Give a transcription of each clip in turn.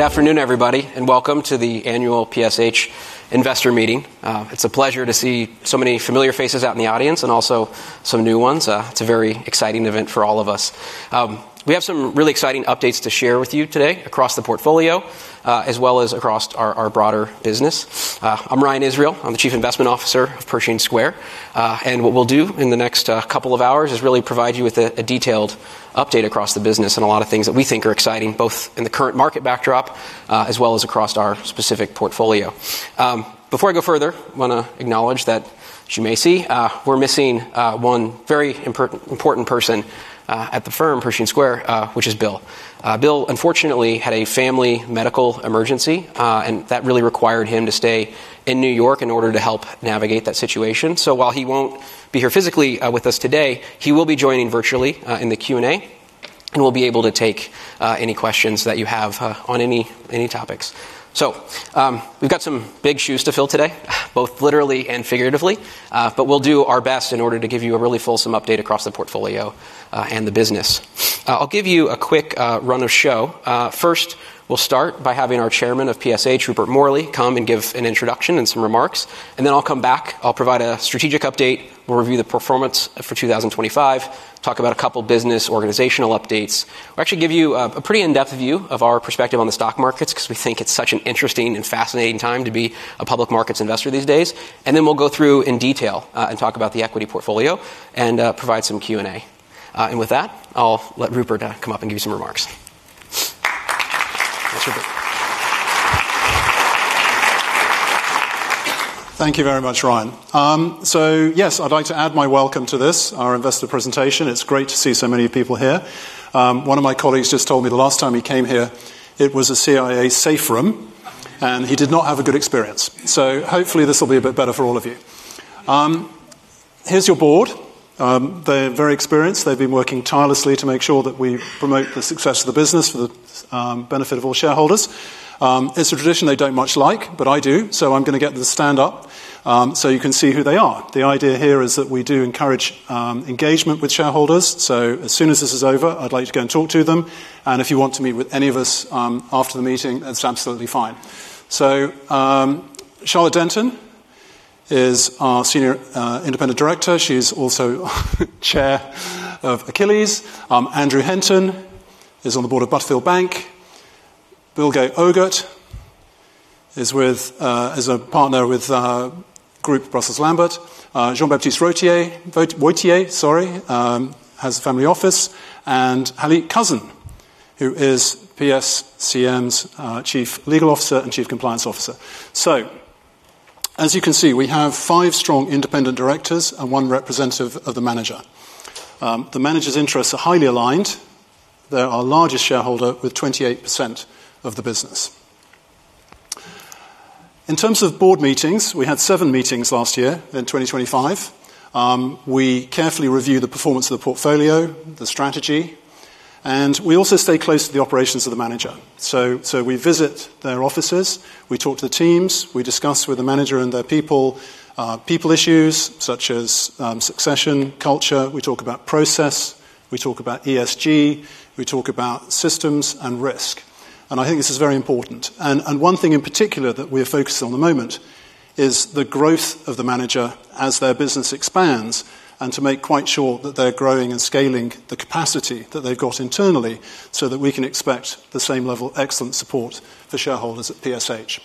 Good afternoon, everybody, and welcome to the annual PSH Investor Meeting. It's a pleasure to see so many familiar faces out in the audience and also some new ones. It's a very exciting event for all of us. We have some really exciting updates to share with you today across the portfolio, as well as across our broader business. I'm Ryan Israel. I'm the Chief Investment Officer of Pershing Square. What we'll do in the next couple of hours is really provide you with a detailed update across the business and a lot of things that we think are exciting, both in the current market backdrop as well as across our specific portfolio. Before I go further, I want to acknowledge that, as you may see, we're missing one very important person at the firm, Pershing Square, which is Bill. Bill, unfortunately, had a family medical emergency, and that really required him to stay in New York in order to help navigate that situation. So while he won't be here physically with us today, he will be joining virtually in the Q&A, and we'll be able to take any questions that you have on any topics. So we've got some big shoes to fill today, both literally and figuratively. But we'll do our best in order to give you a really fulsome update across the portfolio and the business. I'll give you a quick run of show. First, we'll start by having our Chairman of PSH, Rupert Morley, come and give an introduction and some remarks. And then I'll come back. I'll provide a strategic update. We'll review the performance for 2025, talk about a couple of business organizational updates, or actually give you a pretty in-depth view of our perspective on the stock markets because we think it's such an interesting and fascinating time to be a public markets investor these days. Then we'll go through in detail and talk about the equity portfolio and provide some Q&A. With that, I'll let Rupert come up and give you some remarks. Thank you very much, Ryan. So yes, I'd like to add my welcome to this, our investor presentation. It's great to see so many people here. One of my colleagues just told me the last time he came here it was a CIA safe room, and he did not have a good experience. So hopefully, this will be a bit better for all of you. Here's your board. They're very experienced. They've been working tirelessly to make sure that we promote the success of the business for the benefit of all shareholders. It's a tradition they don't much like, but I do. So I'm going to get them to stand up so you can see who they are. The idea here is that we do encourage engagement with shareholders. So as soon as this is over, I'd like to go and talk to them. And if you want to meet with any of us after the meeting, that's absolutely fine. So Charlotte Denton is our Senior Independent Director. She's also chair of Achilles. Andrew Henton is on the board of Butterfield Bank. Bilge Ogut is a partner with Groupe Bruxelles Lambert. Jean-Baptiste Wautier, sorry, has a family office. And Halit Coussin, who is PSCM's Chief Legal Officer and Chief Compliance Officer. So as you can see, we have five strong independent directors and one representative of the manager. The managers' interests are highly aligned. They are largest shareholder with 28% of the business. In terms of board meetings, we had seven meetings last year in 2025. We carefully review the performance of the portfolio, the strategy. And we also stay close to the operations of the manager. So we visit their offices. We talk to the teams. We discuss with the manager and their people issues such as succession, culture. We talk about process. We talk about ESG. We talk about systems and risk. I think this is very important. One thing in particular that we are focusing on at the moment is the growth of the manager as their business expands and to make quite sure that they're growing and scaling the capacity that they've got internally so that we can expect the same level of excellent support for shareholders at PSH.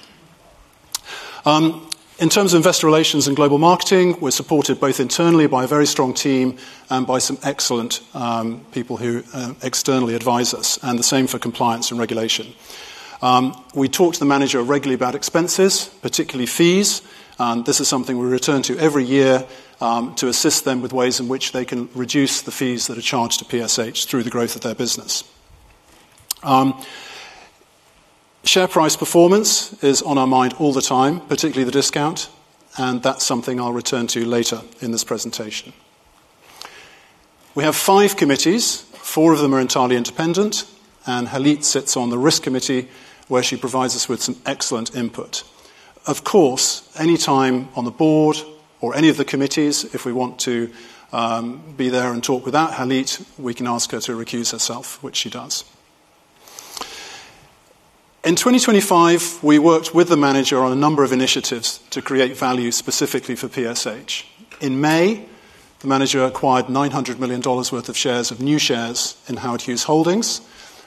In terms of investor relations and global marketing, we're supported both internally by a very strong team and by some excellent people who externally advise us. The same for compliance and regulation. We talk to the manager regularly about expenses, particularly fees. This is something we return to every year to assist them with ways in which they can reduce the fees that are charged to PSH through the growth of their business. Share price performance is on our mind all the time, particularly the discount. That's something I'll return to later in this presentation. We have five committees. Four of them are entirely independent. Halit sits on the risk committee, where she provides us with some excellent input. Of course, anytime on the board or any of the committees, if we want to be there and talk without Halit, we can ask her to recuse herself, which she does. In 2025, we worked with the manager on a number of initiatives to create value specifically for PSH. In May, the manager acquired $900 million worth of new shares in Howard Hughes Holdings.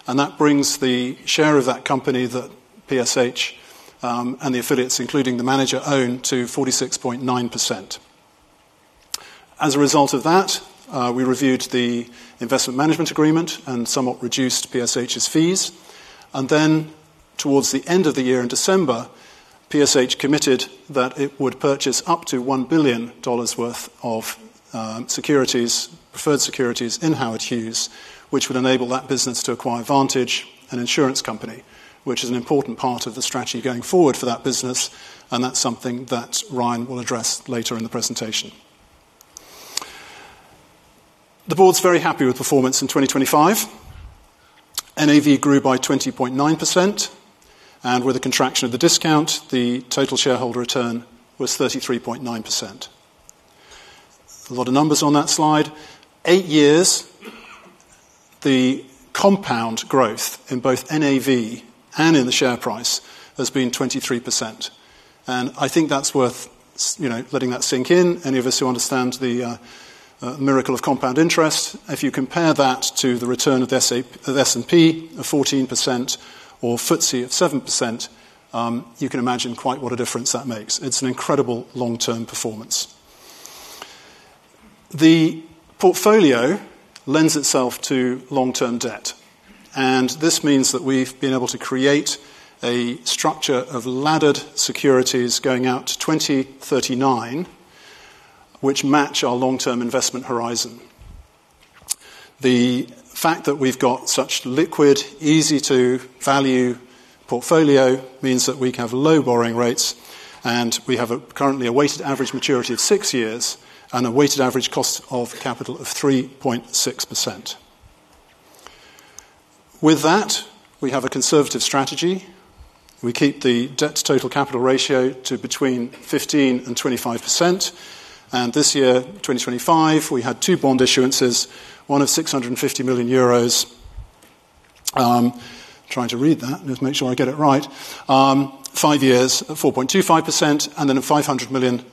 That brings the share of that company that PSH and the affiliates, including the manager, own to 46.9%. As a result of that, we reviewed the investment management agreement and somewhat reduced PSH's fees. Then towards the end of the year in December, PSH committed that it would purchase up to $1 billion worth of preferred securities in Howard Hughes, which would enable that business to acquire Vantage, an insurance company, which is an important part of the strategy going forward for that business. That's something that Ryan will address later in the presentation. The board's very happy with performance in 2025. NAV grew by 20.9%. With a contraction of the discount, the total shareholder return was 33.9%. A lot of numbers on that slide. 8 years, the compound growth in both NAV and in the share price has been 23%. I think that's worth letting that sink in. Any of us who understand the miracle of compound interest, if you compare that to the return of the S&P of 14% or FTSE of 7%, you can imagine quite what a difference that makes. It's an incredible long-term performance. The portfolio lends itself to long-term debt. And this means that we've been able to create a structure of laddered securities going out to 2039, which match our long-term investment horizon. The fact that we've got such liquid, easy-to-value portfolio means that we have low borrowing rates. And we have currently a weighted average maturity of 6 years and a weighted average cost of capital of 3.6%. With that, we have a conservative strategy. We keep the debt-to-total-capital ratio to between 15%-25%. This year, 2025, we had two bond issuances, one of 650 million euros, trying to read that and just make sure I get it right, five years at 4.25% and then $500 million,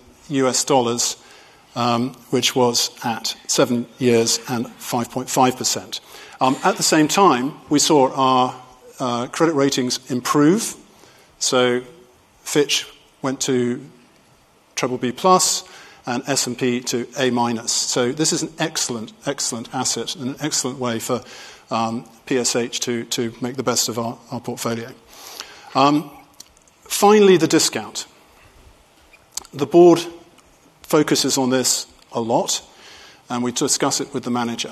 which was at 7 years and 5.5%. At the same time, we saw our credit ratings improve. So Fitch went to BBB+ and S&P to A-. So this is an excellent, excellent asset and an excellent way for PSH to make the best of our portfolio. Finally, the discount. The board focuses on this a lot. And we discuss it with the manager.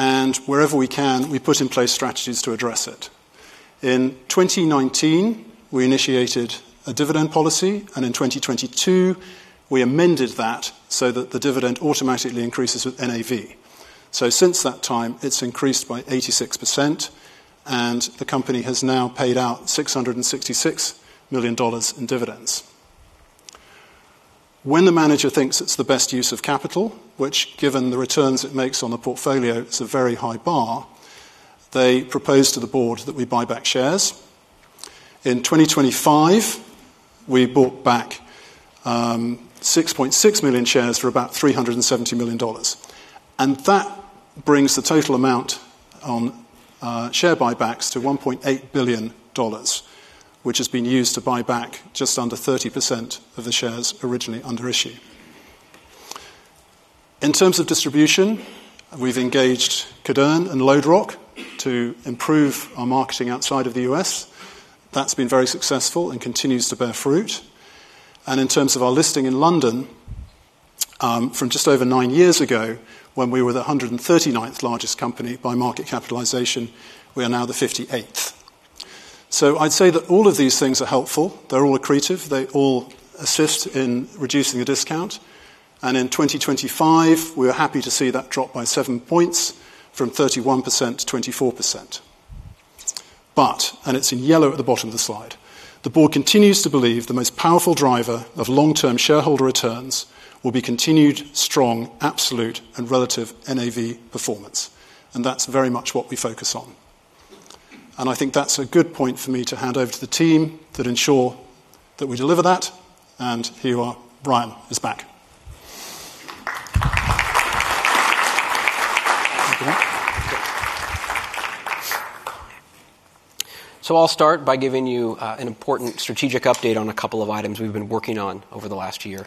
And wherever we can, we put in place strategies to address it. In 2019, we initiated a dividend policy. And in 2022, we amended that so that the dividend automatically increases with NAV. So since that time, it's increased by 86%. And the company has now paid out $666 million in dividends. When the manager thinks it's the best use of capital, which given the returns it makes on the portfolio, it's a very high bar, they propose to the board that we buy back shares. In 2025, we bought back 6.6 million shares for about $370 million. And that brings the total amount on share buybacks to $1.8 billion, which has been used to buy back just under 30% of the shares originally under issue. In terms of distribution, we've engaged Cadarn and LodeRock to improve our marketing outside of the US. That's been very successful and continues to bear fruit. And in terms of our listing in London, from just over 9 years ago, when we were the 139th largest company by market capitalization, we are now the 58th. So I'd say that all of these things are helpful. They're all accretive. They all assist in reducing the discount. And in 2025, we were happy to see that drop by seven points from 31%-24%. But—and it's in yellow at the bottom of the slide—the board continues to believe the most powerful driver of long-term shareholder returns will be continued strong absolute and relative NAV performance. And that's very much what we focus on. And I think that's a good point for me to hand over to the team that ensure that we deliver that. And here you are. Ryan is back. So I'll start by giving you an important strategic update on a couple of items we've been working on over the last year.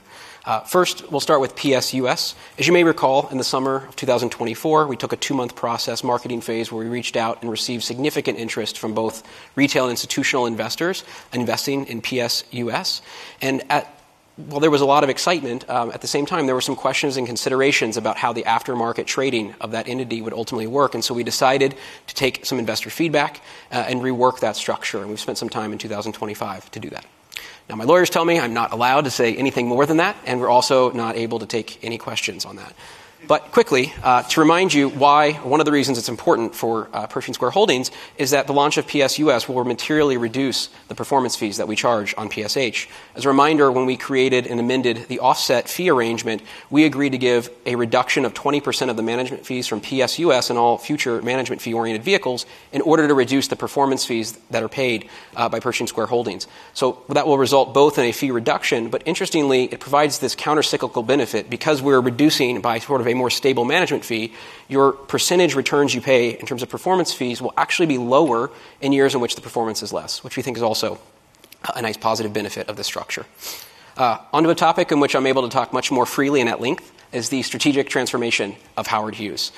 First, we'll start with PSUS. As you may recall, in the summer of 2024, we took a 2-month process marketing phase where we reached out and received significant interest from both retail and institutional investors investing in PSUS. While there was a lot of excitement, at the same time, there were some questions and considerations about how the aftermarket trading of that entity would ultimately work. So we decided to take some investor feedback and rework that structure. We've spent some time in 2025 to do that. Now, my lawyers tell me I'm not allowed to say anything more than that. We're also not able to take any questions on that. But quickly, to remind you why one of the reasons it's important for Pershing Square Holdings is that the launch of PSUS will materially reduce the performance fees that we charge on PSH. As a reminder, when we created and amended the offset fee arrangement, we agreed to give a reduction of 20% of the management fees from PSUS in all future management fee-oriented vehicles in order to reduce the performance fees that are paid by Pershing Square Holdings. So that will result both in a fee reduction. But interestingly, it provides this countercyclical benefit. Because we're reducing by sort of a more stable management fee, your percentage returns you pay in terms of performance fees will actually be lower in years in which the performance is less, which we think is also a nice positive benefit of the structure. Onto a topic in which I'm able to talk much more freely and at length is the strategic transformation of Howard Hughes.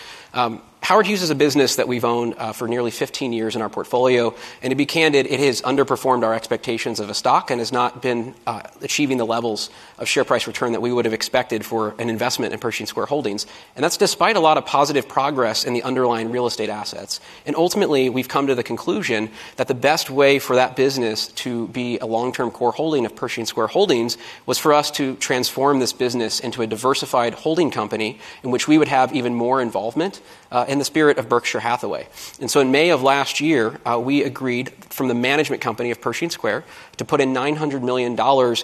Howard Hughes is a business that we've owned for nearly 15 years in our portfolio. To be candid, it has underperformed our expectations of a stock and has not been achieving the levels of share price return that we would have expected for an investment in Pershing Square Holdings. That's despite a lot of positive progress in the underlying real estate assets. Ultimately, we've come to the conclusion that the best way for that business to be a long-term core holding of Pershing Square Holdings was for us to transform this business into a diversified holding company in which we would have even more involvement in the spirit of Berkshire Hathaway. In May of last year, we agreed, from the management company of Pershing Square, to put in $900 million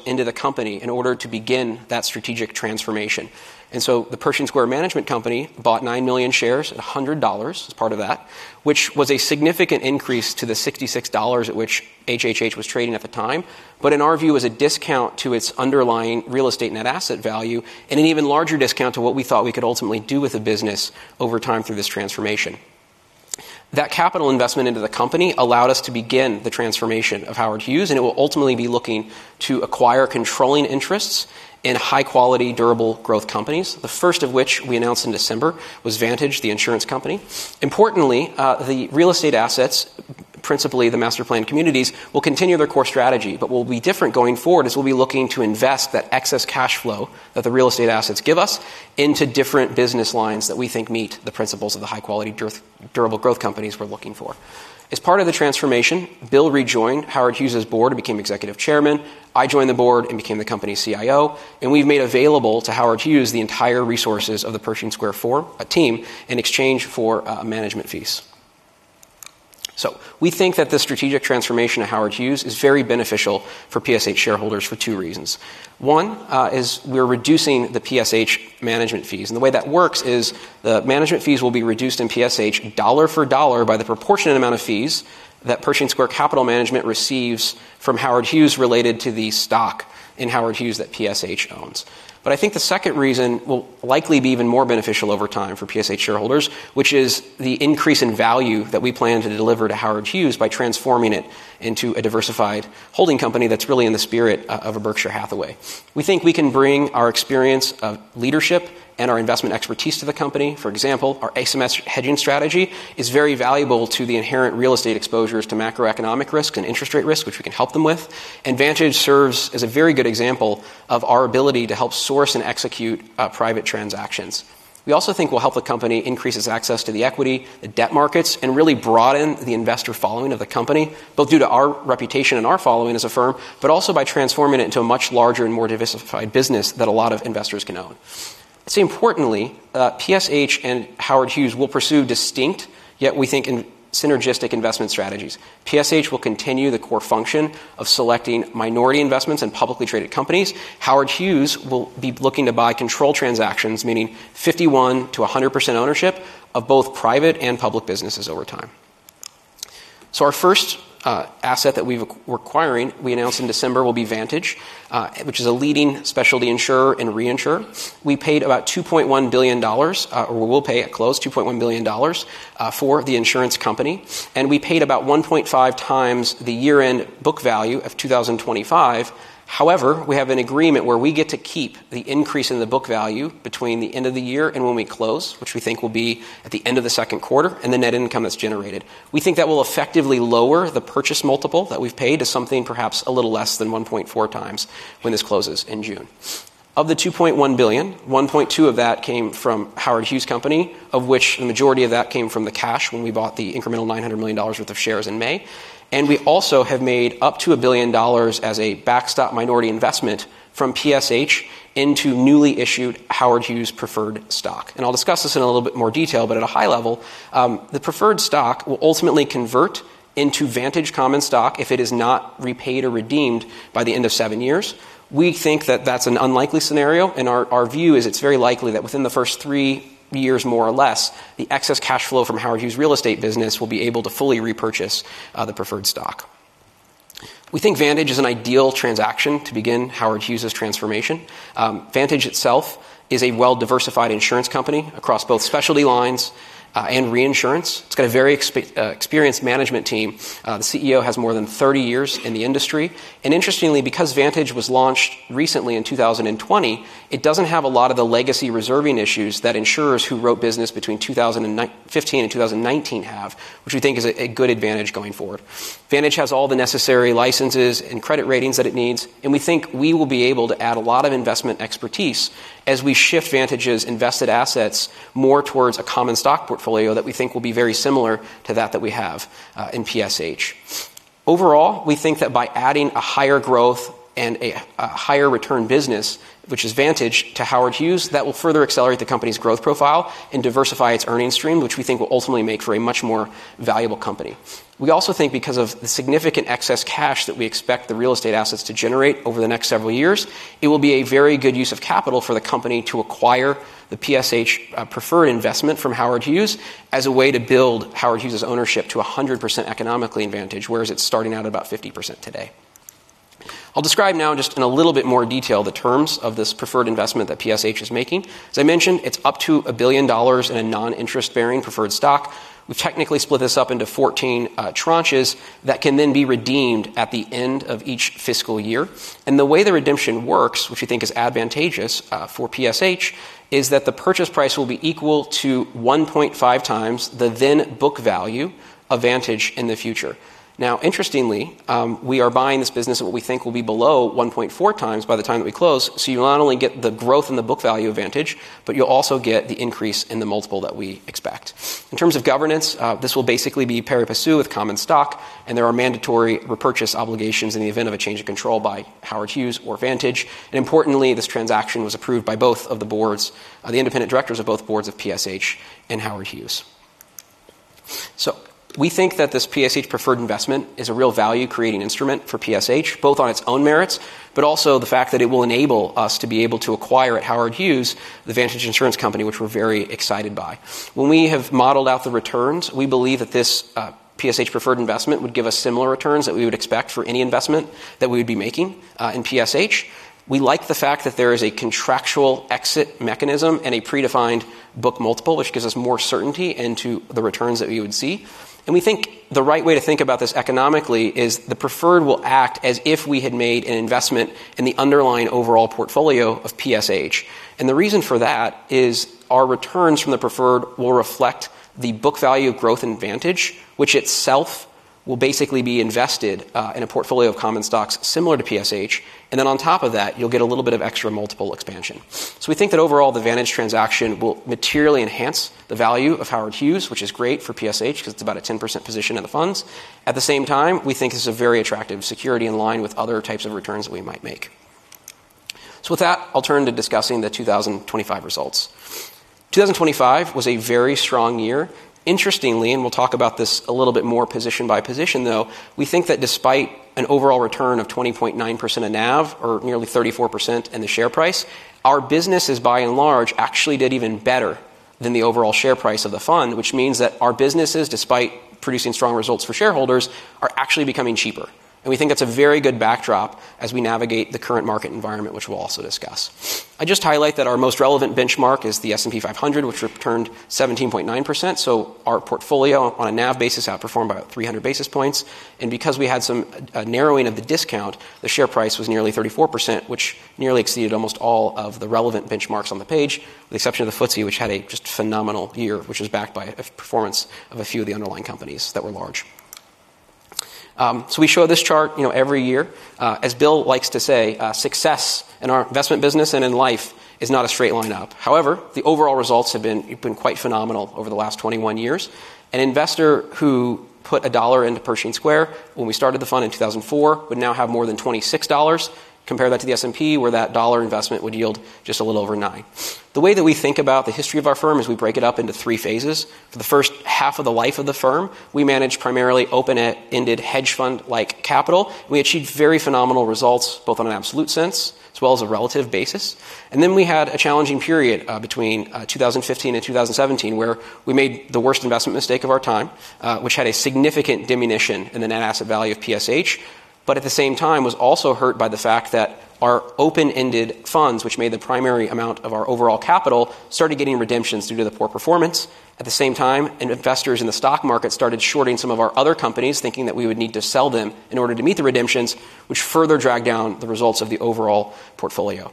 into the company in order to begin that strategic transformation. The Pershing Square Management Company bought nine million shares at $100 as part of that, which was a significant increase to the $66 at which HHH was trading at the time, but in our view, as a discount to its underlying real estate net asset value and an even larger discount to what we thought we could ultimately do with the business over time through this transformation. That capital investment into the company allowed us to begin the transformation of Howard Hughes. It will ultimately be looking to acquire controlling interests in high-quality, durable growth companies, the first of which we announced in December was Vantage, the insurance company. Importantly, the real estate assets, principally the Master Planned Communities, will continue their core strategy. But what will be different going forward is we'll be looking to invest that excess cash flow that the real estate assets give us into different business lines that we think meet the principles of the high-quality, durable growth companies we're looking for. As part of the transformation, Bill rejoined Howard Hughes's board and became Executive Chairman. I joined the board and became the company's CIO. And we've made available to Howard Hughes the entire resources of the Pershing Square IV team in exchange for management fees. So we think that this strategic transformation of Howard Hughes is very beneficial for PSH shareholders for two reasons. One is we're reducing the PSH management fees. The way that works is the management fees will be reduced in PSH dollar for dollar by the proportionate amount of fees that Pershing Square Capital Management receives from Howard Hughes related to the stock in Howard Hughes that PSH owns. But I think the second reason will likely be even more beneficial over time for PSH shareholders, which is the increase in value that we plan to deliver to Howard Hughes by transforming it into a diversified holding company that's really in the spirit of a Berkshire Hathaway. We think we can bring our experience of leadership and our investment expertise to the company. For example, our asymmetric hedging strategy is very valuable to the inherent real estate exposures to macroeconomic risks and interest rate risk, which we can help them with. Vantage serves as a very good example of our ability to help source and execute private transactions. We also think we'll help the company increase its access to the equity, the debt markets, and really broaden the investor following of the company, both due to our reputation and our following as a firm, but also by transforming it into a much larger and more diversified business that a lot of investors can own. I'd say, importantly, PSH and Howard Hughes will pursue distinct, yet we think synergistic, investment strategies. PSH will continue the core function of selecting minority investments and publicly traded companies. Howard Hughes will be looking to buy control transactions, meaning 51%-100% ownership of both private and public businesses over time. So our first asset that we're acquiring, we announced in December, will be Vantage, which is a leading specialty insurer and reinsurer. We paid about $2.1 billion or we will pay at close $2.1 billion for the insurance company. We paid about 1.5 times the year-end book value of 2025. However, we have an agreement where we get to keep the increase in the book value between the end of the year and when we close, which we think will be at the end of the second quarter, and the net income that's generated. We think that will effectively lower the purchase multiple that we've paid to something perhaps a little less than 1.4 times when this closes in June. Of the $2.1 billion, $1.2 billion of that came from Howard Hughes' company, of which the majority of that came from the cash when we bought the incremental $900 million worth of shares in May. We also have made up to $1 billion as a backstop minority investment from PSH into newly issued Howard Hughes preferred stock. I'll discuss this in a little bit more detail. But at a high level, the preferred stock will ultimately convert into Vantage common stock if it is not repaid or redeemed by the end of 7 years. We think that that's an unlikely scenario. Our view is it's very likely that within the first 3 years, more or less, the excess cash flow from Howard Hughes' real estate business will be able to fully repurchase the preferred stock. We think Vantage is an ideal transaction to begin Howard Hughes' transformation. Vantage itself is a well-diversified insurance company across both specialty lines and reinsurance. It's got a very experienced management team. The CEO has more than 30 years in the industry. Interestingly, because Vantage was launched recently in 2020, it doesn't have a lot of the legacy reserving issues that insurers who wrote business between 2015 and 2019 have, which we think is a good advantage going forward. Vantage has all the necessary licenses and credit ratings that it needs. We think we will be able to add a lot of investment expertise as we shift Vantage's invested assets more towards a common stock portfolio that we think will be very similar to that that we have in PSH. Overall, we think that by adding a higher growth and a higher return business, which is Vantage, to Howard Hughes, that will further accelerate the company's growth profile and diversify its earnings stream, which we think will ultimately make for a much more valuable company. We also think because of the significant excess cash that we expect the real estate assets to generate over the next several years, it will be a very good use of capital for the company to acquire the PSH preferred investment from Howard Hughes as a way to build Howard Hughes' ownership to 100% economically in Vantage, whereas it's starting out at about 50% today. I'll describe now just in a little bit more detail the terms of this preferred investment that PSH is making. As I mentioned, it's up to $1 billion in a non-interest-bearing preferred stock. We've technically split this up into 14 tranches that can then be redeemed at the end of each fiscal year. The way the redemption works, which we think is advantageous for PSH, is that the purchase price will be equal to 1.5 times the then-book value of Vantage in the future. Now, interestingly, we are buying this business at what we think will be below 1.4 times by the time that we close. So you not only get the growth in the book value of Vantage, but you'll also get the increase in the multiple that we expect. In terms of governance, this will basically be pari passu with common stock. And there are mandatory repurchase obligations in the event of a change of control by Howard Hughes or Vantage. And importantly, this transaction was approved by both of the boards, the independent directors of both boards of PSH and Howard Hughes. So we think that this PSH preferred investment is a real value-creating instrument for PSH, both on its own merits but also the fact that it will enable us to be able to acquire at Howard Hughes the Vantage insurance company, which we're very excited by. When we have modeled out the returns, we believe that this PSH preferred investment would give us similar returns that we would expect for any investment that we would be making in PSH. We like the fact that there is a contractual exit mechanism and a predefined book multiple, which gives us more certainty into the returns that we would see. We think the right way to think about this economically is the preferred will act as if we had made an investment in the underlying overall portfolio of PSH. The reason for that is our returns from the preferred will reflect the book value growth in Vantage, which itself will basically be invested in a portfolio of common stocks similar to PSH. Then on top of that, you'll get a little bit of extra multiple expansion. So we think that overall, the Vantage transaction will materially enhance the value of Howard Hughes, which is great for PSH because it's about a 10% position in the funds. At the same time, we think this is a very attractive security in line with other types of returns that we might make. So with that, I'll turn to discussing the 2025 results. 2025 was a very strong year. Interestingly - and we'll talk about this a little bit more position by position, though - we think that despite an overall return of 20.9% at NAV or nearly 34% in the share price, our businesses, by and large, actually did even better than the overall share price of the fund, which means that our businesses, despite producing strong results for shareholders, are actually becoming cheaper. We think that's a very good backdrop as we navigate the current market environment, which we'll also discuss. I just highlight that our most relevant benchmark is the S&P 500, which returned 17.9%. So our portfolio on a NAV basis outperformed by about 300 basis points. And because we had some narrowing of the discount, the share price was nearly 34%, which nearly exceeded almost all of the relevant benchmarks on the page, with the exception of the FTSE, which had a just phenomenal year, which was backed by a performance of a few of the underlying companies that were large. So we show this chart every year. As Bill likes to say, success in our investment business and in life is not a straight line up. However, the overall results have been quite phenomenal over the last 21 years. An investor who put $1 into Pershing Square when we started the fund in 2004 would now have more than $26. Compare that to the S&P, where that $1 investment would yield just a little over $9. The way that we think about the history of our firm is we break it up into three phases. For the first half of the life of the firm, we managed primarily open-ended, hedge fund-like capital. We achieved very phenomenal results both on an absolute sense as well as a relative basis. Then we had a challenging period between 2015 and 2017 where we made the worst investment mistake of our time, which had a significant diminution in the net asset value of PSH but at the same time was also hurt by the fact that our open-ended funds, which made the primary amount of our overall capital, started getting redemptions due to the poor performance. At the same time, investors in the stock market started shorting some of our other companies, thinking that we would need to sell them in order to meet the redemptions, which further dragged down the results of the overall portfolio.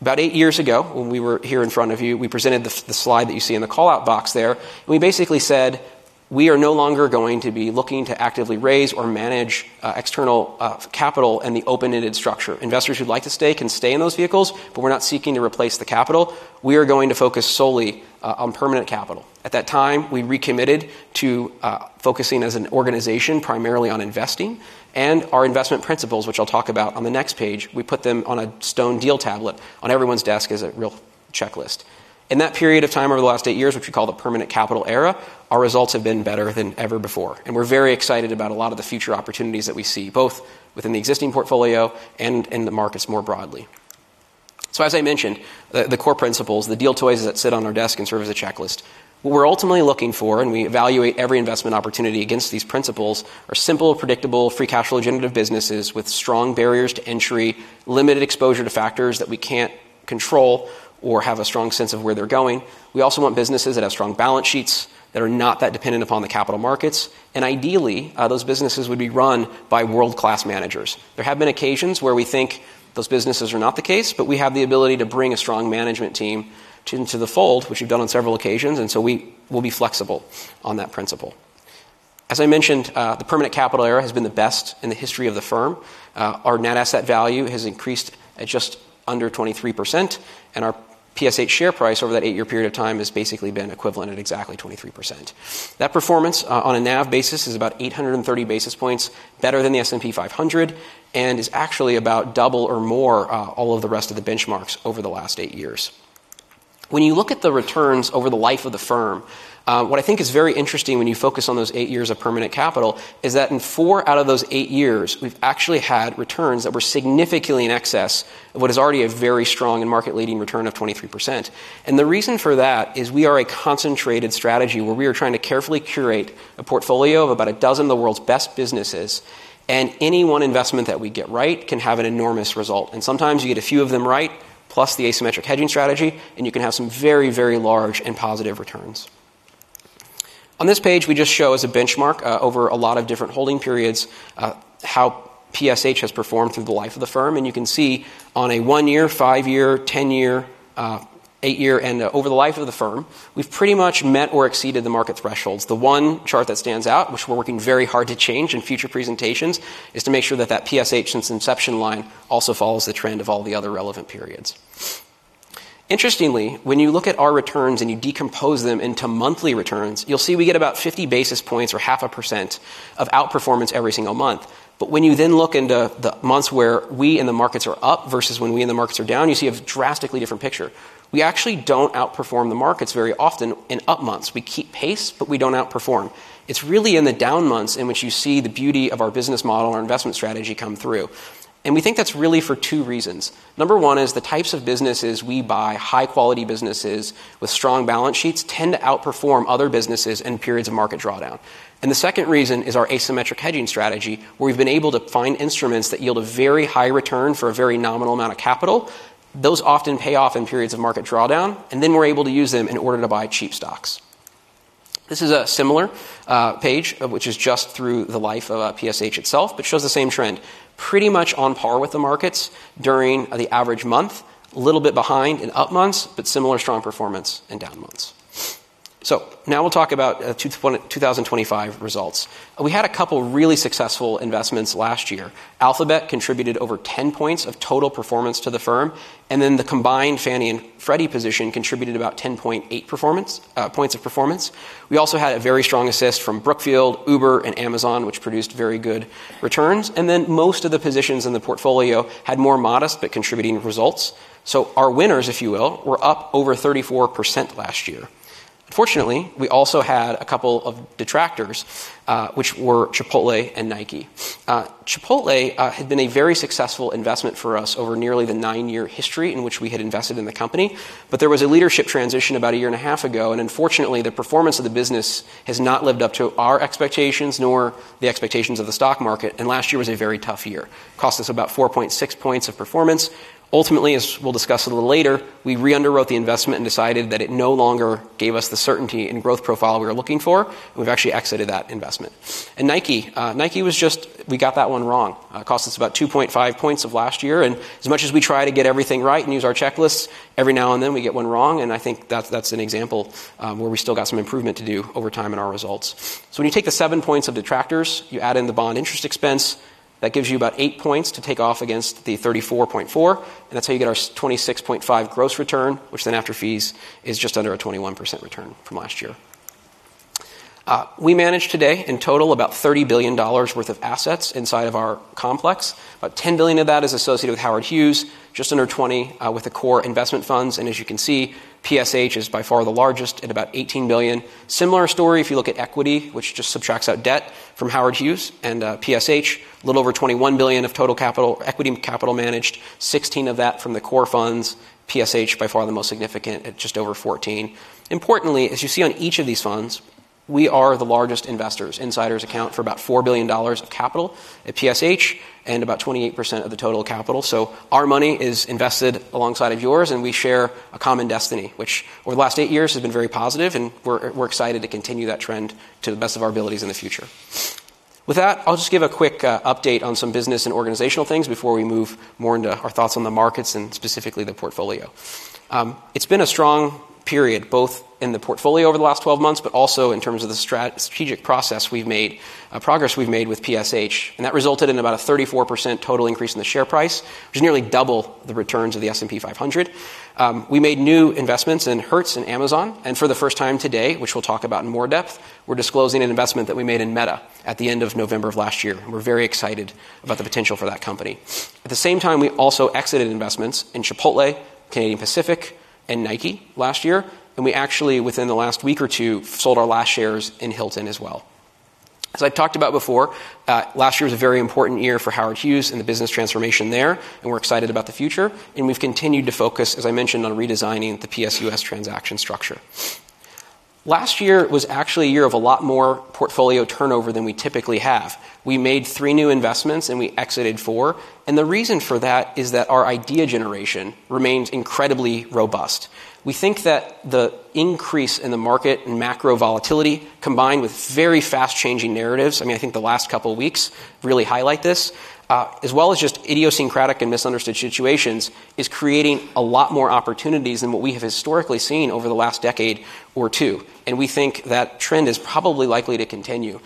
About eight years ago, when we were here in front of you, we presented the slide that you see in the callout box there. We basically said, "We are no longer going to be looking to actively raise or manage external capital in the open-ended structure. Investors who'd like to stay can stay in those vehicles, but we're not seeking to replace the capital. We are going to focus solely on permanent capital." At that time, we recommitted to focusing as an organization primarily on investing. Our investment principles, which I'll talk about on the next page, we put them on a stone deal tablet on everyone's desk as a real checklist. In that period of time over the last eight years, which we call the permanent capital era, our results have been better than ever before. We're very excited about a lot of the future opportunities that we see, both within the existing portfolio and in the markets more broadly. So as I mentioned, the core principles, the deal toys that sit on our desk and serve as a checklist, what we're ultimately looking for - and we evaluate every investment opportunity against these principles - are simple, predictable, free cash flow-generative businesses with strong barriers to entry, limited exposure to factors that we can't control or have a strong sense of where they're going. We also want businesses that have strong balance sheets that are not that dependent upon the capital markets. And ideally, those businesses would be run by world-class managers. There have been occasions where we think those businesses are not the case, but we have the ability to bring a strong management team into the fold, which we've done on several occasions. And so we will be flexible on that principle. As I mentioned, the permanent capital era has been the best in the history of the firm. Our net asset value has increased at just under 23%. Our PSH share price over that 8-year period of time has basically been equivalent at exactly 23%. That performance on a NAV basis is about 830 basis points better than the S&P 500, and is actually about double or more all of the rest of the benchmarks over the last 8 years. When you look at the returns over the life of the firm, what I think is very interesting when you focus on those 8 years of permanent capital is that in 4 out of those 8 years, we've actually had returns that were significantly in excess of what is already a very strong and market-leading return of 23%. The reason for that is we are a concentrated strategy where we are trying to carefully curate a portfolio of about a dozen of the world's best businesses. Any one investment that we get right can have an enormous result. Sometimes you get a few of them right plus the asymmetric hedging strategy, and you can have some very, very large and positive returns. On this page, we just show as a benchmark over a lot of different holding periods how PSH has performed through the life of the firm. You can see on a 1-year, 5-year, 10-year, 8-year and over the life of the firm, we've pretty much met or exceeded the market thresholds. The one chart that stands out, which we're working very hard to change in future presentations, is to make sure that that PSH since inception line also follows the trend of all the other relevant periods. Interestingly, when you look at our returns and you decompose them into monthly returns, you'll see we get about 50 basis points or 0.5% of outperformance every single month. But when you then look into the months where we and the markets are up versus when we and the markets are down, you see a drastically different picture. We actually don't outperform the markets very often in up months. We keep pace, but we don't outperform. It's really in the down months in which you see the beauty of our business model, our investment strategy come through. And we think that's really for two reasons. 1 is the types of businesses we buy, high-quality businesses with strong balance sheets, tend to outperform other businesses in periods of market drawdown. The second reason is our asymmetric hedging strategy, where we've been able to find instruments that yield a very high return for a very nominal amount of capital. Those often pay off in periods of market drawdown. Then we're able to use them in order to buy cheap stocks. This is a similar page, which is just through the life of PSH itself but shows the same trend, pretty much on par with the markets during the average month, a little bit behind in up months but similar strong performance in down months. Now we'll talk about 2025 results. We had a couple really successful investments last year. Alphabet contributed over 10 points of total performance to the firm. Then the combined Fannie and Freddie position contributed about 10.8 points of performance. We also had a very strong assist from Brookfield, Uber, and Amazon, which produced very good returns. Then most of the positions in the portfolio had more modest but contributing results. So our winners, if you will, were up over 34% last year. Unfortunately, we also had a couple of detractors, which were Chipotle and Nike. Chipotle had been a very successful investment for us over nearly the nine-year history in which we had invested in the company. But there was a leadership transition about a year and a half ago. And unfortunately, the performance of the business has not lived up to our expectations nor the expectations of the stock market. And last year was a very tough year, cost us about 4.6 points of performance. Ultimately, as we'll discuss a little later, we reunderwrote the investment and decided that it no longer gave us the certainty and growth profile we were looking for. We've actually exited that investment. Nike, we got that one wrong, cost us about 2.5 points of last year. As much as we try to get everything right and use our checklists, every now and then we get one wrong. I think that's an example where we still got some improvement to do over time in our results. So when you take the 7 points of detractors, you add in the bond interest expense. That gives you about 8 points to take off against the 34.4. That's how you get our 26.5 gross return, which then after fees is just under a 21% return from last year. We manage today, in total, about $30 billion worth of assets inside of our complex. About $10 billion of that is associated with Howard Hughes, just under $20 billion with the core investment funds. As you can see, PSH is by far the largest at about $18 billion. Similar story if you look at equity, which just subtracts out debt from Howard Hughes and PSH, a little over $21 billion of total equity capital managed, $16 billion of that from the core funds. PSH by far the most significant at just over $14 billion. Importantly, as you see on each of these funds, we are the largest investors. Insiders account for about $4 billion of capital at PSH and about 28% of the total capital. Our money is invested alongside of yours. We share a common destiny, which over the last eight years has been very positive. We're excited to continue that trend to the best of our abilities in the future. With that, I'll just give a quick update on some business and organizational things before we move more into our thoughts on the markets and specifically the portfolio. It's been a strong period both in the portfolio over the last 12 months but also in terms of the strategic progress we've made with PSH. That resulted in about a 34% total increase in the share price, which is nearly double the returns of the S&P 500. We made new investments in Hertz and Amazon. For the first time today, which we'll talk about in more depth, we're disclosing an investment that we made in Meta at the end of November of last year. We're very excited about the potential for that company. At the same time, we also exited investments in Chipotle, Canadian Pacific, and Nike last year. We actually, within the last week or two, sold our last shares in Hilton as well. As I've talked about before, last year was a very important year for Howard Hughes and the business transformation there. We're excited about the future. We've continued to focus, as I mentioned, on redesigning the PSUS transaction structure. Last year was actually a year of a lot more portfolio turnover than we typically have. We made 3 new investments. We exited 4. The reason for that is that our idea generation remains incredibly robust. We think that the increase in the market and macro volatility combined with very fast-changing narratives, I mean, I think the last couple of weeks really highlight this, as well as just idiosyncratic and misunderstood situations is creating a lot more opportunities than what we have historically seen over the last decade or two. And we think that trend is probably likely to continue.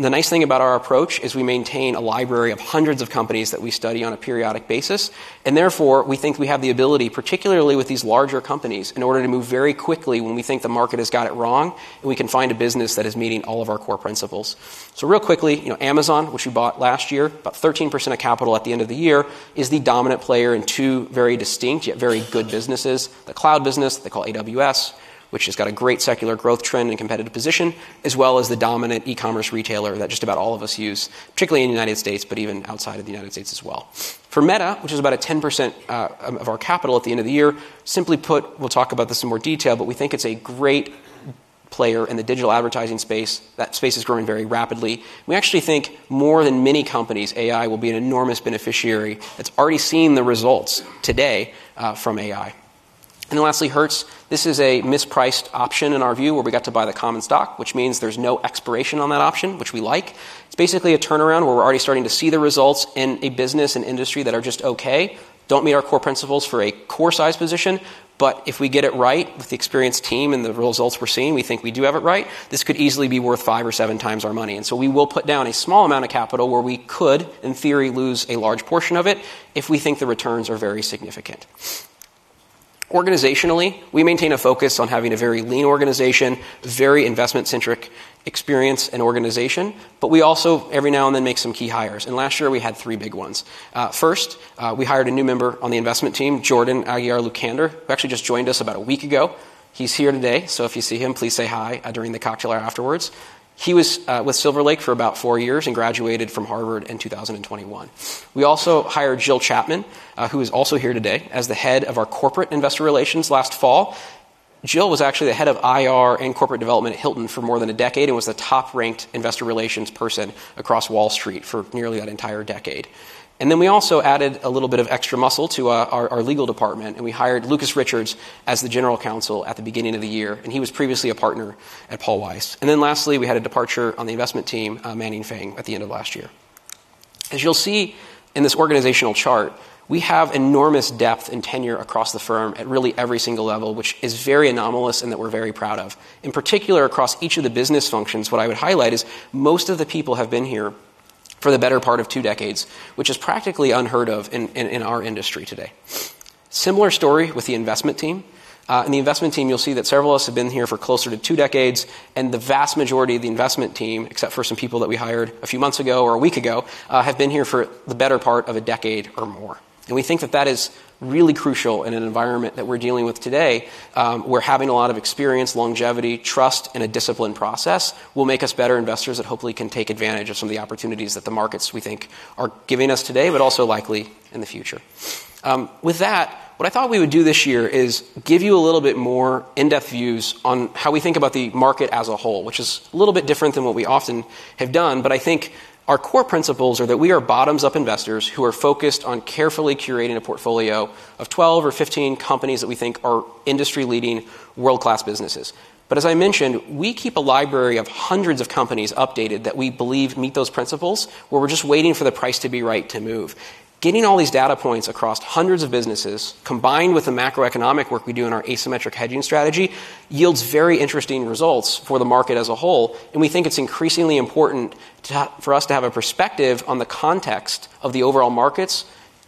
The nice thing about our approach is we maintain a library of hundreds of companies that we study on a periodic basis. And therefore, we think we have the ability, particularly with these larger companies, in order to move very quickly when we think the market has got it wrong and we can find a business that is meeting all of our core principles. So real quickly, Amazon, which we bought last year, about 13% of capital at the end of the year, is the dominant player in two very distinct yet very good businesses, the cloud business they call AWS, which has got a great secular growth trend and competitive position, as well as the dominant e-commerce retailer that just about all of us use, particularly in the United States but even outside of the United States as well. For Meta, which is about a 10% of our capital at the end of the year - simply put, we'll talk about this in more detail - but we think it's a great player in the digital advertising space. That space is growing very rapidly. We actually think, more than many companies, AI will be an enormous beneficiary that's already seen the results today from AI. And then lastly, Hertz, this is a mispriced option in our view where we got to buy the common stock, which means there's no expiration on that option, which we like. It's basically a turnaround where we're already starting to see the results in a business and industry that are just okay, don't meet our core principles for a core-sized position. But if we get it right with the experienced team and the results we're seeing, we think we do have it right, this could easily be worth five or seven times our money. And so we will put down a small amount of capital where we could, in theory, lose a large portion of it if we think the returns are very significant. Organizationally, we maintain a focus on having a very lean organization, very investment-centric experience and organization. But we also, every now and then, make some key hires. Last year, we had 3 big ones. First, we hired a new member on the investment team, Jordan Aguiar-Lucander, who actually just joined us about a week ago. He's here today. So if you see him, please say hi during the cocktail hour afterwards. He was with Silver Lake for about 4 years and graduated from Harvard in 2021. We also hired Jill Chapman, who is also here today, as the head of our corporate investor relations last fall. Jill was actually the head of IR and corporate development at Hilton for more than a decade and was the top-ranked investor relations person across Wall Street for nearly that entire decade. Then we also added a little bit of extra muscle to our legal department. We hired Lukas Richards as General Counsel at the beginning of the year. He was previously a Partner at Paul Weiss. Lastly, we had a departure on the investment team, Manning Feng, at the end of last year. As you'll see in this organizational chart, we have enormous depth and tenure across the firm at really every single level, which is very anomalous and that we're very proud of. In particular, across each of the business functions, what I would highlight is most of the people have been here for the better part of two decades, which is practically unheard of in our industry today. Similar story with the investment team. In the investment team, you'll see that several of us have been here for closer to two decades. The vast majority of the investment team, except for some people that we hired a few months ago or a week ago, have been here for the better part of a decade or more. We think that that is really crucial in an environment that we're dealing with today where having a lot of experience, longevity, trust, and a disciplined process will make us better investors that hopefully can take advantage of some of the opportunities that the markets we think are giving us today but also likely in the future. With that, what I thought we would do this year is give you a little bit more in-depth views on how we think about the market as a whole, which is a little bit different than what we often have done. But I think our core principles are that we are bottoms-up investors who are focused on carefully curating a portfolio of 12 or 15 companies that we think are industry-leading, world-class businesses. But as I mentioned, we keep a library of hundreds of companies updated that we believe meet those principles where we're just waiting for the price to be right to move. Getting all these data points across hundreds of businesses, combined with the macroeconomic work we do in our asymmetric hedging strategy, yields very interesting results for the market as a whole. And we think it's increasingly important for us to have a perspective on the context of the overall markets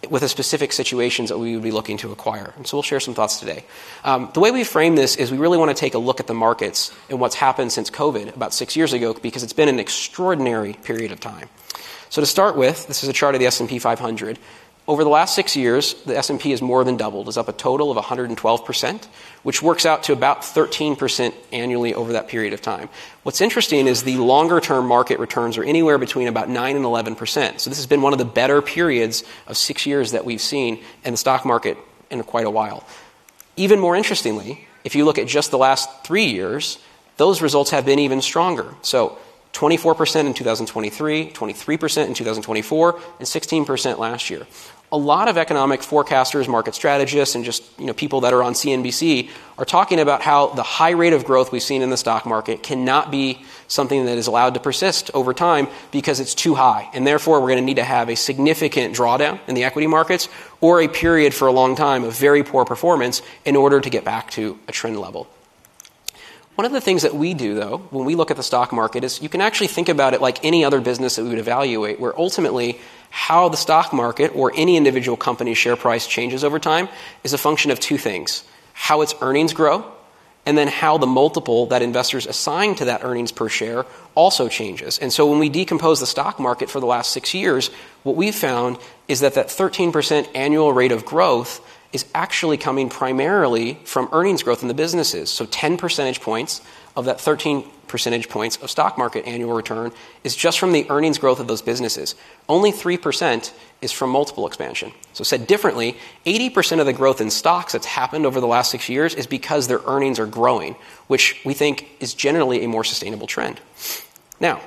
with the specific situations that we would be looking to acquire. And so we'll share some thoughts today. The way we frame this is we really want to take a look at the markets and what's happened since COVID about six years ago because it's been an extraordinary period of time. So to start with, this is a chart of the S&P 500. Over the last six years, the S&P has more than doubled, is up a total of 112%, which works out to about 13% annually over that period of time. What's interesting is the longer-term market returns are anywhere between about 9%-11%. So this has been one of the better periods of six years that we've seen in the stock market in quite a while. Even more interestingly, if you look at just the last three years, those results have been even stronger, so 24% in 2023, 23% in 2024, and 16% last year. A lot of economic forecasters, market strategists, and just people that are on CNBC are talking about how the high rate of growth we've seen in the stock market cannot be something that is allowed to persist over time because it's too high. Therefore, we're going to need to have a significant drawdown in the equity markets or a period for a long time of very poor performance in order to get back to a trend level. One of the things that we do, though, when we look at the stock market is you can actually think about it like any other business that we would evaluate, where ultimately how the stock market or any individual company's share price changes over time is a function of two things, how its earnings grow and then how the multiple that investors assign to that earnings per share also changes. And so when we decompose the stock market for the last six years, what we've found is that that 13% annual rate of growth is actually coming primarily from earnings growth in the businesses. So 10 percentage points of that 13 percentage points of stock market annual return is just from the earnings growth of those businesses. Only 3% is from multiple expansion. So said differently, 80% of the growth in stocks that's happened over the last six years is because their earnings are growing, which we think is generally a more sustainable trend. Now,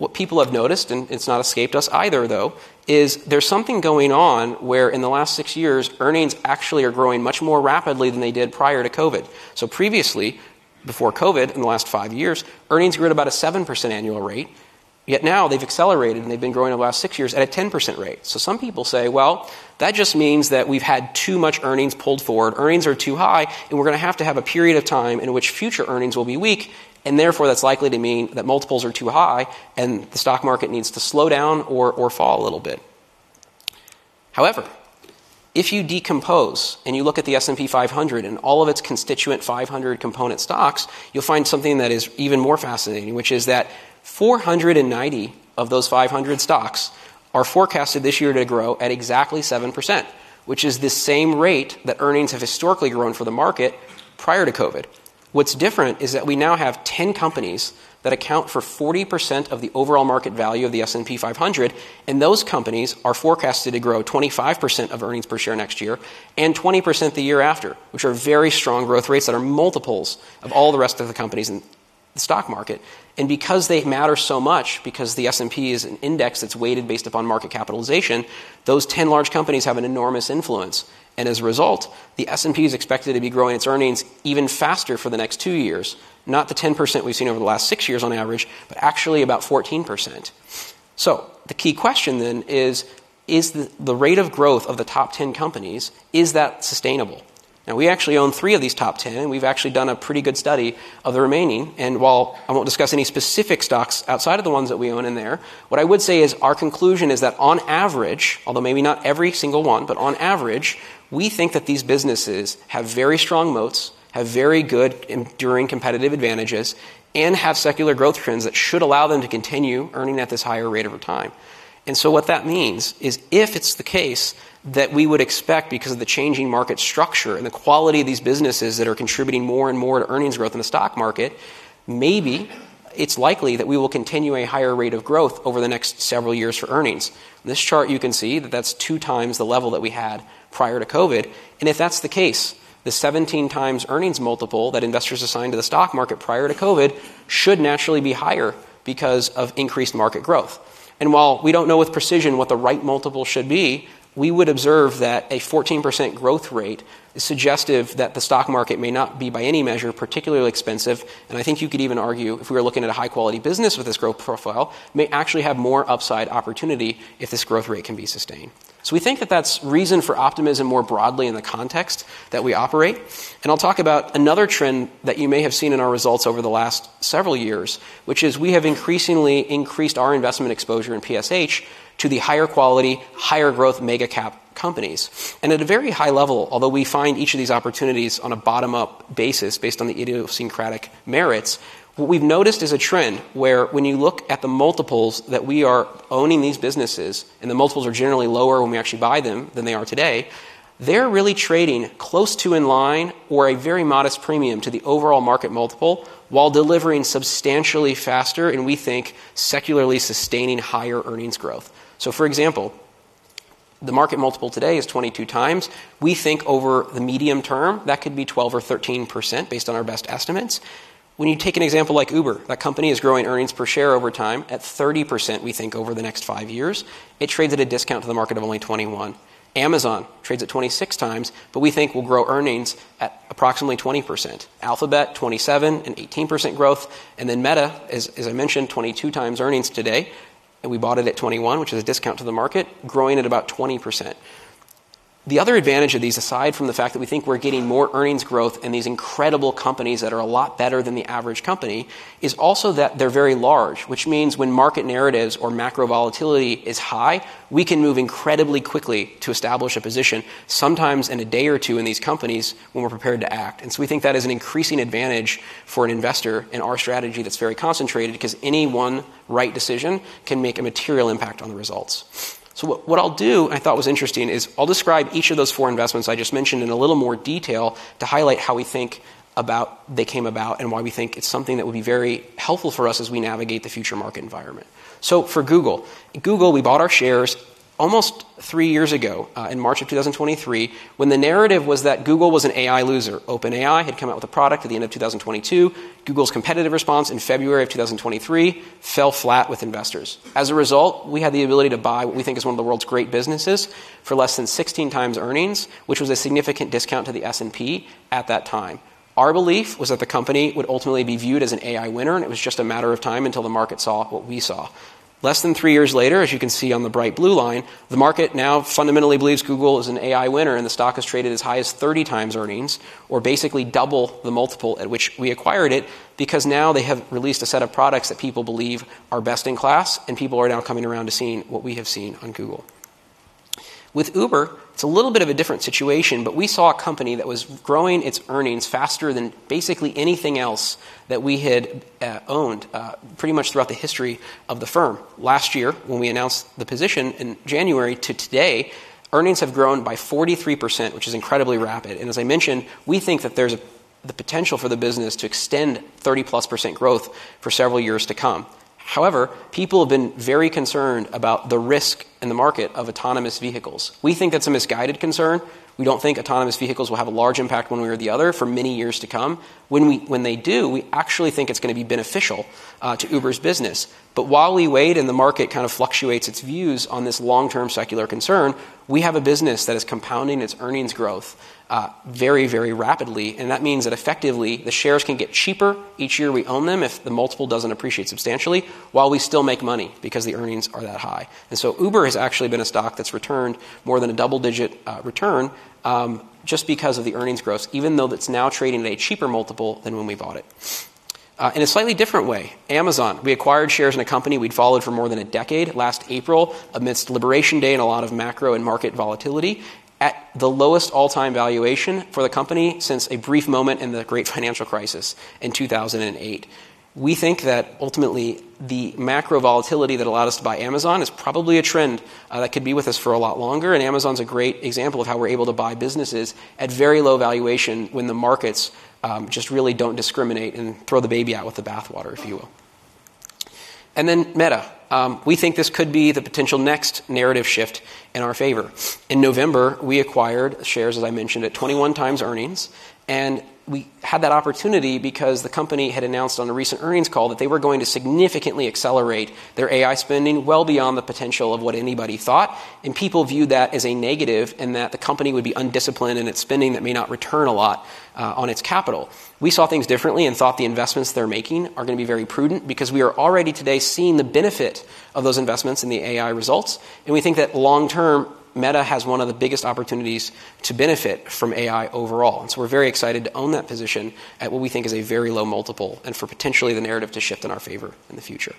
what people have noticed, and it's not escaped us either, though, is there's something going on where in the last six years, earnings actually are growing much more rapidly than they did prior to COVID. So previously, before COVID in the last five years, earnings grew at about a 7% annual rate. Yet now, they've accelerated. They've been growing over the last six years at a 10% rate. So some people say, "Well, that just means that we've had too much earnings pulled forward. Earnings are too high. And we're going to have to have a period of time in which future earnings will be weak. And therefore, that's likely to mean that multiples are too high. And the stock market needs to slow down or fall a little bit." However, if you decompose and you look at the S&P 500 and all of its constituent 500 component stocks, you'll find something that is even more fascinating, which is that 490 of those 500 stocks are forecasted this year to grow at exactly 7%, which is the same rate that earnings have historically grown for the market prior to COVID. What's different is that we now have 10 companies that account for 40% of the overall market value of the S&P 500. And those companies are forecasted to grow 25% of earnings per share next year and 20% the year after, which are very strong growth rates that are multiples of all the rest of the companies in the stock market. And because they matter so much, because the S&P is an index that's weighted based upon market capitalization, those 10 large companies have an enormous influence. And as a result, the S&P is expected to be growing its earnings even faster for the next 2 years, not the 10% we've seen over the last 6 years on average but actually about 14%. So the key question then is, is the rate of growth of the top 10 companies, is that sustainable? Now, we actually own three of these top 10. We've actually done a pretty good study of the remaining. While I won't discuss any specific stocks outside of the ones that we own in there, what I would say is our conclusion is that on average - although maybe not every single one - but on average, we think that these businesses have very strong moats, have very good enduring competitive advantages, and have secular growth trends that should allow them to continue earning at this higher rate over time. So what that means is if it's the case that we would expect, because of the changing market structure and the quality of these businesses that are contributing more and more to earnings growth in the stock market, maybe it's likely that we will continue a higher rate of growth over the next several years for earnings. In this chart, you can see that that's 2x the level that we had prior to COVID. If that's the case, the 17x earnings multiple that investors assign to the stock market prior to COVID should naturally be higher because of increased market growth. While we don't know with precision what the right multiple should be, we would observe that a 14% growth rate is suggestive that the stock market may not be, by any measure, particularly expensive. I think you could even argue, if we were looking at a high-quality business with this growth profile, may actually have more upside opportunity if this growth rate can be sustained. So we think that that's reason for optimism more broadly in the context that we operate. I'll talk about another trend that you may have seen in our results over the last several years, which is we have increasingly increased our investment exposure in PSH to the higher quality, higher-growth mega-cap companies. At a very high level, although we find each of these opportunities on a bottom-up basis based on the idiosyncratic merits, what we've noticed is a trend where when you look at the multiples that we are owning these businesses - and the multiples are generally lower when we actually buy them than they are today - they're really trading close to in line or a very modest premium to the overall market multiple while delivering substantially faster and, we think, secularly sustaining higher earnings growth. For example, the market multiple today is 22x. We think over the medium term, that could be 12% or 13% based on our best estimates. When you take an example like Uber, that company is growing earnings per share over time at 30%, we think, over the next 5 years. It trades at a discount to the market of only 21x. Amazon trades at 26x. But we think will grow earnings at approximately 20%. Alphabet, 27x and 18% growth. And then Meta, as I mentioned, 22x earnings today. And we bought it at 21x, which is a discount to the market, growing at about 20%. The other advantage of these, aside from the fact that we think we're getting more earnings growth in these incredible companies that are a lot better than the average company, is also that they're very large, which means when market narratives or macro volatility is high, we can move incredibly quickly to establish a position, sometimes in a day or two in these companies, when we're prepared to act. And so we think that is an increasing advantage for an investor in our strategy that's very concentrated because any one right decision can make a material impact on the results. So what I'll do, and I thought was interesting, is I'll describe each of those four investments I just mentioned in a little more detail to highlight how we think about they came about and why we think it's something that would be very helpful for us as we navigate the future market environment. So for Google, at Google, we bought our shares almost three years ago in March of 2023 when the narrative was that Google was an AI loser. OpenAI had come out with a product at the end of 2022. Google's competitive response in February of 2023 fell flat with investors. As a result, we had the ability to buy what we think is one of the world's great businesses for less than 16x earnings, which was a significant discount to the S&P at that time. Our belief was that the company would ultimately be viewed as an AI winner. And it was just a matter of time until the market saw what we saw. Less than three years later, as you can see on the bright blue line, the market now fundamentally believes Google is an AI winner. And the stock has traded as high as 30x earnings or basically double the multiple at which we acquired it because now they have released a set of products that people believe are best in class. And people are now coming around to seeing what we have seen on Google. With Uber, it's a little bit of a different situation. But we saw a company that was growing its earnings faster than basically anything else that we had owned pretty much throughout the history of the firm. Last year, when we announced the position in January to today, earnings have grown by 43%, which is incredibly rapid. As I mentioned, we think that there's the potential for the business to extend 30%+ growth for several years to come. However, people have been very concerned about the risk in the market of autonomous vehicles. We think that's a misguided concern. We don't think autonomous vehicles will have a large impact one way or the other for many years to come. When they do, we actually think it's going to be beneficial to Uber's business. But while we wait and the market kind of fluctuates its views on this long-term secular concern, we have a business that is compounding its earnings growth very, very rapidly. That means that effectively, the shares can get cheaper each year we own them if the multiple doesn't appreciate substantially while we still make money because the earnings are that high. So Uber has actually been a stock that's returned more than a double-digit return just because of the earnings growth, even though it's now trading at a cheaper multiple than when we bought it. In a slightly different way, Amazon, we acquired shares in a company we'd followed for more than a decade last April amidst Liberation Day and a lot of macro and market volatility at the lowest all-time valuation for the company since a brief moment in the Great Financial Crisis in 2008. We think that ultimately, the macro volatility that allowed us to buy Amazon is probably a trend that could be with us for a lot longer. Amazon's a great example of how we're able to buy businesses at very low valuation when the markets just really don't discriminate and throw the baby out with the bathwater, if you will. Then Meta, we think this could be the potential next narrative shift in our favor. In November, we acquired shares, as I mentioned, at 21x earnings. We had that opportunity because the company had announced on a recent earnings call that they were going to significantly accelerate their AI spending well beyond the potential of what anybody thought. People viewed that as a negative and that the company would be undisciplined in its spending that may not return a lot on its capital. We saw things differently and thought the investments they're making are going to be very prudent because we are already today seeing the benefit of those investments in the AI results. And we think that long-term, Meta has one of the biggest opportunities to benefit from AI overall. And so we're very excited to own that position at what we think is a very low multiple and for potentially the narrative to shift in our favor in the future.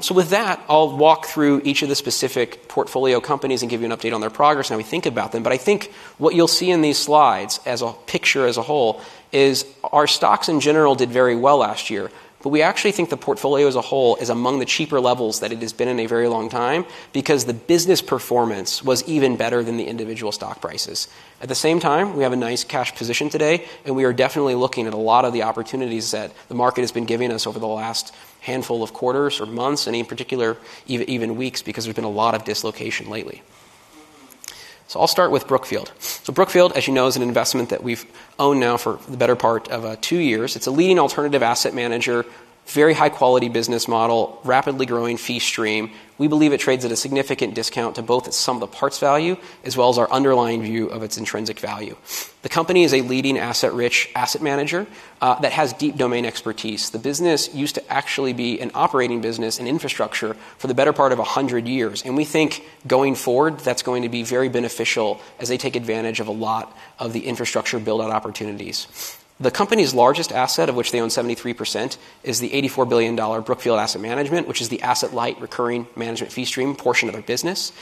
So with that, I'll walk through each of the specific portfolio companies and give you an update on their progress and how we think about them. But I think what you'll see in these slides as a picture as a whole is our stocks in general did very well last year. But we actually think the portfolio as a whole is among the cheaper levels that it has been in a very long time because the business performance was even better than the individual stock prices. At the same time, we have a nice cash position today. And we are definitely looking at a lot of the opportunities that the market has been giving us over the last handful of quarters or months and in particular, even weeks because there's been a lot of dislocation lately. So I'll start with Brookfield. So Brookfield, as you know, is an investment that we've owned now for the better part of two years. It's a leading alternative asset manager, very high-quality business model, rapidly growing fee stream. We believe it trades at a significant discount to both its sum of the parts value as well as our underlying view of its intrinsic value. The company is a leading asset-rich asset manager that has deep domain expertise. The business used to actually be an operating business in infrastructure for the better part of 100 years. We think going forward, that's going to be very beneficial as they take advantage of a lot of the infrastructure build-out opportunities. The company's largest asset, of which they own 73%, is the $84 billion Brookfield Asset Management, which is the asset-light recurring management fee stream portion of their business.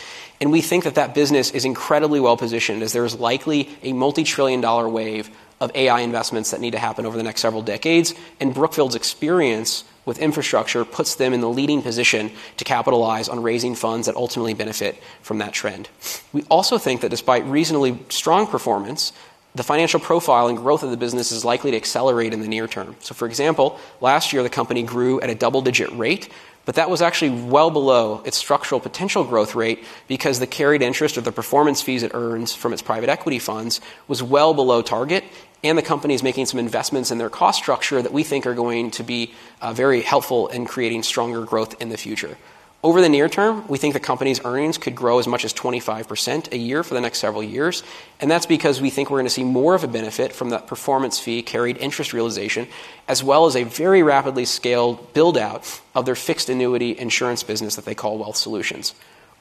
We think that that business is incredibly well-positioned as there is likely a multi-trillion-dollar wave of AI investments that need to happen over the next several decades. Brookfield's experience with infrastructure puts them in the leading position to capitalize on raising funds that ultimately benefit from that trend. We also think that despite reasonably strong performance, the financial profile and growth of the business is likely to accelerate in the near term. For example, last year, the company grew at a double-digit rate. That was actually well below its structural potential growth rate because the carried interest or the performance fees it earns from its private equity funds was well below target. The company is making some investments in their cost structure that we think are going to be very helpful in creating stronger growth in the future. Over the near term, we think the company's earnings could grow as much as 25% a year for the next several years. That's because we think we're going to see more of a benefit from that performance fee carried interest realization as well as a very rapidly scaled build-out of their fixed annuity insurance business that they call Wealth Solutions.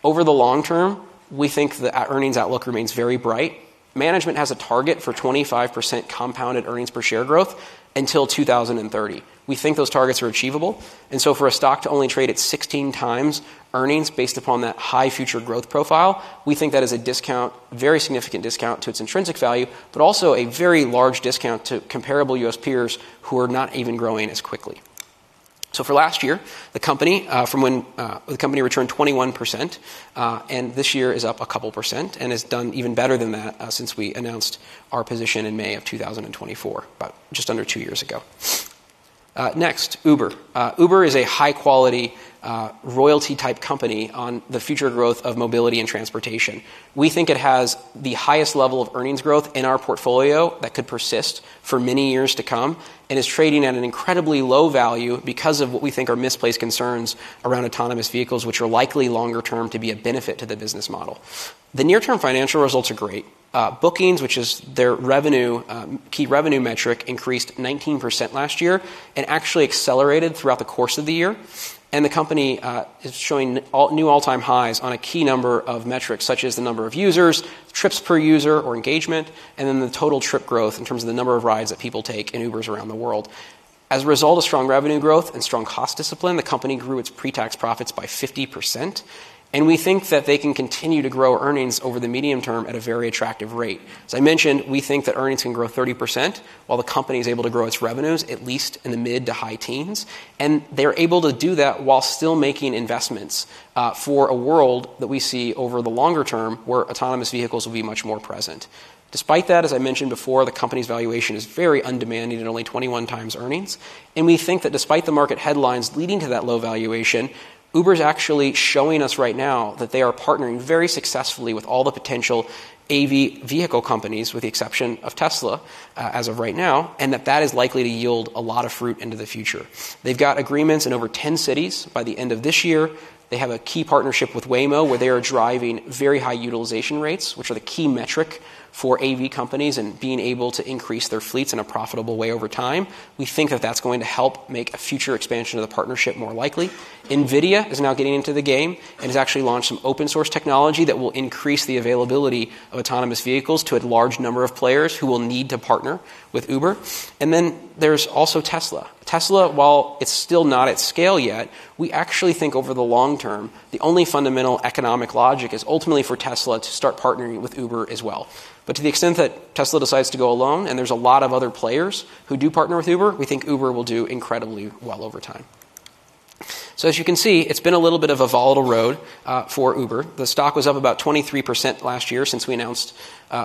Over the long term, we think that our earnings outlook remains very bright. Management has a target for 25% compounded earnings per share growth until 2030. We think those targets are achievable. And so for a stock to only trade at 16x earnings based upon that high future growth profile, we think that is a very significant discount to its intrinsic value but also a very large discount to comparable U.S. peers who are not even growing as quickly. So for last year, the company from when the company returned 21% and this year is up a couple% and has done even better than that since we announced our position in May of 2024, about just under two years ago. Next, Uber. Uber is a high-quality royalty-type company on the future growth of mobility and transportation. We think it has the highest level of earnings growth in our portfolio that could persist for many years to come and is trading at an incredibly low value because of what we think are misplaced concerns around autonomous vehicles, which are likely longer-term to be a benefit to the business model. The near-term financial results are great. Bookings, which is their key revenue metric, increased 19% last year and actually accelerated throughout the course of the year. The company is showing new all-time highs on a key number of metrics such as the number of users, trips per user or engagement, and then the total trip growth in terms of the number of rides that people take in Ubers around the world. As a result of strong revenue growth and strong cost discipline, the company grew its pre-tax profits by 50%. We think that they can continue to grow earnings over the medium term at a very attractive rate. As I mentioned, we think that earnings can grow 30% while the company is able to grow its revenues at least in the mid- to high teens. They're able to do that while still making investments for a world that we see over the longer term where autonomous vehicles will be much more present. Despite that, as I mentioned before, the company's valuation is very undemanding at only 21x earnings. We think that despite the market headlines leading to that low valuation, Uber's actually showing us right now that they are partnering very successfully with all the potential AV vehicle companies, with the exception of Tesla as of right now, and that that is likely to yield a lot of fruit into the future. They've got agreements in over 10 cities by the end of this year. They have a key partnership with Waymo where they are driving very high utilization rates, which are the key metric for AV companies and being able to increase their fleets in a profitable way over time. We think that that's going to help make a future expansion of the partnership more likely. Nvidia is now getting into the game and has actually launched some open-source technology that will increase the availability of autonomous vehicles to a large number of players who will need to partner with Uber. And then there's also Tesla. Tesla, while it's still not at scale yet, we actually think over the long term, the only fundamental economic logic is ultimately for Tesla to start partnering with Uber as well. But to the extent that Tesla decides to go alone and there's a lot of other players who do partner with Uber, we think Uber will do incredibly well over time. So as you can see, it's been a little bit of a volatile road for Uber. The stock was up about 23% last year since we announced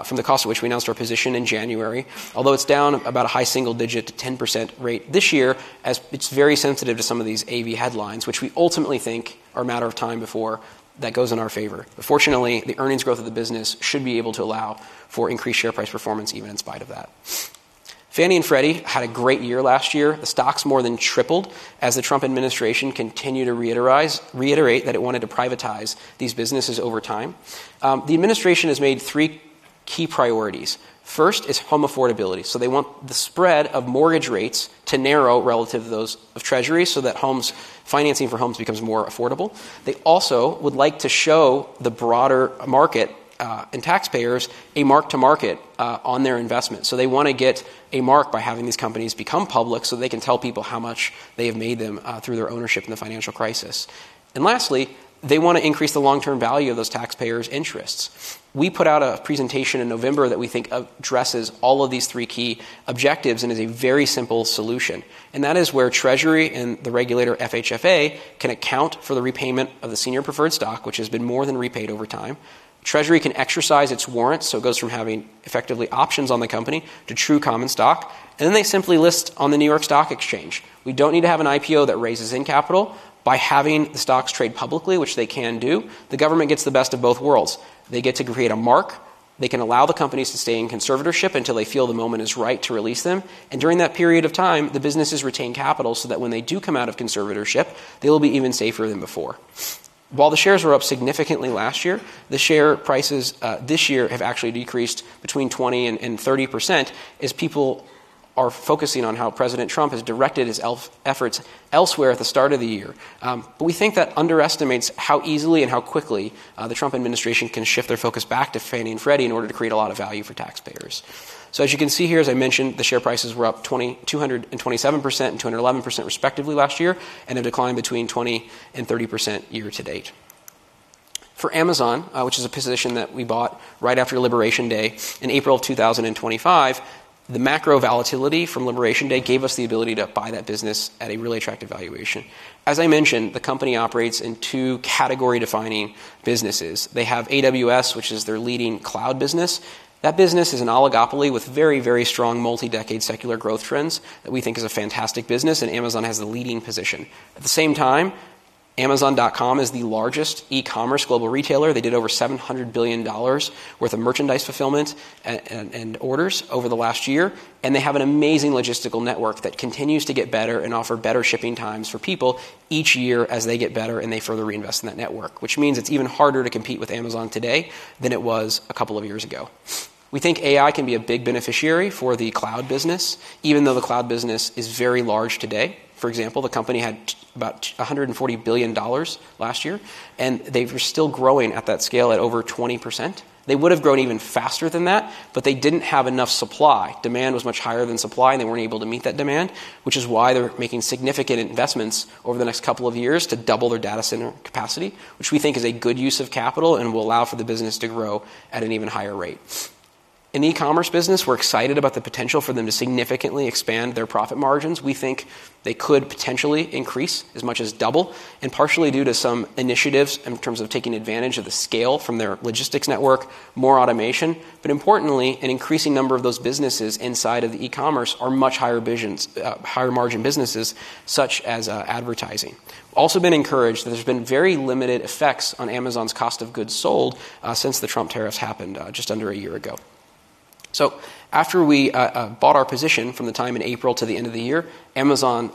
from the close at which we announced our position in January, although it's down about a high single-digit 10% rate this year as it's very sensitive to some of these AV headlines, which we ultimately think are a matter of time before that goes in our favor. But fortunately, the earnings growth of the business should be able to allow for increased share price performance even in spite of that. Fannie and Freddie had a great year last year. The stocks more than tripled as the Trump administration continued to reiterate that it wanted to privatize these businesses over time. The administration has made three key priorities. First is home affordability. So they want the spread of mortgage rates to narrow relative to those of Treasury so that financing for homes becomes more affordable. They also would like to show the broader market and taxpayers a mark-to-market on their investments. So they want to get a mark by having these companies become public so they can tell people how much they have made them through their ownership in the financial crisis. And lastly, they want to increase the long-term value of those taxpayers' interests. We put out a presentation in November that we think addresses all of these three key objectives and is a very simple solution. And that is where Treasury and the regulator FHFA can account for the repayment of the Senior Preferred Stock, which has been more than repaid over time. Treasury can exercise its warrants. So it goes from having effectively options on the company to true common stock. And then they simply list on the New York Stock Exchange. We don't need to have an IPO that raises in capital. By having the stocks trade publicly, which they can do, the government gets the best of both worlds. They get to create a mark. They can allow the companies to stay in conservatorship until they feel the moment is right to release them. During that period of time, the businesses retain capital so that when they do come out of conservatorship, they will be even safer than before. While the shares were up significantly last year, the share prices this year have actually decreased between 20% and 30% as people are focusing on how President Trump has directed his efforts elsewhere at the start of the year. But we think that underestimates how easily and how quickly the Trump administration can shift their focus back to Fannie and Freddie in order to create a lot of value for taxpayers. So as you can see here, as I mentioned, the share prices were up 227% and 211% respectively last year and a decline between 20%-30% year to date. For Amazon, which is a position that we bought right after Liberation Day in April of 2025, the macro volatility from Liberation Day gave us the ability to buy that business at a really attractive valuation. As I mentioned, the company operates in two category-defining businesses. They have AWS, which is their leading cloud business. That business is an oligopoly with very, very strong multi-decade secular growth trends that we think is a fantastic business. And Amazon has the leading position. At the same time, Amazon.com is the largest e-commerce global retailer. They did over $700 billion worth of merchandise fulfillment and orders over the last year. They have an amazing logistical network that continues to get better and offer better shipping times for people each year as they get better and they further reinvest in that network, which means it's even harder to compete with Amazon today than it was a couple of years ago. We think AI can be a big beneficiary for the cloud business even though the cloud business is very large today. For example, the company had about $140 billion last year. They were still growing at that scale at over 20%. They would have grown even faster than that. But they didn't have enough supply. Demand was much higher than supply. They weren't able to meet that demand, which is why they're making significant investments over the next couple of years to double their data center capacity, which we think is a good use of capital and will allow for the business to grow at an even higher rate. In the e-commerce business, we're excited about the potential for them to significantly expand their profit margins. We think they could potentially increase as much as double and partially due to some initiatives in terms of taking advantage of the scale from their logistics network, more automation. But importantly, an increasing number of those businesses inside of the e-commerce are much higher margin businesses such as advertising. Also been encouraged that there's been very limited effects on Amazon's cost of goods sold since the Trump tariffs happened just under a year ago. So after we bought our position from the time in April to the end of the year, Amazon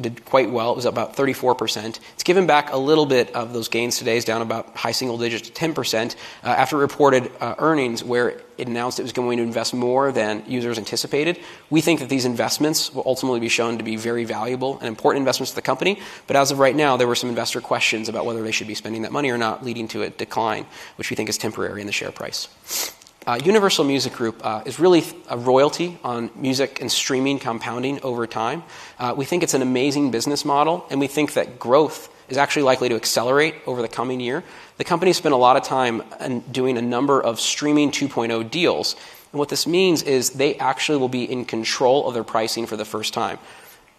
did quite well. It was up about 34%. It's given back a little bit of those gains today. It's down about high single digits to 10% after reported earnings where it announced it was going to invest more than users anticipated. We think that these investments will ultimately be shown to be very valuable and important investments for the company. But as of right now, there were some investor questions about whether they should be spending that money or not leading to a decline, which we think is temporary in the share price. Universal Music Group is really a royalty on music and streaming compounding over time. We think it's an amazing business model. And we think that growth is actually likely to accelerate over the coming year. The company spent a lot of time doing a number of Streaming 2.0 deals. What this means is they actually will be in control of their pricing for the first time.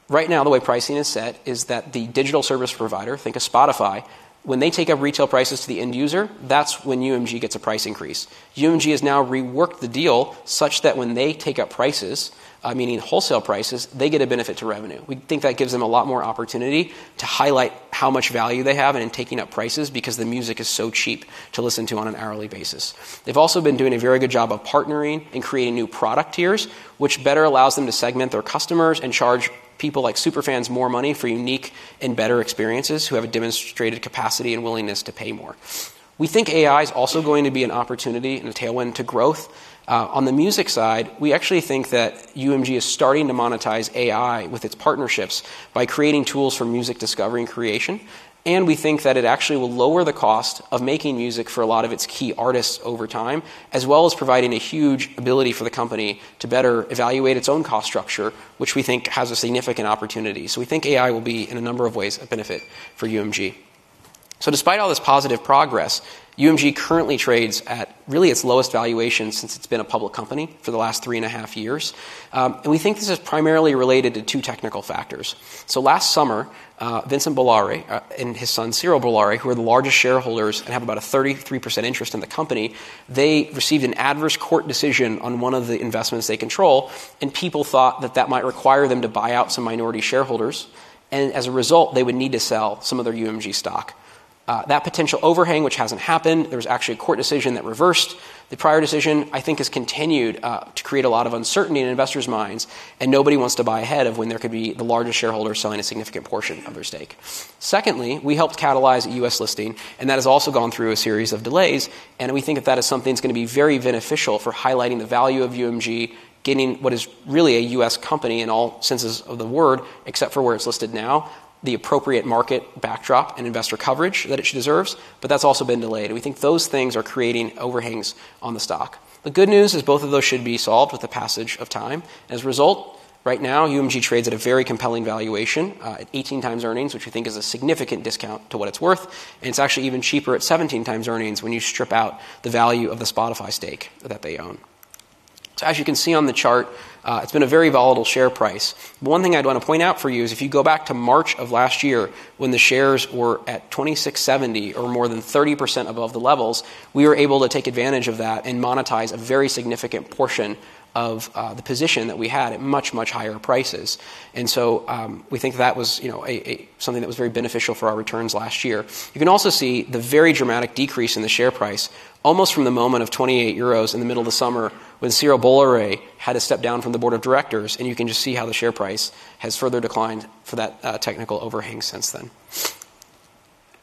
Right now, the way pricing is set is that the digital service provider, think of Spotify, when they take up retail prices to the end user, that's when UMG gets a price increase. UMG has now reworked the deal such that when they take up prices, meaning wholesale prices, they get a benefit to revenue. We think that gives them a lot more opportunity to highlight how much value they have in taking up prices because the music is so cheap to listen to on an hourly basis. They've also been doing a very good job of partnering and creating new product tiers, which better allows them to segment their customers and charge people like superfans more money for unique and better experiences who have a demonstrated capacity and willingness to pay more. We think AI is also going to be an opportunity and a tailwind to growth. On the music side, we actually think that UMG is starting to monetize AI with its partnerships by creating tools for music discovery and creation. We think that it actually will lower the cost of making music for a lot of its key artists over time as well as providing a huge ability for the company to better evaluate its own cost structure, which we think has a significant opportunity. We think AI will be in a number of ways a benefit for UMG. So despite all this positive progress, UMG currently trades at really its lowest valuation since it's been a public company for the last 3.5 years. We think this is primarily related to two technical factors. Last summer, Vincent Bolloré and his son Cyril Bolloré, who are the largest shareholders and have about a 33% interest in the company, received an adverse court decision on one of the investments they control. People thought that that might require them to buy out some minority shareholders. As a result, they would need to sell some of their UMG stock. That potential overhang, which hasn't happened—there was actually a court decision that reversed the prior decision, I think—has continued to create a lot of uncertainty in investors' minds. Nobody wants to buy ahead of when there could be the largest shareholder selling a significant portion of their stake. Secondly, we helped catalyze U.S. listing. That has also gone through a series of delays. We think that that is something that's going to be very beneficial for highlighting the value of UMG, getting what is really a U.S. company in all senses of the word except for where it's listed now, the appropriate market backdrop and investor coverage that it deserves. But that's also been delayed. We think those things are creating overhangs on the stock. The good news is both of those should be solved with the passage of time. As a result, right now, UMG trades at a very compelling valuation at 18x earnings, which we think is a significant discount to what it's worth. It's actually even cheaper at 17x earnings when you strip out the value of the Spotify stake that they own. As you can see on the chart, it's been a very volatile share price. One thing I'd want to point out for you is if you go back to March of last year when the shares were at 26.70 or more than 30% above the levels, we were able to take advantage of that and monetize a very significant portion of the position that we had at much, much higher prices. We think that was something that was very beneficial for our returns last year. You can also see the very dramatic decrease in the share price almost from the moment of 28 euros in the middle of the summer when Cyril Bolloré had to step down from the board of directors. You can just see how the share price has further declined for that technical overhang since then.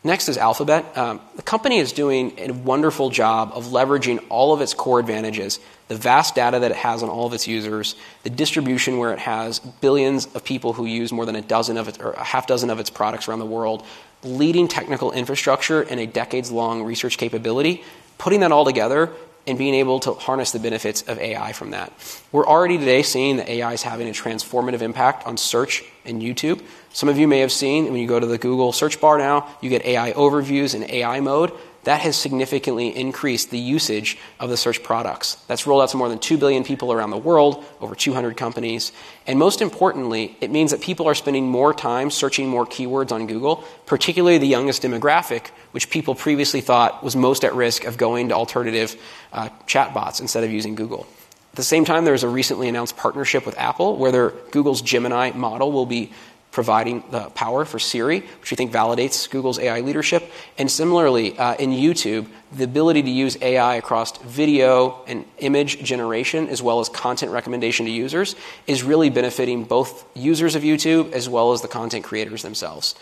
Next is Alphabet. The company is doing a wonderful job of leveraging all of its core advantages, the vast data that it has on all of its users, the distribution where it has billions of people who use more than a dozen of its or a half dozen of its products around the world, leading technical infrastructure and a decades-long research capability, putting that all together and being able to harness the benefits of AI from that. We're already today seeing that AI is having a transformative impact on Search and YouTube. Some of you may have seen when you go to the Google search bar now, you get AI Overviews in AI Mode. That has significantly increased the usage of the Search products. That's rolled out to more than 2 billion people around the world, over 200 companies. And most importantly, it means that people are spending more time searching more keywords on Google, particularly the youngest demographic, which people previously thought was most at risk of going to alternative chatbots instead of using Google. At the same time, there is a recently announced partnership with Apple where Google's Gemini model will be providing the power for Siri, which we think validates Google's AI leadership. And similarly, in YouTube, the ability to use AI across video and image generation as well as content recommendation to users is really benefiting both users of YouTube as well as the content creators themselves.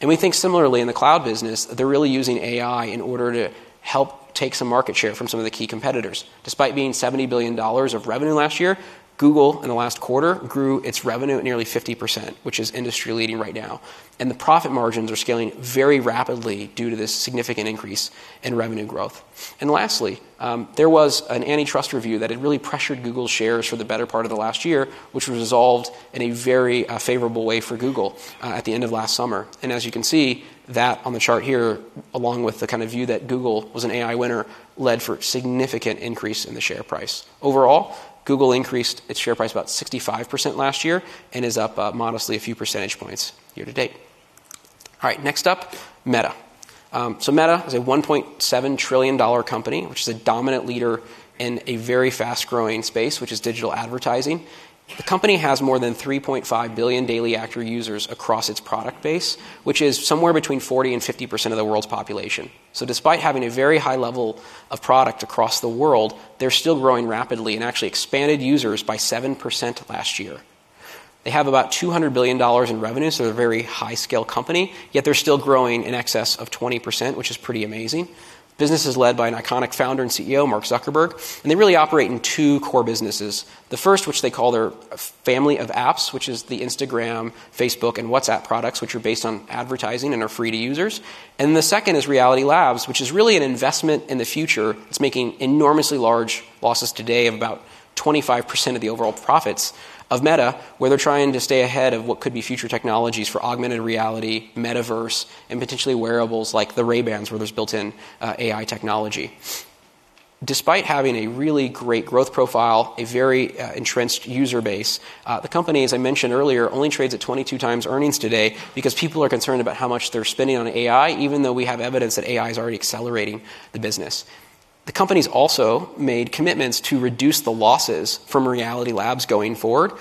And we think similarly in the cloud business, they're really using AI in order to help take some market share from some of the key competitors. Despite being $70 billion of revenue last year, Google in the last quarter grew its revenue at nearly 50%, which is industry-leading right now. The profit margins are scaling very rapidly due to this significant increase in revenue growth. Lastly, there was an antitrust review that had really pressured Google's shares for the better part of the last year, which resolved in a very favorable way for Google at the end of last summer. As you can see that on the chart here, along with the kind of view that Google was an AI winner, led for significant increase in the share price. Overall, Google increased its share price about 65% last year and is up modestly a few percentage points year to date. All right. Next up, Meta. So Meta is a $1.7 trillion company, which is a dominant leader in a very fast-growing space, which is digital advertising. The company has more than 3.5 billion daily active users across its product base, which is somewhere between 40%-50% of the world's population. So despite having a very high level of product across the world, they're still growing rapidly and actually expanded users by 7% last year. They have about $200 billion in revenue. So they're a very high-scale company. Yet they're still growing in excess of 20%, which is pretty amazing. The business is led by an iconic founder and CEO, Mark Zuckerberg. And they really operate in two core businesses. The first, which they call their Family of Apps, which is the Instagram, Facebook, and WhatsApp products, which are based on advertising and are free to users. And then the second is Reality Labs, which is really an investment in the future. It's making enormously large losses today of about 25% of the overall profits of Meta, where they're trying to stay ahead of what could be future technologies for augmented reality, metaverse, and potentially wearables like the Ray-Bans, where there's built-in AI technology. Despite having a really great growth profile, a very entrenched user base, the company, as I mentioned earlier, only trades at 22x earnings today because people are concerned about how much they're spending on AI, even though we have evidence that AI is already accelerating the business. The company's also made commitments to reduce the losses from Reality Labs going forward.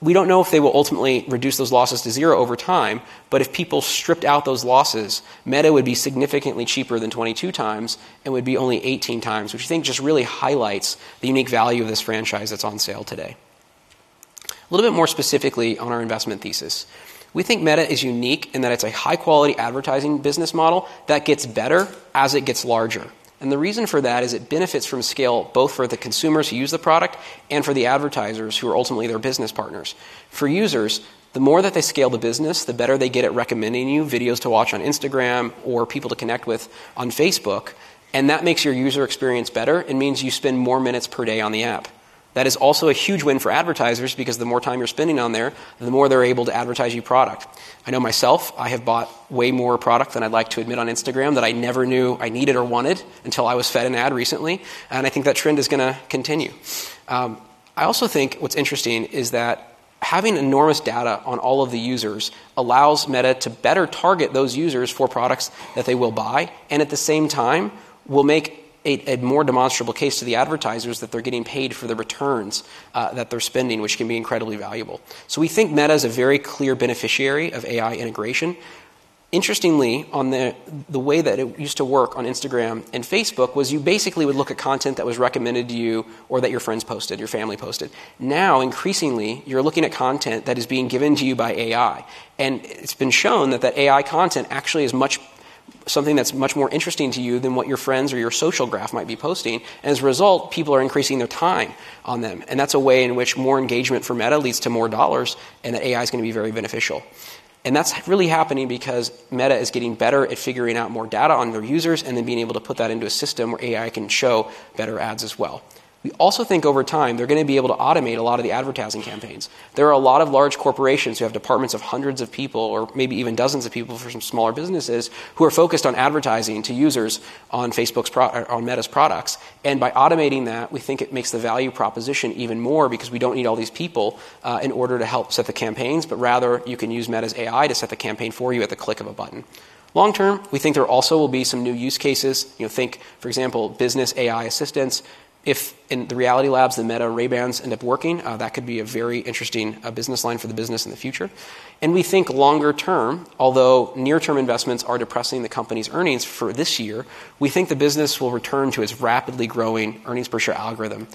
We don't know if they will ultimately reduce those losses to zero over time. But if people stripped out those losses, Meta would be significantly cheaper than 22x and would be only 18x, which we think just really highlights the unique value of this franchise that's on sale today. A little bit more specifically on our investment thesis, we think Meta is unique in that it's a high-quality advertising business model that gets better as it gets larger. And the reason for that is it benefits from scale both for the consumers who use the product and for the advertisers who are ultimately their business partners. For users, the more that they scale the business, the better they get at recommending you videos to watch on Instagram or people to connect with on Facebook. And that makes your user experience better. It means you spend more minutes per day on the app. That is also a huge win for advertisers because the more time you're spending on there, the more they're able to advertise your product. I know myself, I have bought way more product than I'd like to admit on Instagram that I never knew I needed or wanted until I was fed an ad recently. And I think that trend is going to continue. I also think what's interesting is that having enormous data on all of the users allows Meta to better target those users for products that they will buy and at the same time will make a more demonstrable case to the advertisers that they're getting paid for the returns that they're spending, which can be incredibly valuable. So we think Meta is a very clear beneficiary of AI integration. Interestingly, on the way that it used to work on Instagram and Facebook was you basically would look at content that was recommended to you or that your friends posted, your family posted. Now, increasingly, you're looking at content that is being given to you by AI. And it's been shown that that AI content actually is something that's much more interesting to you than what your friends or your social graph might be posting. And as a result, people are increasing their time on them. And that's a way in which more engagement for Meta leads to more dollars and that AI is going to be very beneficial. And that's really happening because Meta is getting better at figuring out more data on their users and then being able to put that into a system where AI can show better ads as well. We also think over time, they're going to be able to automate a lot of the advertising campaigns. There are a lot of large corporations who have departments of hundreds of people or maybe even dozens of people for some smaller businesses who are focused on advertising to users on Meta's products. By automating that, we think it makes the value proposition even more because we don't need all these people in order to help set the campaigns. But rather, you can use Meta's AI to set the campaign for you at the click of a button. Long term, we think there also will be some new use cases. Think, for example, business AI assistants. If in the Reality Labs, the Meta Ray-Bans end up working, that could be a very interesting business line for the business in the future. We think longer term, although near-term investments are depressing the company's earnings for this year, we think the business will return to its rapidly growing earnings per share algorithm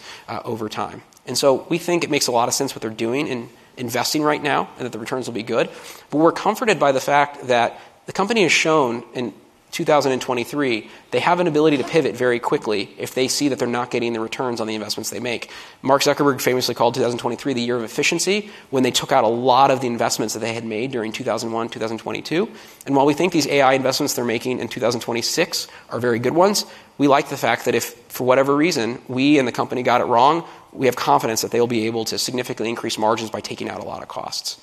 over time. So we think it makes a lot of sense what they're doing and investing right now and that the returns will be good. But we're comforted by the fact that the company has shown in 2023 that they have an ability to pivot very quickly if they see that they're not getting the returns on the investments they make. Mark Zuckerberg famously called 2023 the year of efficiency when they took out a lot of the investments that they had made during 2021, 2022. While we think these AI investments they're making in 2026 are very good ones, we like the fact that if for whatever reason we and the company got it wrong, we have confidence that they will be able to significantly increase margins by taking out a lot of costs.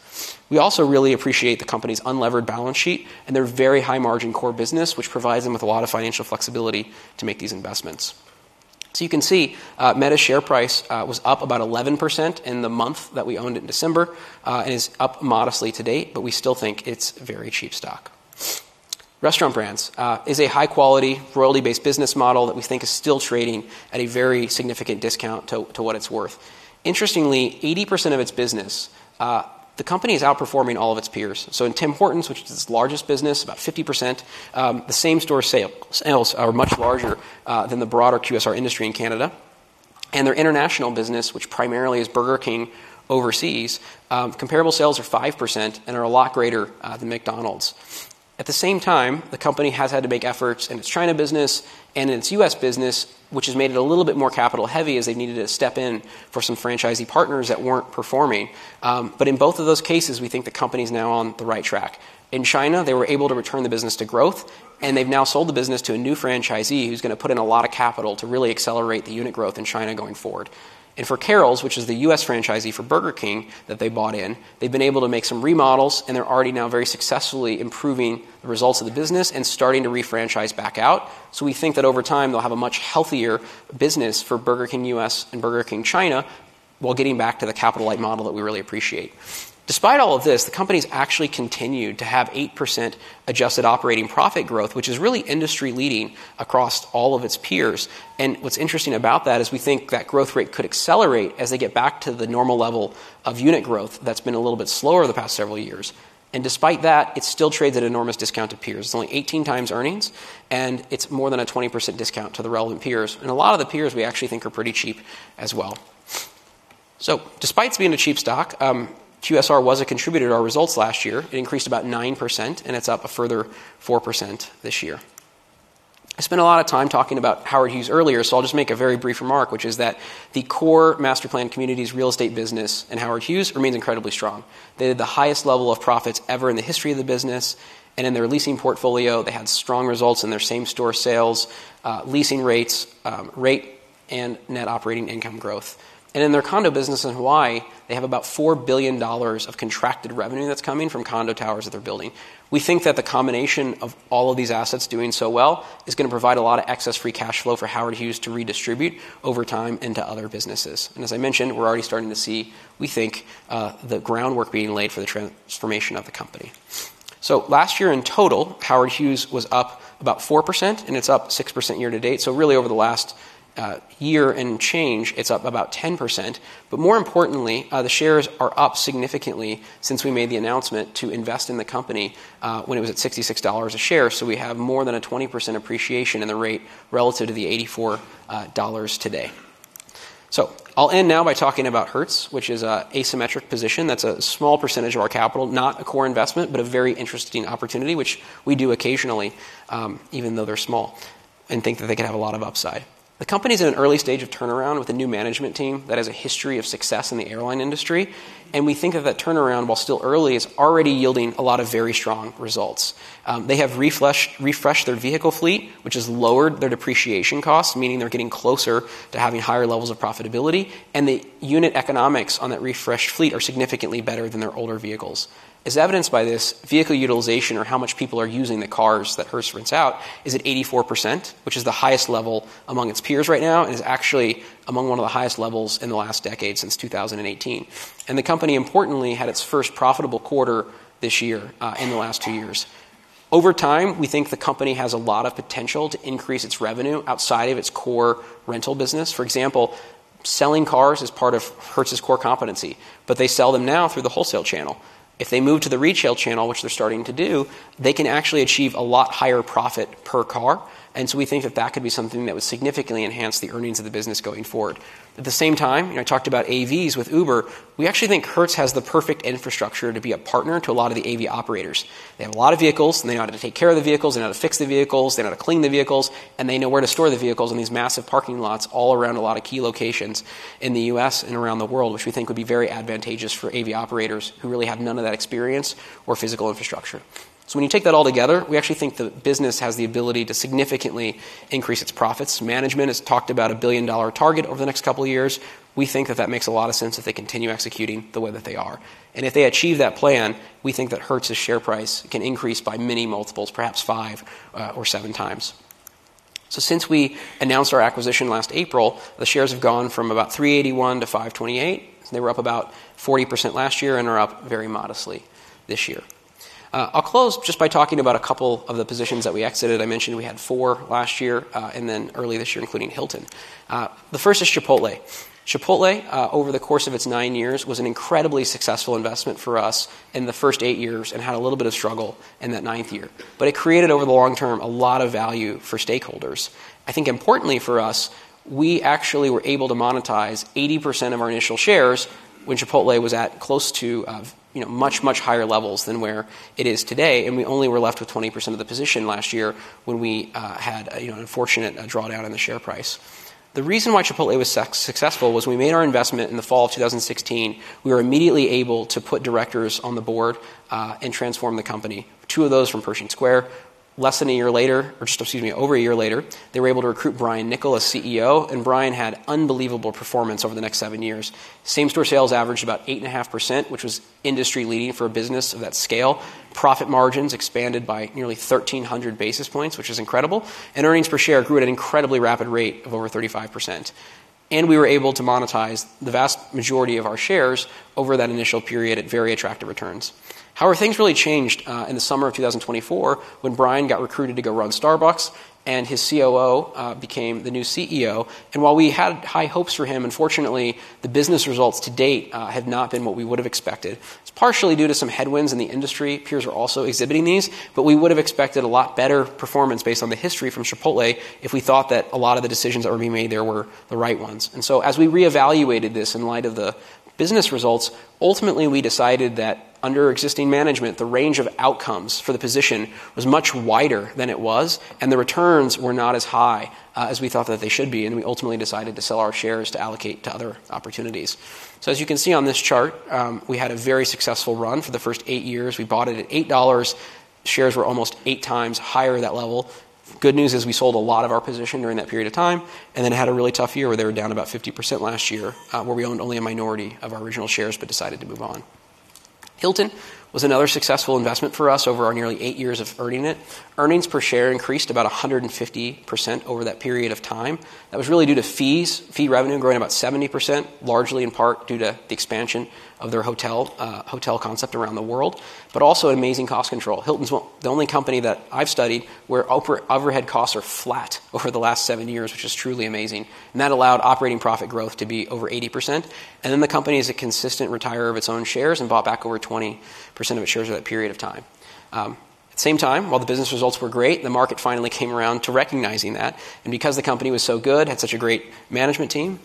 We also really appreciate the company's unlevered balance sheet. They're a very high-margin core business, which provides them with a lot of financial flexibility to make these investments. You can see Meta's share price was up about 11% in the month that we owned it in December and is up modestly to date. We still think it's a very cheap stock. Restaurant Brands is a high-quality royalty-based business model that we think is still trading at a very significant discount to what it's worth. Interestingly, 80% of its business, the company is outperforming all of its peers. So in Tim Hortons, which is its largest business, about 50%, the same-store sales are much larger than the broader QSR industry in Canada. Their international business, which primarily is Burger King overseas, comparable sales are 5% and are a lot greater than McDonald's. At the same time, the company has had to make efforts in its China business and in its U.S. business, which has made it a little bit more capital-heavy as they've needed to step in for some franchisee partners that weren't performing. But in both of those cases, we think the company is now on the right track. In China, they were able to return the business to growth. They've now sold the business to a new franchisee who's going to put in a lot of capital to really accelerate the unit growth in China going forward. For Carrols, which is the U.S. franchisee for Burger King that they bought in, they've been able to make some remodels. They're already now very successfully improving the results of the business and starting to refranchise back out. We think that over time, they'll have a much healthier business for Burger King U.S. and Burger King China while getting back to the capital-light model that we really appreciate. Despite all of this, the company's actually continued to have 8% adjusted operating profit growth, which is really industry-leading across all of its peers. What's interesting about that is we think that growth rate could accelerate as they get back to the normal level of unit growth that's been a little bit slower the past several years. Despite that, it still trades at an enormous discount to peers. It's only 18 times earnings. It's more than a 20% discount to the relevant peers. A lot of the peers we actually think are pretty cheap as well. Despite being a cheap stock, QSR was a contributor to our results last year. It increased about 9%. It's up a further 4% this year. I spent a lot of time talking about Howard Hughes earlier. I'll just make a very brief remark, which is that the core Master Planned Communities real estate business in Howard Hughes remains incredibly strong. They did the highest level of profits ever in the history of the business. In their leasing portfolio, they had strong results in their same-store sales, leasing rates, rate, and net operating income growth. In their condo business in Hawaii, they have about $4 billion of contracted revenue that's coming from condo towers that they're building. We think that the combination of all of these assets doing so well is going to provide a lot of excess free cash flow for Howard Hughes to redistribute over time into other businesses. And as I mentioned, we're already starting to see, we think, the groundwork being laid for the transformation of the company. So last year in total, Howard Hughes was up about 4%. And it's up 6% year to date. So really, over the last year and change, it's up about 10%. But more importantly, the shares are up significantly since we made the announcement to invest in the company when it was at $66 a share. So we have more than a 20% appreciation in the rate relative to the $84 today. So I'll end now by talking about Hertz, which is an asymmetric position. That's a small percentage of our capital, not a core investment, but a very interesting opportunity, which we do occasionally, even though they're small, and think that they could have a lot of upside. The company's in an early stage of turnaround with a new management team that has a history of success in the airline industry. We think of that turnaround, while still early, as already yielding a lot of very strong results. They have refreshed their vehicle fleet, which has lowered their depreciation costs, meaning they're getting closer to having higher levels of profitability. The unit economics on that refreshed fleet are significantly better than their older vehicles. As evidenced by this, vehicle utilization or how much people are using the cars that Hertz rents out is at 84%, which is the highest level among its peers right now and is actually among one of the highest levels in the last decade since 2018. The company, importantly, had its first profitable quarter this year in the last two years. Over time, we think the company has a lot of potential to increase its revenue outside of its core rental business. For example, selling cars is part of Hertz's core competency. But they sell them now through the wholesale channel. If they move to the retail channel, which they're starting to do, they can actually achieve a lot higher profit per car. We think that that could be something that would significantly enhance the earnings of the business going forward. At the same time, I talked about AVs with Uber. We actually think Hertz has the perfect infrastructure to be a partner to a lot of the AV operators. They have a lot of vehicles. And they know how to take care of the vehicles. They know how to fix the vehicles. They know how to clean the vehicles. And they know where to store the vehicles in these massive parking lots all around a lot of key locations in the U.S. and around the world, which we think would be very advantageous for AV operators who really have none of that experience or physical infrastructure. So when you take that all together, we actually think the business has the ability to significantly increase its profits. Management has talked about a $1 billion target over the next couple of years. We think that that makes a lot of sense if they continue executing the way that they are. If they achieve that plan, we think that Hertz's share price can increase by many multiples, perhaps five or seven times. Since we announced our acquisition last April, the shares have gone from about $3.81 to $5.28. They were up about 40% last year and are up very modestly this year. I'll close just by talking about a couple of the positions that we exited. I mentioned we had four last year and then early this year, including Hilton. The first is Chipotle. Chipotle, over the course of its nine years, was an incredibly successful investment for us in the first eight years and had a little bit of struggle in that ninth year. It created, over the long term, a lot of value for stakeholders. I think, importantly for us, we actually were able to monetize 80% of our initial shares when Chipotle was at close to much, much higher levels than where it is today. And we only were left with 20% of the position last year when we had an unfortunate drawdown in the share price. The reason why Chipotle was successful was we made our investment in the fall of 2016. We were immediately able to put directors on the board and transform the company, two of those from Pershing Square. Less than a year later or, excuse me, over a year later, they were able to recruit Brian Niccol, a CEO. And Brian had unbelievable performance over the next seven years. Same-store sales averaged about 8.5%, which was industry-leading for a business of that scale. Profit margins expanded by nearly 1,300 basis points, which is incredible. Earnings per share grew at an incredibly rapid rate of over 35%. We were able to monetize the vast majority of our shares over that initial period at very attractive returns. However, things really changed in the summer of 2024 when Brian got recruited to go run Starbucks. His COO became the new CEO. While we had high hopes for him, unfortunately, the business results to date have not been what we would have expected. It's partially due to some headwinds in the industry. Peers are also exhibiting these. But we would have expected a lot better performance based on the history from Chipotle if we thought that a lot of the decisions that were being made there were the right ones. As we reevaluated this in light of the business results, ultimately, we decided that under existing management, the range of outcomes for the position was much wider than it was. The returns were not as high as we thought that they should be. We ultimately decided to sell our shares to allocate to other opportunities. As you can see on this chart, we had a very successful run for the first 8 years. We bought it at $8. Shares were almost 8 times higher at that level. Good news is we sold a lot of our position during that period of time. Then had a really tough year where they were down about 50% last year, where we owned only a minority of our original shares but decided to move on. Hilton was another successful investment for us over our nearly 8 years of owning it. Earnings per share increased about 150% over that period of time. That was really due to fees, fee revenue growing about 70%, largely in part due to the expansion of their hotel concept around the world, but also amazing cost control. Hilton's the only company that I've studied where overhead costs are flat over the last 7 years, which is truly amazing. That allowed operating profit growth to be over 80%. Then the company is a consistent retirer of its own shares and bought back over 20% of its shares over that period of time. At the same time, while the business results were great, the market finally came around to recognizing that. And because the company was so good, had such a great management team,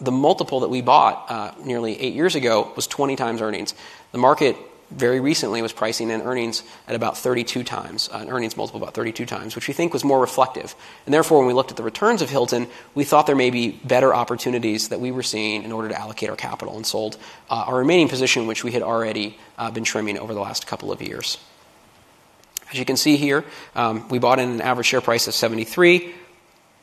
the multiple that we bought nearly eight years ago was 20x earnings. The market very recently was pricing in earnings at about 32x, an earnings multiple about 32x, which we think was more reflective. And therefore, when we looked at the returns of Hilton, we thought there may be better opportunities that we were seeing in order to allocate our capital and sold our remaining position, which we had already been trimming over the last couple of years. As you can see here, we bought in an average share price of $73.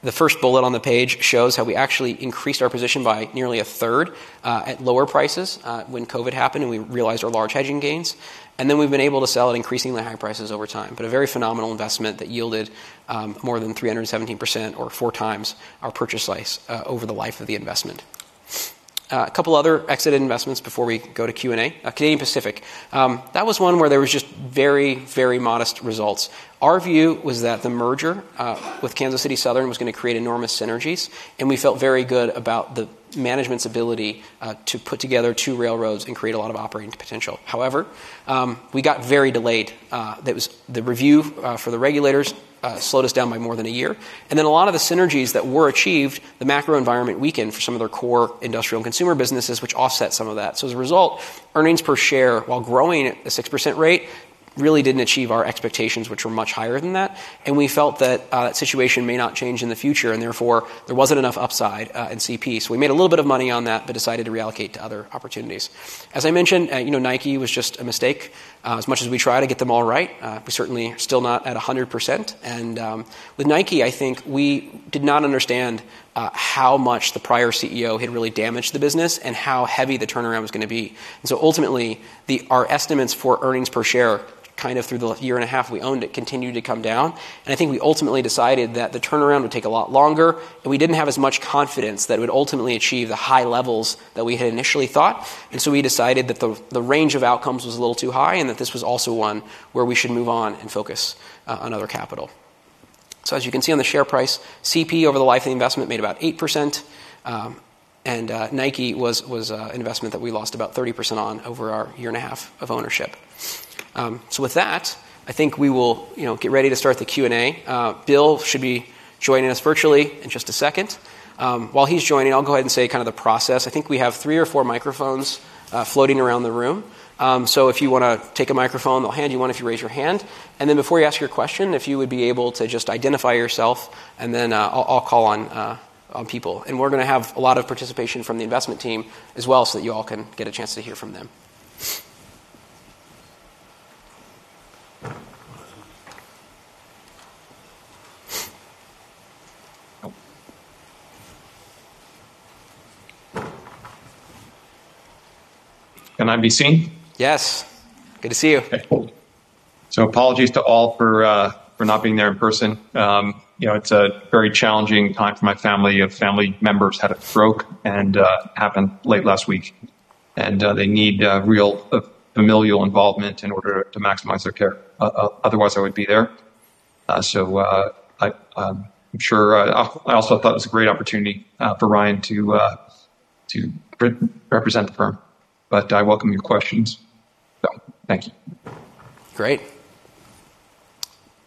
The first bullet on the page shows how we actually increased our position by nearly a third at lower prices when COVID happened and we realized our large hedging gains. Then we've been able to sell at increasingly high prices over time, but a very phenomenal investment that yielded more than 317% or 4x our purchase price over the life of the investment. A couple of other exited investments before we go to Q&A. Canadian Pacific, that was one where there were just very, very modest results. Our view was that the merger with Kansas City Southern was going to create enormous synergies. We felt very good about the management's ability to put together two railroads and create a lot of operating potential. However, we got very delayed. The review for the regulators slowed us down by more than a year. A lot of the synergies that were achieved, the macro environment weakened for some of their core industrial and consumer businesses, which offset some of that. As a result, earnings per share, while growing at a 6% rate, really didn't achieve our expectations, which were much higher than that. We felt that situation may not change in the future. Therefore, there wasn't enough upside in CP. We made a little bit of money on that but decided to reallocate to other opportunities. As I mentioned, Nike was just a mistake. As much as we try to get them all right, we certainly are still not at 100%. With Nike, I think we did not understand how much the prior CEO had really damaged the business and how heavy the turnaround was going to be. Ultimately, our estimates for earnings per share kind of through the year and a half we owned it continued to come down. I think we ultimately decided that the turnaround would take a lot longer. And we didn't have as much confidence that it would ultimately achieve the high levels that we had initially thought. And so we decided that the range of outcomes was a little too high and that this was also one where we should move on and focus on other capital. So as you can see on the share price, CP over the life of the investment made about 8%. And Nike was an investment that we lost about 30% on over our year and a half of ownership. So with that, I think we will get ready to start the Q&A. Bill should be joining us virtually in just a second. While he's joining, I'll go ahead and say kind of the process. I think we have three or four microphones floating around the room. So if you want to take a microphone, they'll hand you one if you raise your hand. And then before you ask your question, if you would be able to just identify yourself. And then I'll call on people. And we're going to have a lot of participation from the investment team as well so that you all can get a chance to hear from them. Can I be seen? Yes. Good to see you. Apologies to all for not being there in person. It's a very challenging time for my family. A family member's had a stroke and it happened late last week. They need real familial involvement in order to maximize their care. Otherwise, I wouldn't be there. I'm sure I also thought it was a great opportunity for Ryan to represent the firm. But I welcome your questions. Thank you. Great.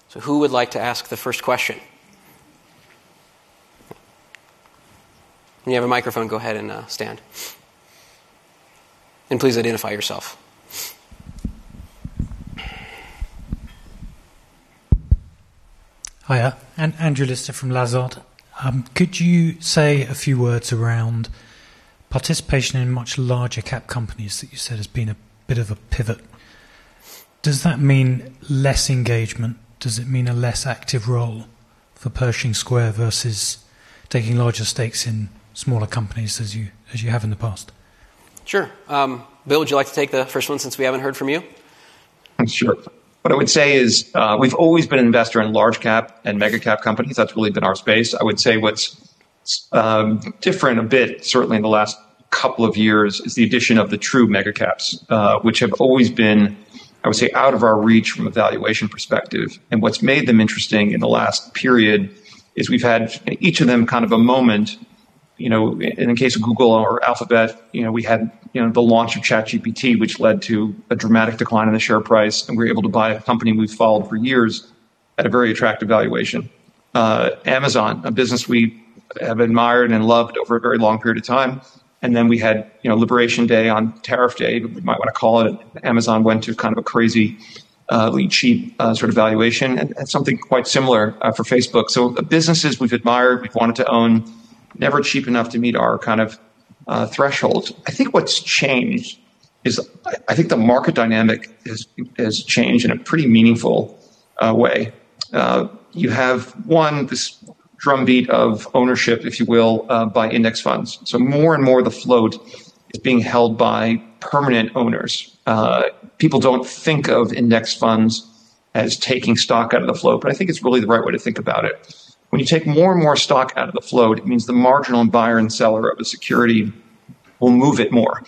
So who would like to ask the first question? When you have a microphone, go ahead and stand. Please identify yourself. Hiya. I'm Angelista from Lazard. Could you say a few words around participation in much larger-cap companies that you said has been a bit of a pivot? Does that mean less engagement? Does it mean a less active role for Pershing Square versus taking larger stakes in smaller companies as you have in the past? Sure. Bill, would you like to take the first one since we haven't heard from you? Sure. What I would say is we've always been an investor in large-cap and mega-cap companies. That's really been our space. I would say what's different a bit, certainly in the last couple of years, is the addition of the true mega-caps, which have always been, I would say, out of our reach from a valuation perspective. And what's made them interesting in the last period is we've had each of them kind of a moment. In the case of Google or Alphabet, we had the launch of ChatGPT, which led to a dramatic decline in the share price. And we were able to buy a company we've followed for years at a very attractive valuation. Amazon, a business we have admired and loved over a very long period of time. And then we had Liberation Day on Tariff Day, but we might want to call it. Amazon went to kind of a crazily cheap sort of valuation. And something quite similar for Facebook. So the businesses we've admired, we've wanted to own, never cheap enough to meet our kind of thresholds. I think what's changed is I think the market dynamic has changed in a pretty meaningful way. You have, one, this drumbeat of ownership, if you will, by index funds. So more and more, the float is being held by permanent owners. People don't think of index funds as taking stock out of the float. But I think it's really the right way to think about it. When you take more and more stock out of the float, it means the marginal buyer and seller of a security will move it more.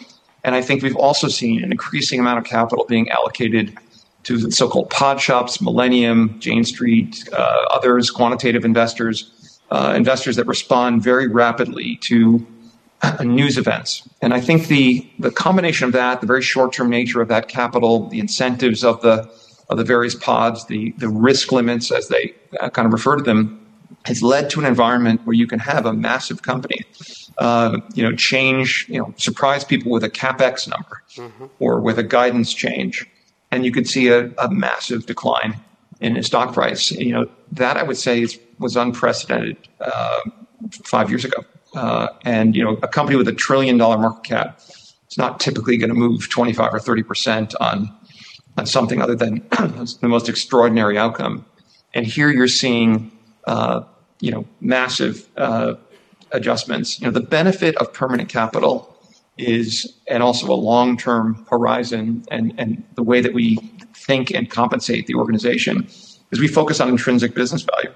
I think we've also seen an increasing amount of capital being allocated to the so-called pod shops, Millennium, Jane Street, others, quantitative investors, investors that respond very rapidly to news events. I think the combination of that, the very short-term nature of that capital, the incentives of the various pods, the risk limits, as they kind of refer to them, has led to an environment where you can have a massive company change, surprise people with a CapEx number or with a guidance change. You could see a massive decline in the stock price. That, I would say, was unprecedented five years ago. A company with a trillion-dollar market cap, it's not typically going to move 25% or 30% on something other than the most extraordinary outcome. Here, you're seeing massive adjustments. The benefit of permanent capital is and also a long-term horizon. The way that we think and compensate the organization is we focus on intrinsic business value.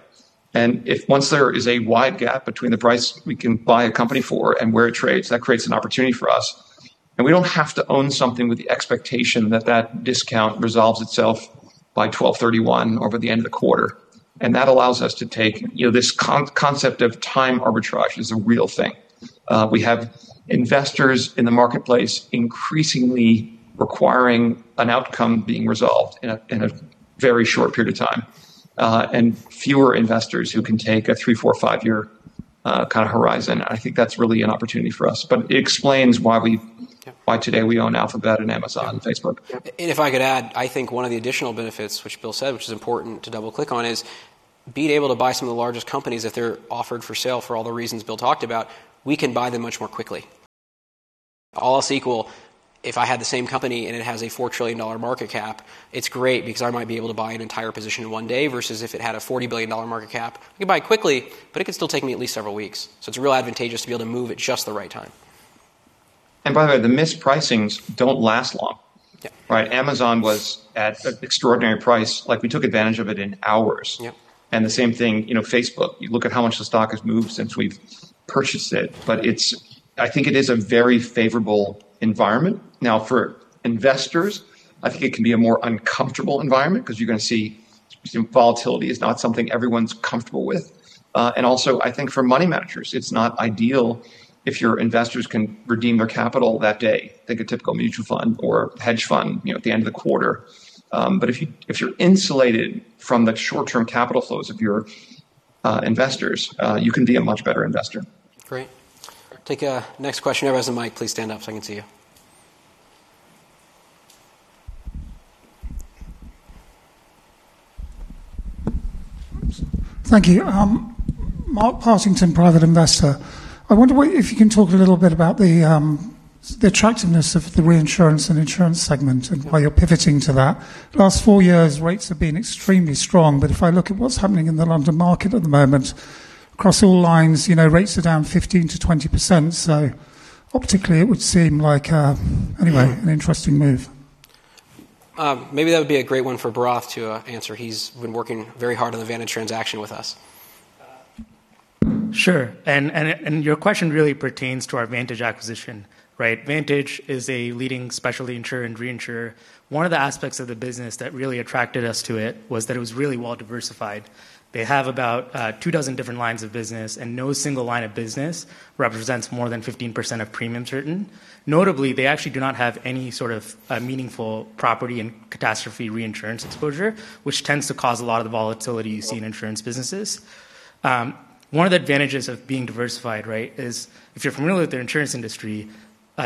Once there is a wide gap between the price we can buy a company for and where it trades, that creates an opportunity for us. We don't have to own something with the expectation that that discount resolves itself by 12/31 or by the end of the quarter. That allows us to take this concept of time arbitrage, that is a real thing. We have investors in the marketplace increasingly requiring an outcome being resolved in a very short period of time and fewer investors who can take a three, four, five-year kind of horizon. I think that's really an opportunity for us. But it explains why today we own Alphabet and Amazon and Facebook. If I could add, I think one of the additional benefits, which Bill said, which is important to double-click on, is being able to buy some of the largest companies that they're offered for sale for all the reasons Bill talked about. We can buy them much more quickly. All else equal, if I had the same company and it has a $4 trillion market cap, it's great because I might be able to buy an entire position in one day versus if it had a $40 billion market cap, I can buy it quickly, but it could still take me at least several weeks. It's real advantageous to be able to move at just the right time. And by the way, the mispricings don't last long, right? Amazon was at an extraordinary price. We took advantage of it in hours. And the same thing, Facebook. You look at how much the stock has moved since we've purchased it. But I think it is a very favorable environment. Now, for investors, I think it can be a more uncomfortable environment because you're going to see, volatility is not something everyone's comfortable with. And also, I think for money managers, it's not ideal if your investors can redeem their capital that day, like a typical mutual fund or hedge fund at the end of the quarter. But if you're insulated from the short-term capital flows of your investors, you can be a much better investor. Great. Take a next question everyone has on the mic. Please stand up so I can see you. Thank you. Mark Parsington, private investor. I wonder if you can talk a little bit about the attractiveness of the reinsurance and insurance segment and why you're pivoting to that. The last four years, rates have been extremely strong. But if I look at what's happening in the London market at the moment, across all lines, rates are down 15%-20%. So optically, it would seem like, anyway, an interesting move. Maybe that would be a great one for Bharath to answer. He's been working very hard on the Vantage transaction with us. Sure. And your question really pertains to our Vantage acquisition, right? Vantage is a leading specialty insurer and reinsurer. One of the aspects of the business that really attracted us to it was that it was really well-diversified. They have about two dozen different lines of business. And no single line of business represents more than 15% of premium certain. Notably, they actually do not have any sort of meaningful property and catastrophe reinsurance exposure, which tends to cause a lot of the volatility you see in insurance businesses. One of the advantages of being diversified, right, is if you're familiar with the insurance industry,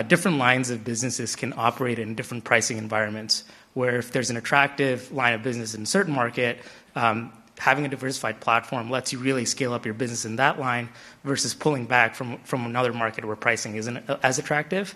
different lines of businesses can operate in different pricing environments where if there's an attractive line of business in a certain market, having a diversified platform lets you really scale up your business in that line versus pulling back from another market where pricing isn't as attractive.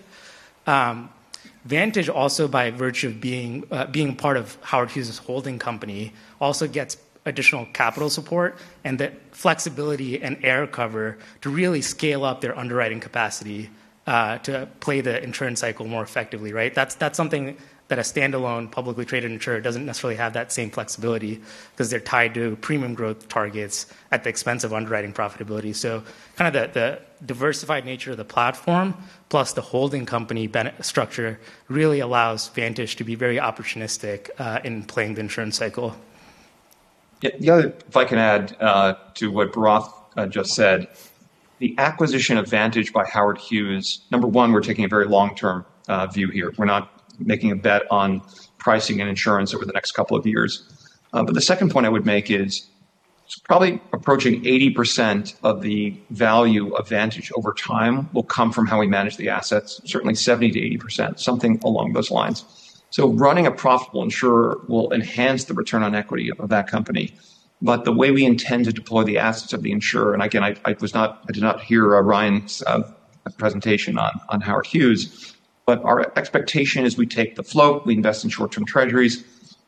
Vantage, also by virtue of being a part of Howard Hughes' holding company, also gets additional capital support and the flexibility and air cover to really scale up their underwriting capacity to play the insurance cycle more effectively, right? That's something that a standalone publicly traded insurer doesn't necessarily have that same flexibility because they're tied to premium growth targets at the expense of underwriting profitability. Kind of the diversified nature of the platform plus the holding company structure really allows Vantage to be very opportunistic in playing the insurance cycle. Yeah. If I can add to what Bharath just said, the acquisition of Vantage by Howard Hughes, number one, we're taking a very long-term view here. We're not making a bet on pricing and insurance over the next couple of years. But the second point I would make is probably approaching 80% of the value of Vantage over time will come from how we manage the assets, certainly 70%-80%, something along those lines. So running a profitable insurer will enhance the return on equity of that company. But the way we intend to deploy the assets of the insurer and again, I did not hear Ryan's presentation on Howard Hughes. But our expectation is we take the float, we invest in short-term treasuries,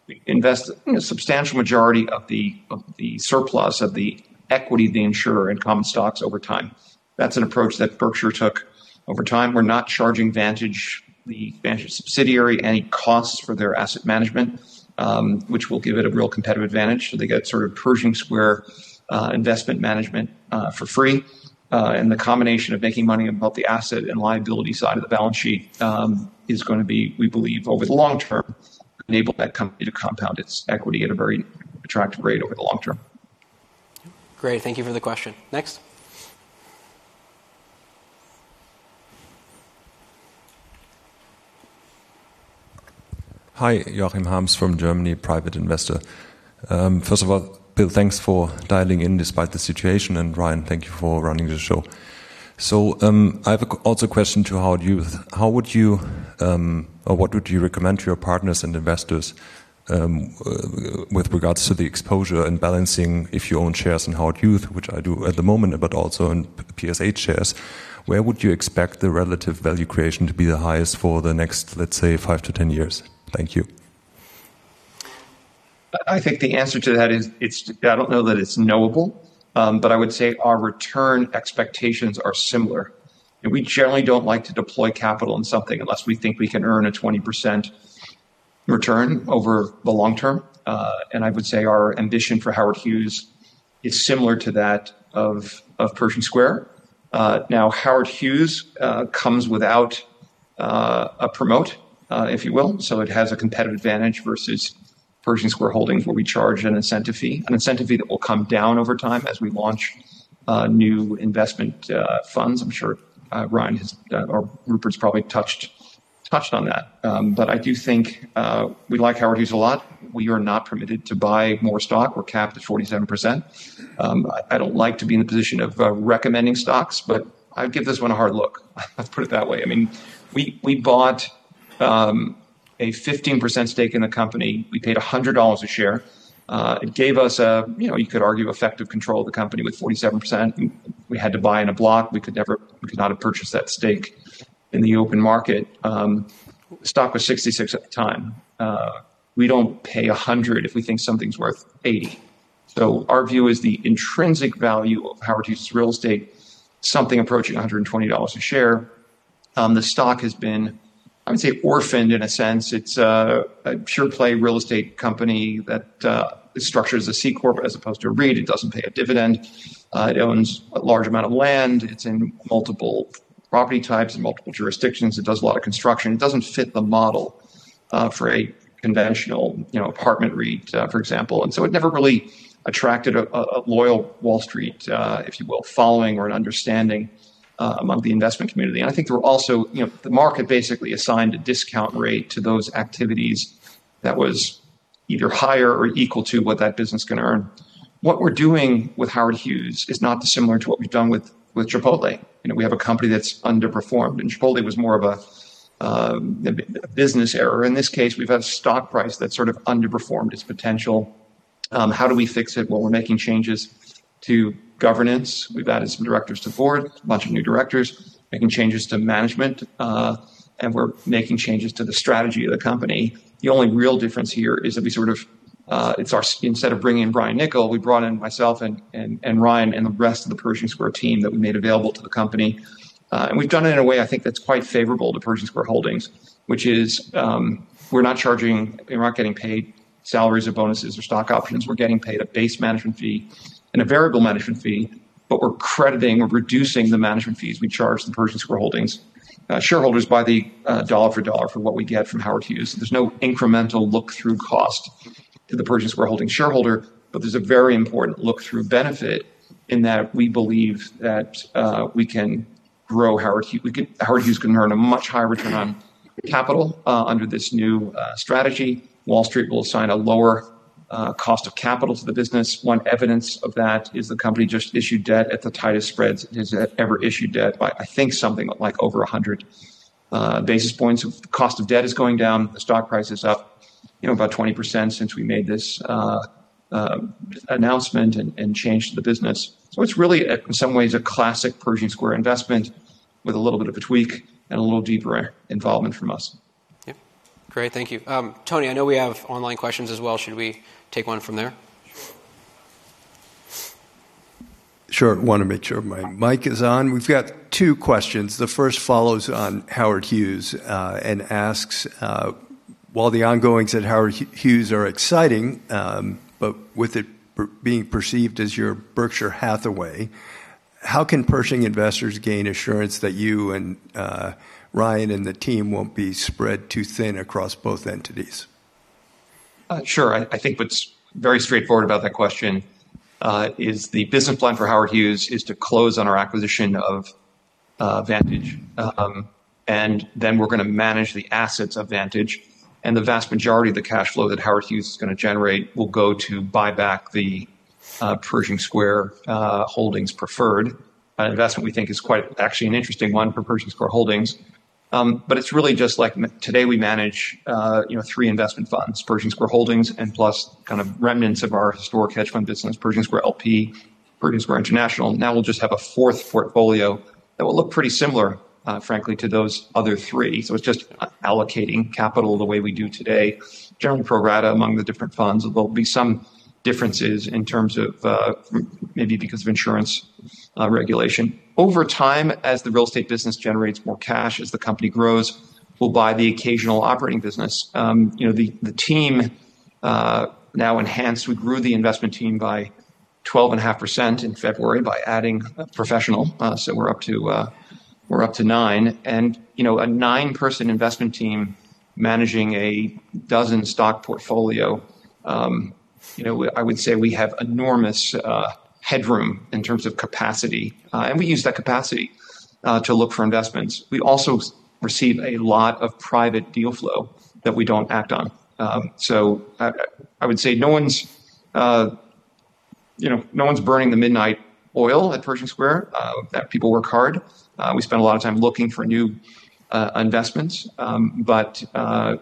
we invest a substantial majority of the surplus of the equity of the insurer in common stocks over time. That's an approach that Berkshire took over time. We're not charging Vantage, the Vantage subsidiary, any costs for their asset management, which will give it a real competitive advantage. So they get sort of Pershing Square investment management for free. And the combination of making money on both the asset and liability side of the balance sheet is going to be, we believe, over the long term, enable that company to compound its equity at a very attractive rate over the long term. Great. Thank you for the question. Next. Hi. Joachim Hams from Germany, private investor. First of all, Bill, thanks for dialing in despite the situation. And Ryan, thank you for running the show. So I have also a question to Howard Hughes. How would you or what would you recommend to your partners and investors with regards to the exposure and balancing if you own shares in Howard Hughes, which I do at the moment, but also in PSH shares? Where would you expect the relative value creation to be the highest for the next, let's say, 5 to 10 years? Thank you. I think the answer to that is I don't know that it's knowable. But I would say our return expectations are similar. We generally don't like to deploy capital in something unless we think we can earn a 20% return over the long term. I would say our ambition for Howard Hughes is similar to that of Pershing Square. Now, Howard Hughes comes without a promote, if you will. So it has a competitive advantage versus Pershing Square Holdings where we charge an incentive fee, an incentive fee that will come down over time as we launch new investment funds. I'm sure Ryan or Rupert's probably touched on that. But I do think we like Howard Hughes a lot. We are not permitted to buy more stock. We're capped at 47%. I don't like to be in the position of recommending stocks. But I'd give this one a hard look. Let's put it that way. I mean, we bought a 15% stake in the company. We paid $100 a share. It gave us, you could argue, effective control of the company with 47%. We had to buy in a block. We could not have purchased that stake in the open market. The stock was $66 at the time. We don't pay 100 if we think something's worth $80. So our view is the intrinsic value of Howard Hughes' real estate, something approaching $120 a share. The stock has been, I would say, orphaned in a sense. It's a pure-play real estate company that is structured as a C corporation as opposed to a REIT. It doesn't pay a dividend. It owns a large amount of land. It's in multiple property types in multiple jurisdictions. It does a lot of construction. It doesn't fit the model for a conventional apartment REIT, for example. And so it never really attracted a loyal Wall Street, if you will, following or an understanding among the investment community. And I think there were also the market basically assigned a discount rate to those activities that was either higher or equal to what that business is going to earn. What we're doing with Howard Hughes is not dissimilar to what we've done with Chipotle. We have a company that's underperformed. And Chipotle was more of a business error. In this case, we've had a stock price that sort of underperformed its potential. How do we fix it while we're making changes to governance? We've added some directors to the board, a bunch of new directors, making changes to management. And we're making changes to the strategy of the company. The only real difference here is that we sort of instead of bringing in Brian Niccol, we brought in myself and Ryan and the rest of the Pershing Square team that we made available to the company. And we've done it in a way, I think, that's quite favorable to Pershing Square Holdings, which is we're not charging we're not getting paid salaries or bonuses or stock options. We're getting paid a base management fee and a variable management fee. But we're crediting we're reducing the management fees we charge the Pershing Square Holdings shareholders by the dollar for dollar for what we get from Howard Hughes. There's no incremental look-through cost to the Pershing Square Holdings shareholder. But there's a very important look-through benefit in that we believe that we can grow Howard Hughes. Howard Hughes can earn a much higher return on capital under this new strategy. Wall Street will assign a lower cost of capital to the business. One evidence of that is the company just issued debt at the tightest spreads it has ever issued debt by, I think, something like over 100 basis points. The cost of debt is going down. The stock price is up about 20% since we made this announcement and changed the business. So it's really, in some ways, a classic Pershing Square investment with a little bit of a tweak and a little deeper involvement from us. Yeah. Great. Thank you. Tony, I know we have online questions as well. Should we take one from there? Sure. I want to make sure my mic is on. We've got two questions. The first follows on Howard Hughes and asks, while the ongoings at Howard Hughes are exciting, but with it being perceived as your Berkshire Hathaway, how can Pershing investors gain assurance that you and Ryan and the team won't be spread too thin across both entities? Sure. I think what's very straightforward about that question is the business plan for Howard Hughes is to close on our acquisition of Vantage. And then we're going to manage the assets of Vantage. And the vast majority of the cash flow that Howard Hughes is going to generate will go to buy back the Pershing Square Holdings preferred, an investment we think is quite actually an interesting one for Pershing Square Holdings. But it's really just like today, we manage three investment funds, Pershing Square Holdings and plus kind of remnants of our historic hedge fund business, Pershing Square LP, Pershing Square International. Now, we'll just have a fourth portfolio that will look pretty similar, frankly, to those other three. So it's just allocating capital the way we do today, generally pro rata among the different funds. There'll be some differences in terms of maybe because of insurance regulation. Over time, as the real estate business generates more cash, as the company grows, we'll buy the occasional operating business. The team now enhanced. We grew the investment team by 12.5% in February by adding a professional. So we're up to nine. A nine-person investment team managing a dozen-stock portfolio, I would say we have enormous headroom in terms of capacity. And we use that capacity to look for investments. We also receive a lot of private deal flow that we don't act on. So I would say no one's burning the midnight oil at Pershing Square, that people work hard. We spend a lot of time looking for new investments. But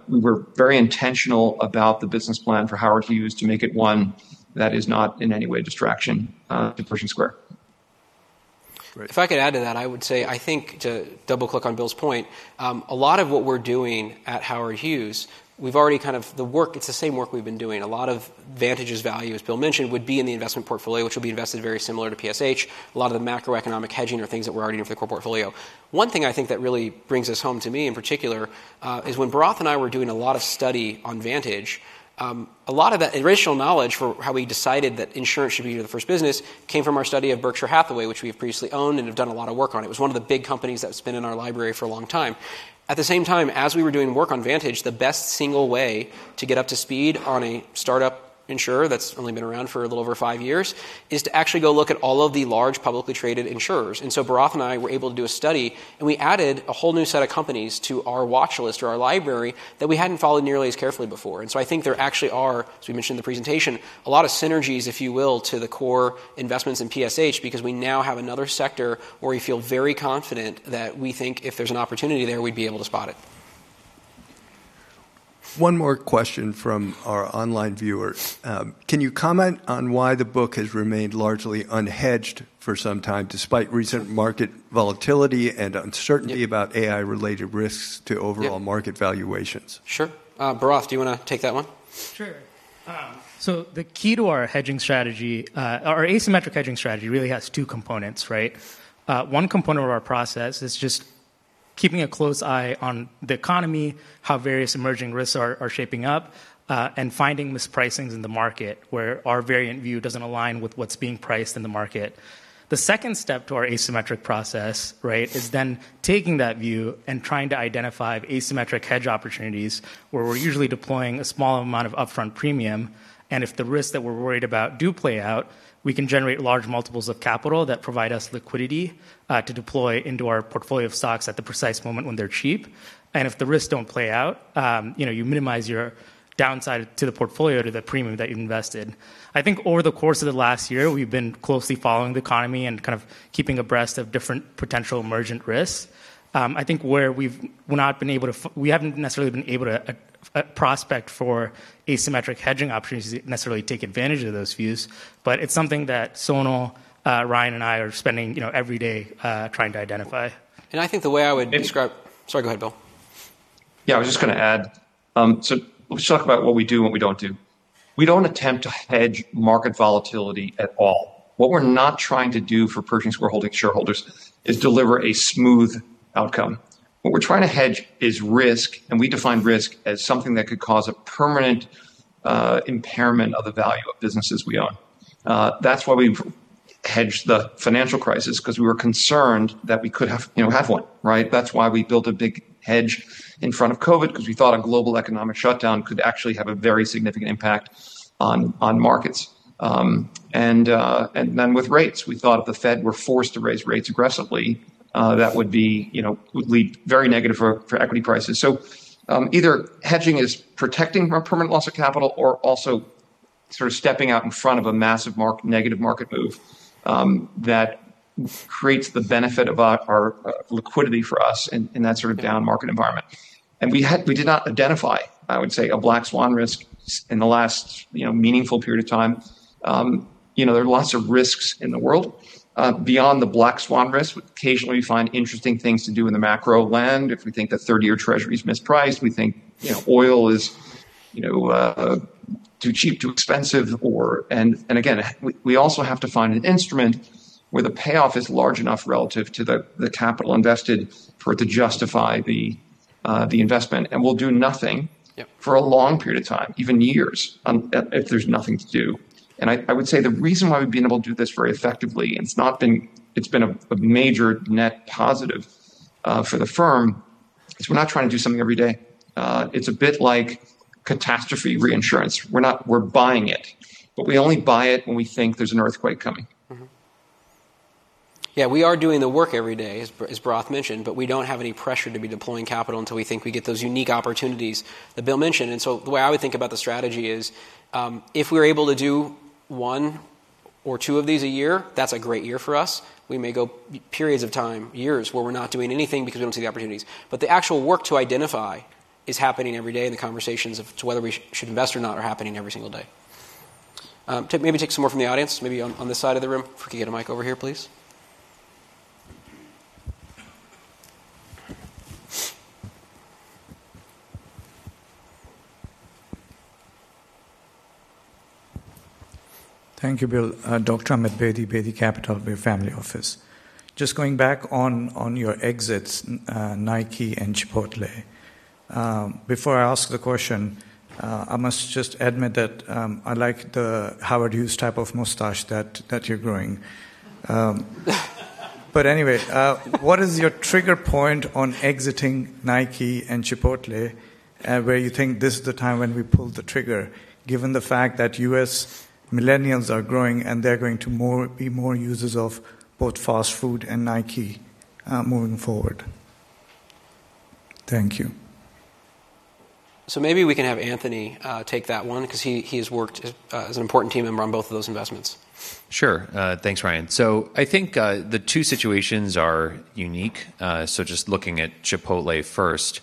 we were very intentional about the business plan for Howard Hughes to make it one that is not in any way a distraction to Pershing Square. Great. If I could add to that, I would say I think to double-click on Bill's point, a lot of what we're doing at Howard Hughes, we've already kind of the work, it's the same work we've been doing. A lot of Vantage's value, as Bill mentioned, would be in the investment portfolio, which will be invested very similar to PSH. A lot of the macroeconomic hedging are things that we're already doing for the core portfolio. One thing I think that really brings us home to me in particular is when Bharath and I were doing a lot of study on Vantage, a lot of that original knowledge for how we decided that insurance should be the first business came from our study of Berkshire Hathaway, which we have previously owned and have done a lot of work on. It was one of the big companies that's been in our library for a long time. At the same time, as we were doing work on Vantage, the best single way to get up to speed on a startup insurer that's only been around for a little over five years is to actually go look at all of the large publicly traded insurers. And so Bharath and I were able to do a study. And we added a whole new set of companies to our watchlist or our library that we hadn't followed nearly as carefully before. And so I think there actually are, as we mentioned in the presentation, a lot of synergies, if you will, to the core investments in PSH because we now have another sector where we feel very confident that we think if there's an opportunity there, we'd be able to spot it. One more question from our online viewers. Can you comment on why the book has remained largely unhedged for some time despite recent market volatility and uncertainty about AI-related risks to overall market valuations? Sure. Bharath, do you want to take that one? Sure. So the key to our hedging strategy, our asymmetric hedging strategy, really has two components, right? One component of our process is just keeping a close eye on the economy, how various emerging risks are shaping up, and finding mispricings in the market where our variant view doesn't align with what's being priced in the market. The second step to our asymmetric process, right, is then taking that view and trying to identify asymmetric hedge opportunities where we're usually deploying a small amount of upfront premium. And if the risks that we're worried about do play out, we can generate large multiples of capital that provide us liquidity to deploy into our portfolio of stocks at the precise moment when they're cheap. And if the risks don't play out, you minimize your downside to the portfolio to the premium that you invested. I think over the course of the last year, we've been closely following the economy and kind of keeping abreast of different potential emergent risks. I think where we've not been able to we haven't necessarily been able to prospect for asymmetric hedging opportunities to necessarily take advantage of those views. But it's something that Sonal, Ryan, and I are spending every day trying to identify. I think the way I would describe. Sorry, go ahead, Bill. Yeah. I was just going to add. So let's talk about what we do and what we don't do. We don't attempt to hedge market volatility at all. What we're not trying to do for Pershing Square Holdings shareholders is deliver a smooth outcome. What we're trying to hedge is risk. And we define risk as something that could cause a permanent impairment of the value of businesses we own. That's why we hedged the financial crisis because we were concerned that we could have one, right? That's why we built a big hedge in front of COVID because we thought a global economic shutdown could actually have a very significant impact on markets. And then with rates, we thought if the Fed were forced to raise rates aggressively, that would lead very negative for equity prices. So either hedging is protecting from permanent loss of capital or also sort of stepping out in front of a massive negative market move that creates the benefit of our liquidity for us in that sort of down market environment. And we did not identify, I would say, a black swan risk in the last meaningful period of time. There are lots of risks in the world. Beyond the black swan risk, occasionally, we find interesting things to do in the macro land. If we think that 30-year Treasury is mispriced, we think oil is too cheap, too expensive, or and again, we also have to find an instrument where the payoff is large enough relative to the capital invested for it to justify the investment. And we'll do nothing for a long period of time, even years, if there's nothing to do. I would say the reason why we've been able to do this very effectively, and it's been a major net positive for the firm, is we're not trying to do something every day. It's a bit like catastrophe reinsurance. We're buying it. But we only buy it when we think there's an earthquake coming. Yeah. We are doing the work every day, as Bharath mentioned. But we don't have any pressure to be deploying capital until we think we get those unique opportunities that Bill mentioned. And so the way I would think about the strategy is if we're able to do one or two of these a year, that's a great year for us. We may go periods of time, years, where we're not doing anything because we don't see the opportunities. But the actual work to identify is happening every day. And the conversations of whether we should invest or not are happening every single day. Maybe take some more from the audience. Maybe on this side of the room. If we could get a mic over here, please. Thank you, Bill. Dr. Ahmed Beydoun, Beydoun Capital, Beydoun Family Office. Just going back on your exits, Nike and Chipotle, before I ask the question, I must just admit that I like the Howard Hughes type of mustache that you're growing. But anyway, what is your trigger point on exiting Nike and Chipotle where you think this is the time when we pull the trigger, given the fact that U.S. millennials are growing and they're going to be more users of both fast food and Nike moving forward? Thank you. Maybe we can have Anthony take that one because he has worked as an important team member on both of those investments. Sure. Thanks, Ryan. So I think the two situations are unique. So just looking at Chipotle first,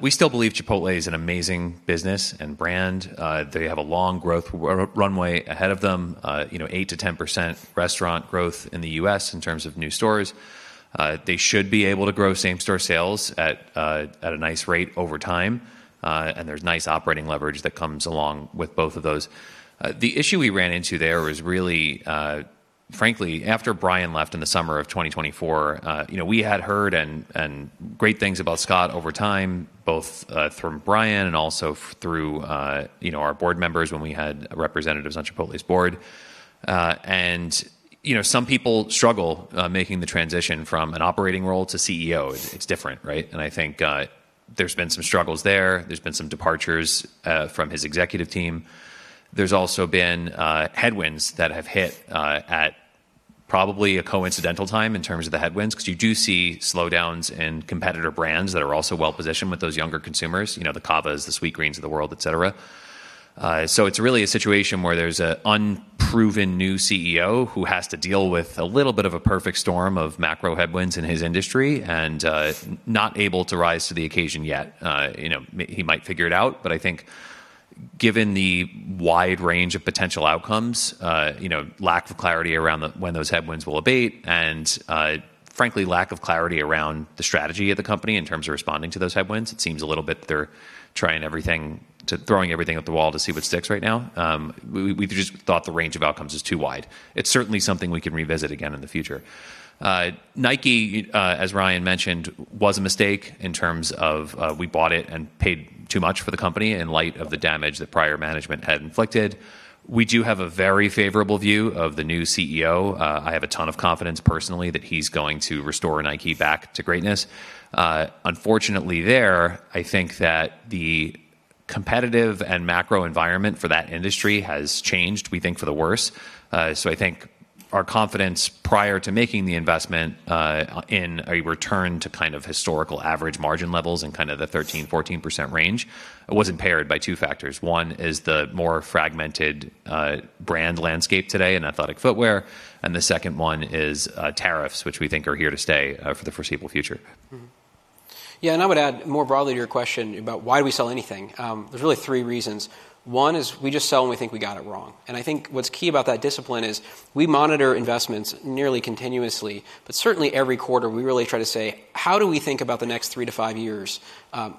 we still believe Chipotle is an amazing business and brand. They have a long growth runway ahead of them, 8%-10% restaurant growth in the U.S. in terms of new stores. They should be able to grow same-store sales at a nice rate over time. And there's nice operating leverage that comes along with both of those. The issue we ran into there was really, frankly, after Brian left in the summer of 2024, we had heard great things about Scott over time, both from Brian and also through our board members when we had representatives on Chipotle's board. And some people struggle making the transition from an operating role to CEO. It's different, right? And I think there's been some struggles there. There's been some departures from his executive team. There's also been headwinds that have hit at probably a coincidental time in terms of the headwinds because you do see slowdowns in competitor brands that are also well-positioned with those younger consumers, the Cavas, the Sweetgreens of the world, et cetera. So it's really a situation where there's an unproven new CEO who has to deal with a little bit of a perfect storm of macro headwinds in his industry and not able to rise to the occasion yet. He might figure it out. But I think given the wide range of potential outcomes, lack of clarity around when those headwinds will abate, and frankly, lack of clarity around the strategy of the company in terms of responding to those headwinds, it seems a little bit that they're throwing everything at the wall to see what sticks right now. We just thought the range of outcomes is too wide. It's certainly something we can revisit again in the future. Nike, as Ryan mentioned, was a mistake in terms of we bought it and paid too much for the company in light of the damage that prior management had inflicted. We do have a very favorable view of the new CEO. I have a ton of confidence personally that he's going to restore Nike back to greatness. Unfortunately, there, I think that the competitive and macro environment for that industry has changed, we think, for the worse. So I think our confidence prior to making the investment in a return to kind of historical average margin levels and kind of the 13%-14% range was impaired by two factors. One is the more fragmented brand landscape today in athletic footwear. The second one is tariffs, which we think are here to stay for the foreseeable future. Yeah. I would add more broadly to your question about why do we sell anything. There's really three reasons. One is we just sell when we think we got it wrong. I think what's key about that discipline is we monitor investments nearly continuously. But certainly, every quarter, we really try to say, how do we think about the next three to five years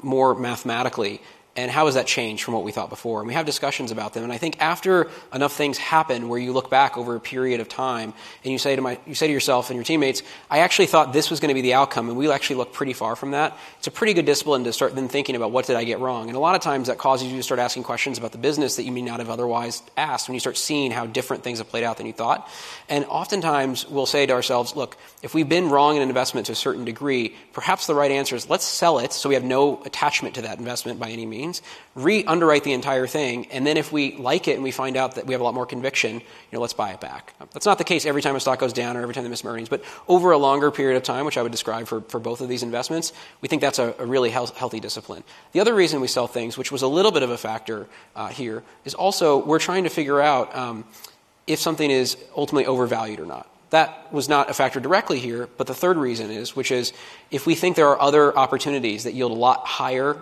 more mathematically? And how has that changed from what we thought before? And we have discussions about them. I think after enough things happen where you look back over a period of time and you say to yourself and your teammates, "I actually thought this was going to be the outcome. We actually looked pretty far from that. It's a pretty good discipline to start, then thinking about, "What did I get wrong?" A lot of times, that causes you to start asking questions about the business that you may not have otherwise asked when you start seeing how different things have played out than you thought. And oftentimes, we'll say to ourselves, "Look, if we've been wrong in an investment to a certain degree, perhaps the right answer is let's sell it so we have no attachment to that investment by any means, reunderwrite the entire thing. And then if we like it and we find out that we have a lot more conviction, let's buy it back." That's not the case every time a stock goes down or every time they miss earnings. Over a longer period of time, which I would describe for both of these investments, we think that's a really healthy discipline. The other reason we sell things, which was a little bit of a factor here, is also we're trying to figure out if something is ultimately overvalued or not. That was not a factor directly here. The third reason is, which is if we think there are other opportunities that yield a lot higher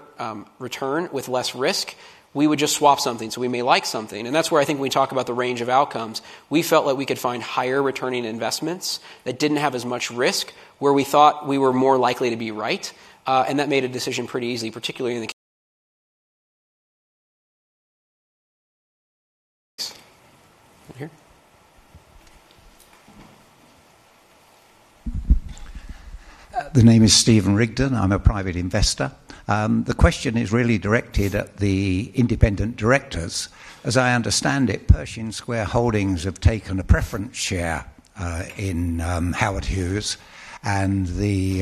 return with less risk, we would just swap something. We may like something. That's where I think we talk about the range of outcomes. We felt like we could find higher-returning investments that didn't have as much risk where we thought we were more likely to be right. That made a decision pretty easy, particularly in the. The name is Stephen Rigdon. I'm a private investor. The question is really directed at the independent directors. As I understand it, Pershing Square Holdings have taken a preference share in Howard Hughes. The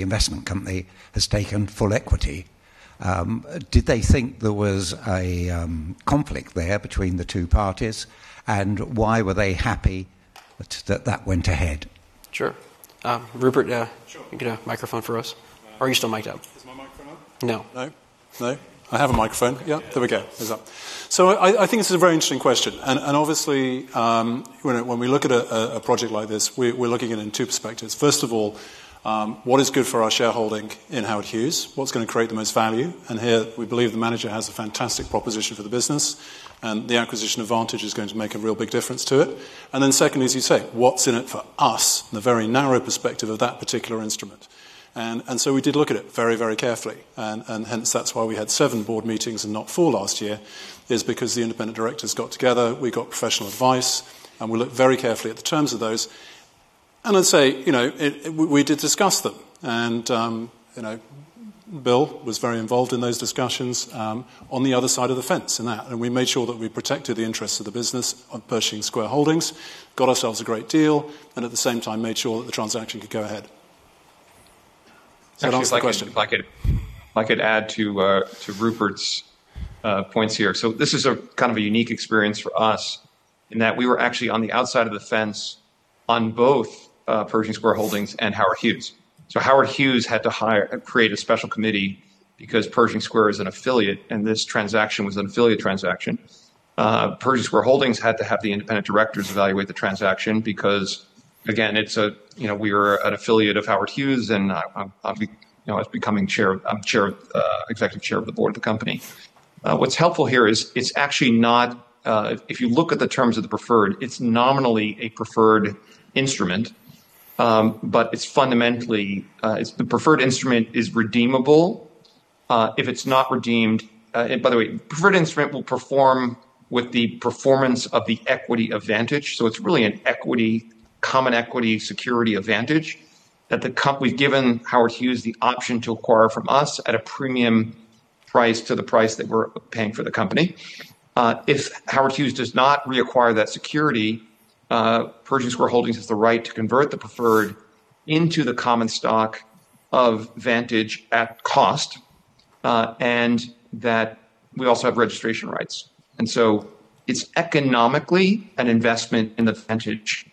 investment company has taken full equity. Did they think there was a conflict there between the two parties? Why were they happy that that went ahead? Sure. Rupert, you can get a microphone for us. Or are you still mic'd up? Is my mic turned on? No. No? No? I have a microphone. Yeah. There we go. There's that. So I think this is a very interesting question. And obviously, when we look at a project like this, we're looking at it in two perspectives. First of all, what is good for our shareholding in Howard Hughes? What's going to create the most value? And here, we believe the manager has a fantastic proposition for the business. And the acquisition advantage is going to make a real big difference to it. And then second, as you say, what's in it for us in the very narrow perspective of that particular instrument? And so we did look at it very, very carefully. And hence, that's why we had seven board meetings and not four last year, is because the independent directors got together. We got professional advice. And we looked very carefully at the terms of those. I'd say we did discuss them. Bill was very involved in those discussions on the other side of the fence in that. We made sure that we protected the interests of the business of Pershing Square Holdings, got ourselves a great deal, and at the same time, made sure that the transaction could go ahead. Sounds good. If I could add to Rupert's points here. So this is kind of a unique experience for us in that we were actually on the outside of the fence on both Pershing Square Holdings and Howard Hughes Holdings. So Howard Hughes Holdings had to create a special committee because Pershing Square is an affiliate. And this transaction was an affiliate transaction. Pershing Square Holdings had to have the independent directors evaluate the transaction because, again, we were an affiliate of Howard Hughes Holdings. And I'm becoming executive chair of the board of the company. What's helpful here is it's actually not if you look at the terms of the preferred, it's nominally a preferred instrument. But the preferred instrument is redeemable. If it's not redeemed by the way, the preferred instrument will perform with the performance of the equity advantage. It's really a common equity security advantage that we've given Howard Hughes the option to acquire from us at a premium price to the price that we're paying for the company. If Howard Hughes does not reacquire that security, Pershing Square Holdings has the right to convert the preferred into the common stock of Vantage at cost. And we also have registration rights. And so it's economically an investment in the Vantage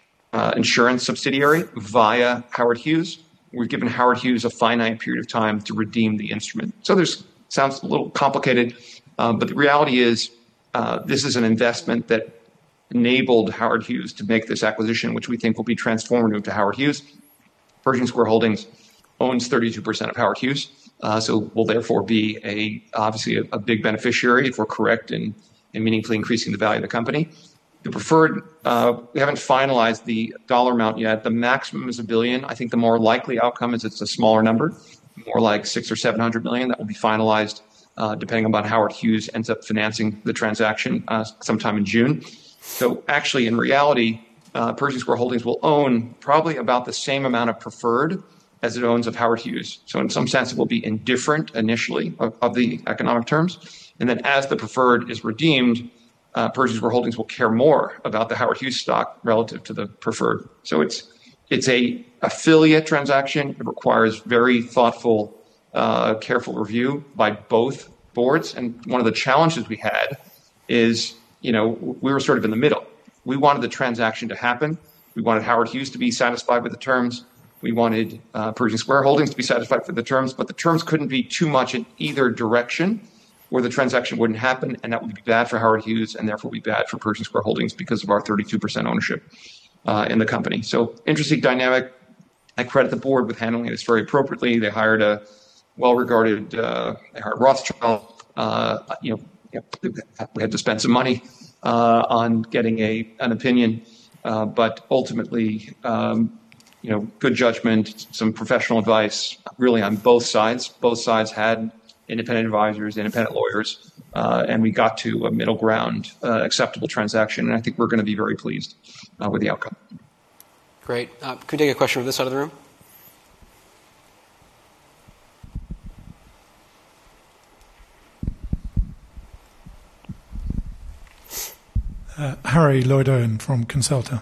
insurance subsidiary via Howard Hughes. We've given Howard Hughes a finite period of time to redeem the instrument. So this sounds a little complicated. But the reality is this is an investment that enabled Howard Hughes to make this acquisition, which we think will be transformative to Howard Hughes. Pershing Square Holdings owns 32% of Howard Hughes. So we'll therefore be obviously a big beneficiary if we're correct in meaningfully increasing the value of the company. We haven't finalized the dollar amount yet. The maximum is $1 billion. I think the more likely outcome is it's a smaller number, more like $600 million or $700 million. That will be finalized depending upon Howard Hughes ends up financing the transaction sometime in June. So actually, in reality, Pershing Square Holdings will own probably about the same amount of preferred as it owns of Howard Hughes. So in some sense, it will be indifferent initially of the economic terms. And then as the preferred is redeemed, Pershing Square Holdings will care more about the Howard Hughes stock relative to the preferred. So it's an affiliate transaction. It requires very thoughtful, careful review by both boards. And one of the challenges we had is we were sort of in the middle. We wanted the transaction to happen. We wanted Howard Hughes to be satisfied with the terms. We wanted Pershing Square Holdings to be satisfied with the terms. But the terms couldn't be too much in either direction where the transaction wouldn't happen. And that would be bad for Howard Hughes. And therefore, it would be bad for Pershing Square Holdings because of our 32% ownership in the company. So interesting dynamic. I credit the board with handling this very appropriately. They hired a well-regarded Rothschild. We had to spend some money on getting an opinion. But ultimately, good judgment, some professional advice, really on both sides. Both sides had independent advisors, independent lawyers. And we got to a middle ground, acceptable transaction. And I think we're going to be very pleased with the outcome. Great. Could we take a question from this side of the room? Harry Lloyd Owen from Consulta.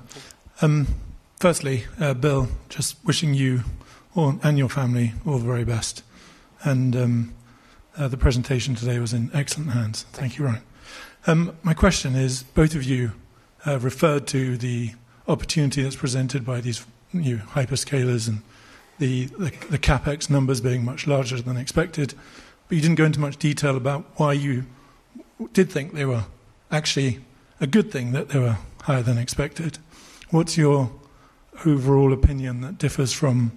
Firstly, Bill, just wishing you and your family all the very best. The presentation today was in excellent hands. Thank you, Ryan. My question is, both of you referred to the opportunity that's presented by these new hyperscalers and the CapEx numbers being much larger than expected. But you didn't go into much detail about why you did think they were actually a good thing that they were higher than expected. What's your overall opinion that differs from,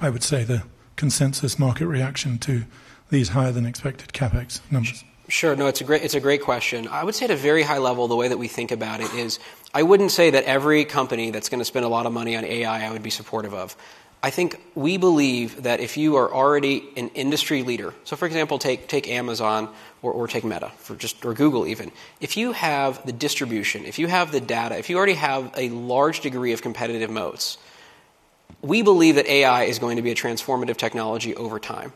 I would say, the consensus market reaction to these higher-than-expected CapEx numbers? Sure. No, it's a great question. I would say at a very high level, the way that we think about it is I wouldn't say that every company that's going to spend a lot of money on AI I would be supportive of. I think we believe that if you are already an industry leader so for example, take Amazon or take Meta or Google even. If you have the distribution, if you have the data, if you already have a large degree of competitive moats, we believe that AI is going to be a transformative technology over time.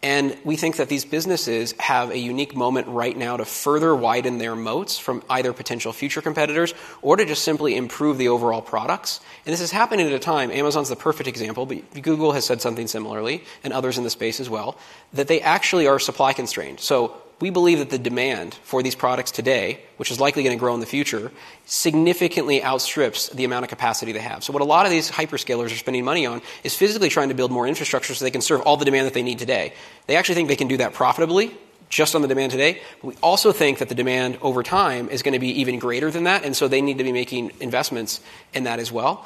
And we think that these businesses have a unique moment right now to further widen their moats from either potential future competitors or to just simply improve the overall products. And this has happened at a time Amazon's the perfect example. Google has said something similarly and others in the space as well that they actually are supply constrained. We believe that the demand for these products today, which is likely going to grow in the future, significantly outstrips the amount of capacity they have. What a lot of these hyperscalers are spending money on is physically trying to build more infrastructure so they can serve all the demand that they need today. They actually think they can do that profitably just on the demand today. But we also think that the demand over time is going to be even greater than that. They need to be making investments in that as well.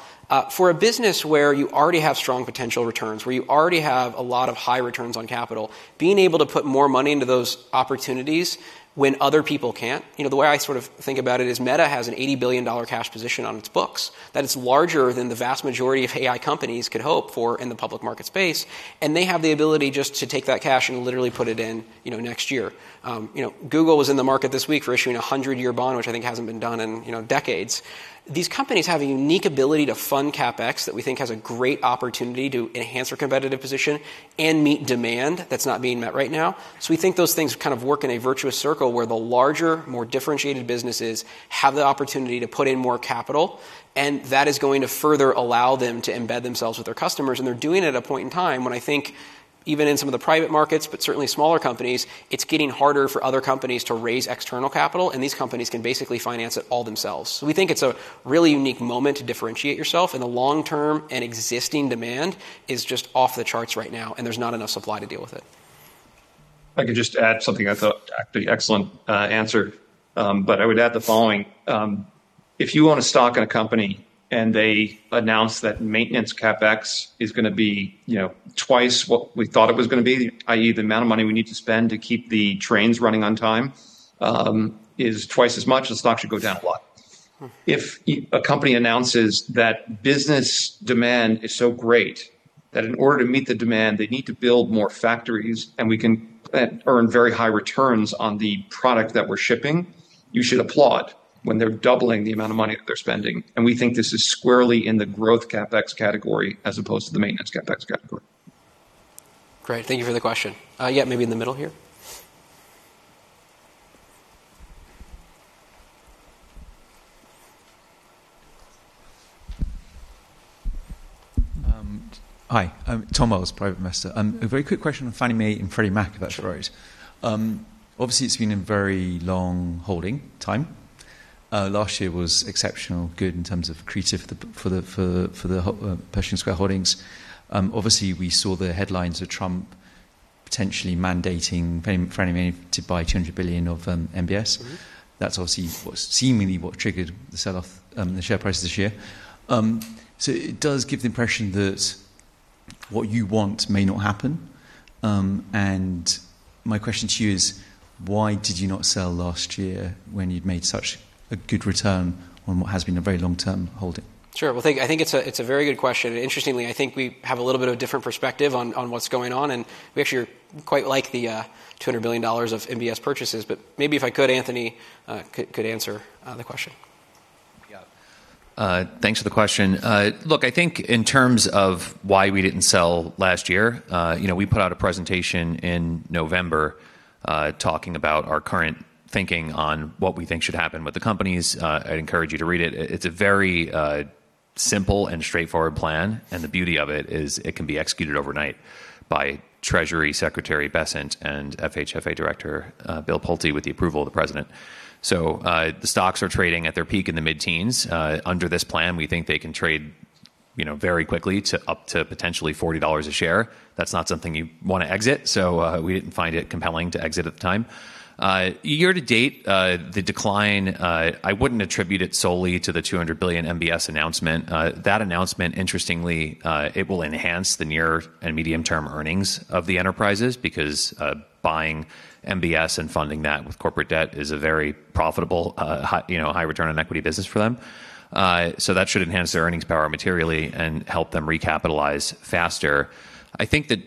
For a business where you already have strong potential returns, where you already have a lot of high returns on capital, being able to put more money into those opportunities when other people can't the way I sort of think about it is Meta has an $80 billion cash position on its books that is larger than the vast majority of AI companies could hope for in the public market space. They have the ability just to take that cash and literally put it in next year. Google was in the market this week for issuing a 100-year bond, which I think hasn't been done in decades. These companies have a unique ability to fund CapEx that we think has a great opportunity to enhance their competitive position and meet demand that's not being met right now. So we think those things kind of work in a virtuous circle where the larger, more differentiated businesses have the opportunity to put in more capital. And that is going to further allow them to embed themselves with their customers. And they're doing it at a point in time when I think even in some of the private markets, but certainly smaller companies, it's getting harder for other companies to raise external capital. And these companies can basically finance it all themselves. So we think it's a really unique moment to differentiate yourself. And the long-term and existing demand is just off the charts right now. And there's not enough supply to deal with it. I could just add something I thought actually excellent answer. But I would add the following. If you own a stock in a company and they announce that maintenance CapEx is going to be twice what we thought it was going to be, i.e., the amount of money we need to spend to keep the trains running on time, is twice as much, the stock should go down a lot. If a company announces that business demand is so great that in order to meet the demand, they need to build more factories and we can earn very high returns on the product that we're shipping, you should applaud when they're doubling the amount of money that they're spending. And we think this is squarely in the growth CapEx category as opposed to the maintenance CapEx category. Great. Thank you for the question. Yeah, maybe in the middle here. Hi. I'm Tom Owens, private investor. A very quick question from Fannie Mae and Freddie Mac, if that's all right. Obviously, it's been a very long holding time. Last year was exceptionally good in terms of returns for Pershing Square Holdings. Obviously, we saw the headlines of Trump potentially mandating financial by $200 billion of MBS. That's obviously seemingly what triggered the sell-off in the share prices this year. So it does give the impression that what you want may not happen. And my question to you is, why did you not sell last year when you'd made such a good return on what has been a very long-term holding? Sure. Well, I think it's a very good question. Interestingly, I think we have a little bit of a different perspective on what's going on. And we actually are quite like the $200 billion of MBS purchases. But maybe if I could, Anthony could answer the question. Yeah. Thanks for the question. Look, I think in terms of why we didn't sell last year, we put out a presentation in November talking about our current thinking on what we think should happen with the companies. I'd encourage you to read it. It's a very simple and straightforward plan. And the beauty of it is it can be executed overnight by Treasury Secretary Bessent and FHFA Director Bill Pulte with the approval of the president. So the stocks are trading at their peak in the mid-teens. Under this plan, we think they can trade very quickly up to potentially $40 a share. That's not something you want to exit. So we didn't find it compelling to exit at the time. Year to date, the decline, I wouldn't attribute it solely to the $200 billion MBS announcement. That announcement, interestingly, it will enhance the near and medium-term earnings of the enterprises because buying MBS and funding that with corporate debt is a very profitable, high-return on equity business for them. So that should enhance their earnings power materially and help them recapitalize faster. I think that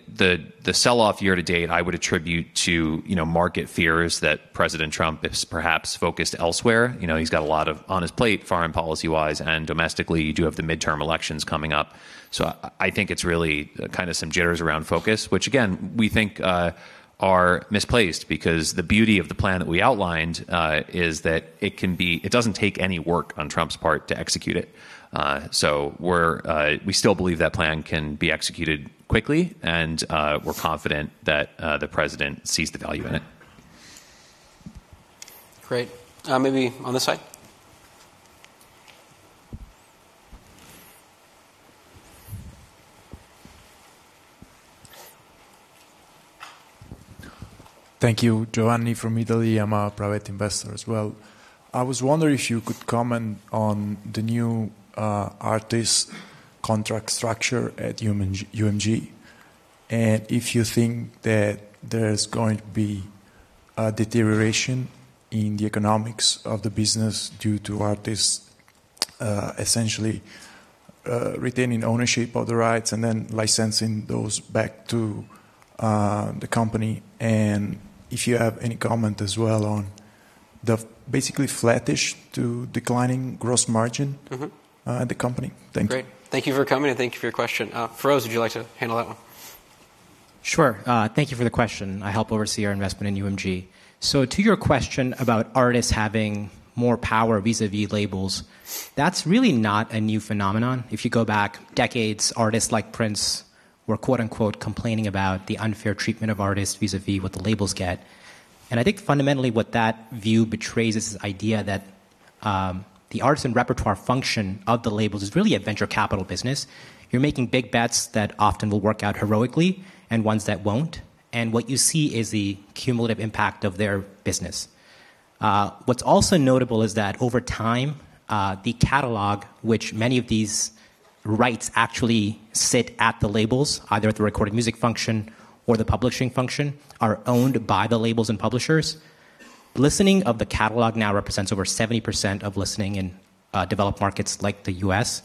the sell-off year to date, I would attribute to market fears that President Trump has perhaps focused elsewhere. He's got a lot on his plate foreign policy-wise. And domestically, you do have the midterm elections coming up. So I think it's really kind of some jitters around focus, which, again, we think are misplaced because the beauty of the plan that we outlined is that it doesn't take any work on Trump's part to execute it. So we still believe that plan can be executed quickly. And we're confident that the president sees the value in it. Great. Maybe on this side. Thank you, Giovanni, from Italy. I'm a private investor as well. I was wondering if you could comment on the new artist contract structure at UMG and if you think that there's going to be a deterioration in the economics of the business due to artists essentially retaining ownership of the rights and then licensing those back to the company. If you have any comment as well on the basically flattish to declining gross margin at the company. Thank you. Great. Thank you for coming. Thank you for your question. Feroz, would you like to handle that one? Sure. Thank you for the question. I help oversee our investment in UMG. So to your question about artists having more power vis-à-vis labels, that's really not a new phenomenon. If you go back decades, artists like Prince were "complaining" about the unfair treatment of artists vis-à-vis what the labels get. And I think fundamentally what that view betrays is this idea that the artists and repertoire function of the labels is really a venture capital business. You're making big bets that often will work out heroically and ones that won't. And what you see is the cumulative impact of their business. What's also notable is that over time, the catalog, which many of these rights actually sit at the labels, either at the recorded music function or the publishing function, are owned by the labels and publishers. Listening of the catalog now represents over 70% of listening in developed markets like the US.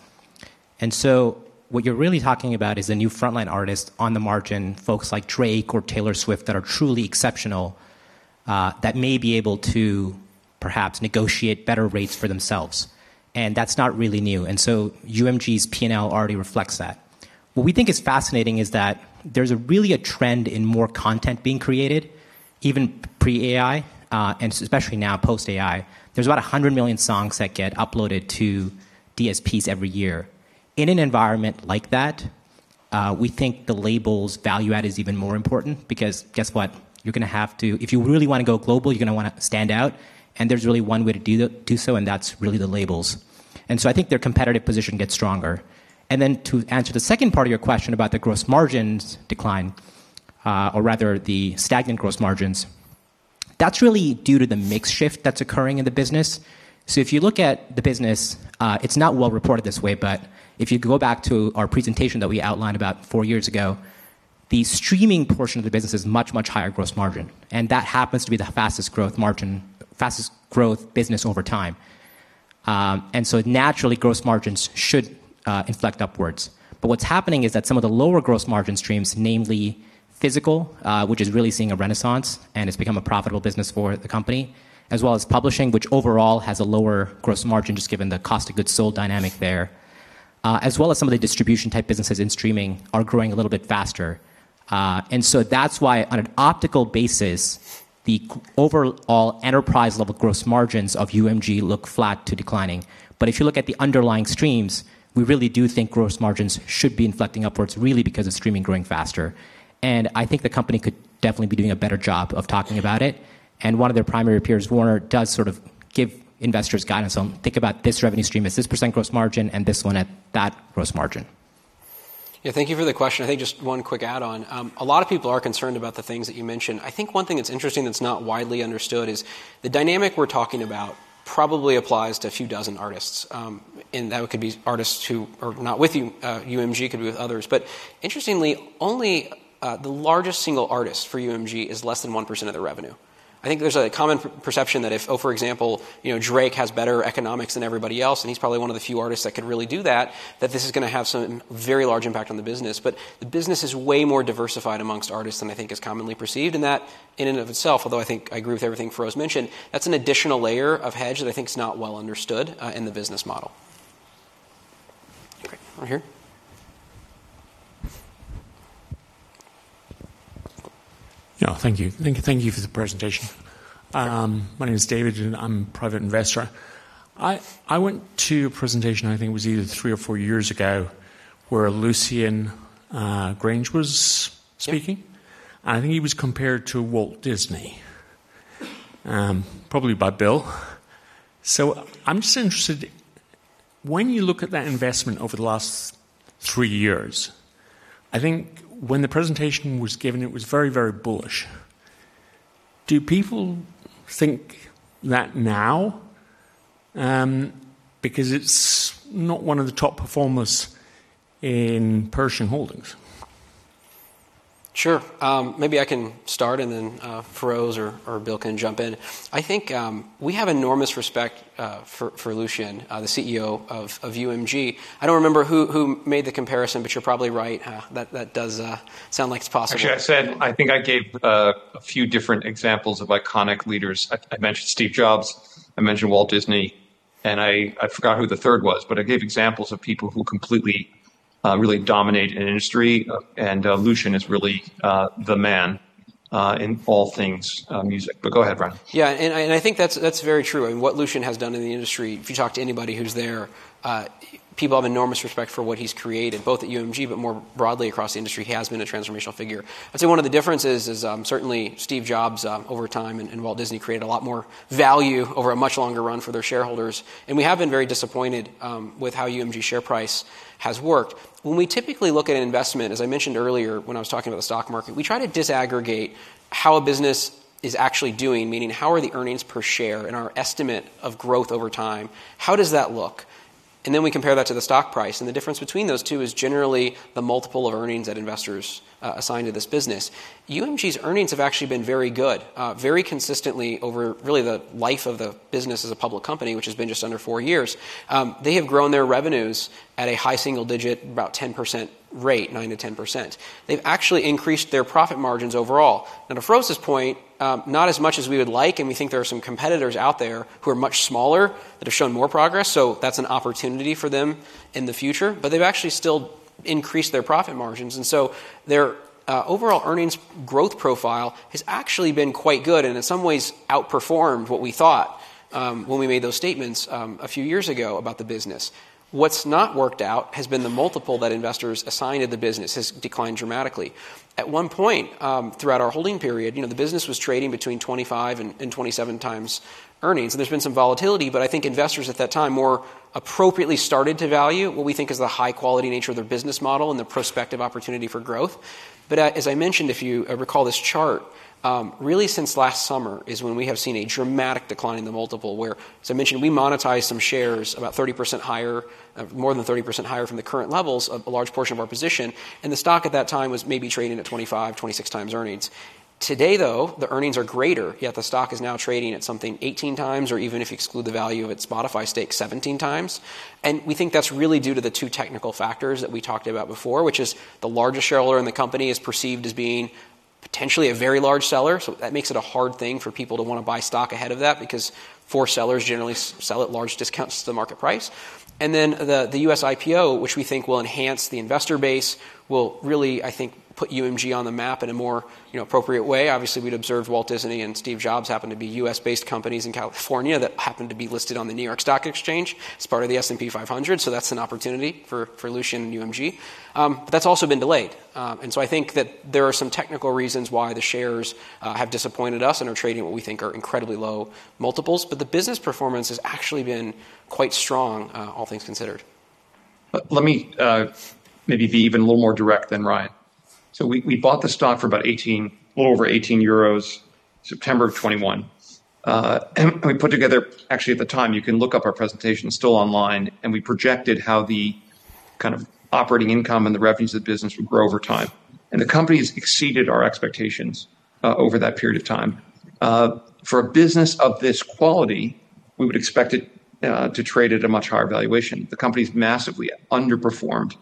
And so what you're really talking about is the new frontline artists on the margin, folks like Drake or Taylor Swift that are truly exceptional that may be able to perhaps negotiate better rates for themselves. And that's not really new. And so UMG's P&L already reflects that. What we think is fascinating is that there's really a trend in more content being created, even pre-AI and especially now post-AI. There's about 100 million songs that get uploaded to DSPs every year. In an environment like that, we think the labels' value add is even more important because guess what? You're going to have to if you really want to go global, you're going to want to stand out. And there's really one way to do so. And that's really the labels. And so I think their competitive position gets stronger. And then to answer the second part of your question about the gross margins decline, or rather the stagnant gross margins, that's really due to the mix shift that's occurring in the business. So if you look at the business it's not well-reported this way. But if you go back to our presentation that we outlined about four years ago, the streaming portion of the business is much, much higher gross margin. And that happens to be the fastest growth margin, fastest growth business over time. And so naturally, gross margins should inflect upwards. But what's happening is that some of the lower gross margin streams, namely physical, which is really seeing a renaissance and has become a profitable business for the company, as well as publishing, which overall has a lower gross margin just given the cost of goods sold dynamic there, as well as some of the distribution-type businesses in streaming are growing a little bit faster. And so that's why on an optical basis, the overall enterprise-level gross margins of UMG look flat to declining. But if you look at the underlying streams, we really do think gross margins should be inflecting upwards really because of streaming growing faster. And I think the company could definitely be doing a better job of talking about it. One of their primary peers, Warner, does sort of give investors guidance on, "Think about this revenue stream as this percent gross margin and this one at that gross margin. Yeah. Thank you for the question. I think just one quick add-on. A lot of people are concerned about the things that you mentioned. I think one thing that's interesting that's not widely understood is the dynamic we're talking about probably applies to a few dozen artists. And that could be artists who are not with UMG, could be with others. But interestingly, only the largest single artist for UMG is less than 1% of the revenue. I think there's a common perception that if, oh, for example, Drake has better economics than everybody else and he's probably one of the few artists that could really do that, that this is going to have some very large impact on the business. But the business is way more diversified amongst artists than I think is commonly perceived. That in and of itself, although I think I agree with everything Feroz mentioned, that's an additional layer of hedge that I think is not well understood in the business model. Great. Over here. Yeah. Thank you. Thank you for the presentation. My name is David. And I'm a private investor. I went to a presentation, I think it was either three or four years ago, where Lucian Grainge was speaking. And I think he was compared to Walt Disney, probably by Bill. So I'm just interested, when you look at that investment over the last three years, I think when the presentation was given, it was very, very bullish. Do people think that now because it's not one of the top performers in Pershing Holdings? Sure. Maybe I can start. And then Feroz or Bill can jump in. I think we have enormous respect for Lucian, the CEO of UMG. I don't remember who made the comparison. But you're probably right. That does sound like it's possible. Actually, I think I gave a few different examples of iconic leaders. I mentioned Steve Jobs. I mentioned Walt Disney. And I forgot who the third was. But I gave examples of people who completely really dominate an industry. And Lucian is really the man in all things music. But go ahead, Ryan. Yeah. I think that's very true. I mean, what Lucian has done in the industry, if you talk to anybody who's there, people have enormous respect for what he's created, both at UMG but more broadly across the industry. He has been a transformational figure. I'd say one of the differences is certainly Steve Jobs over time and Walt Disney created a lot more value over a much longer run for their shareholders. We have been very disappointed with how UMG's share price has worked. When we typically look at an investment, as I mentioned earlier when I was talking about the stock market, we try to disaggregate how a business is actually doing, meaning how are the earnings per share and our estimate of growth over time? How does that look? Then we compare that to the stock price. The difference between those two is generally the multiple of earnings that investors assign to this business. UMG's earnings have actually been very good, very consistently over really the life of the business as a public company, which has been just under four years. They have grown their revenues at a high single-digit, about 10% rate, 9%-10%. They've actually increased their profit margins overall. Now, to Feroz's point, not as much as we would like. We think there are some competitors out there who are much smaller that have shown more progress. So that's an opportunity for them in the future. But they've actually still increased their profit margins. Their overall earnings growth profile has actually been quite good and in some ways outperformed what we thought when we made those statements a few years ago about the business. What's not worked out has been the multiple that investors assign to the business has declined dramatically. At one point throughout our holding period, the business was trading between 25-27x earnings. There's been some volatility. I think investors at that time more appropriately started to value what we think is the high-quality nature of their business model and the prospective opportunity for growth. As I mentioned, if you recall this chart, really since last summer is when we have seen a dramatic decline in the multiple where, as I mentioned, we monetized some shares about 30% higher, more than 30% higher from the current levels of a large portion of our position. The stock at that time was maybe trading at 25-26x earnings. Today, though, the earnings are greater. Yet the stock is now trading at something 18 times or even if you exclude the value of its Spotify stake, 17 times. And we think that's really due to the two technical factors that we talked about before, which is the largest shareholder in the company is perceived as being potentially a very large seller. So that makes it a hard thing for people to want to buy stock ahead of that because forced sellers generally sell at large discounts to the market price. And then the U.S. IPO, which we think will enhance the investor base, will really, I think, put UMG on the map in a more appropriate way. Obviously, we'd observed Walt Disney and Steve Jobs happen to be U.S.-based companies in California that happen to be listed on the New York Stock Exchange. It's part of the S&P 500. So that's an opportunity for Lucian and UMG. But that's also been delayed. And so I think that there are some technical reasons why the shares have disappointed us and are trading what we think are incredibly low multiples. But the business performance has actually been quite strong, all things considered. Let me maybe be even a little more direct than Ryan. So we bought the stock for about 18, a little over €18, September of 2021. And we put together actually, at the time, you can look up our presentation still online. And we projected how the kind of operating income and the revenues of the business would grow over time. And the companies exceeded our expectations over that period of time. For a business of this quality, we would expect it to trade at a much higher valuation. The companies massively underperformed,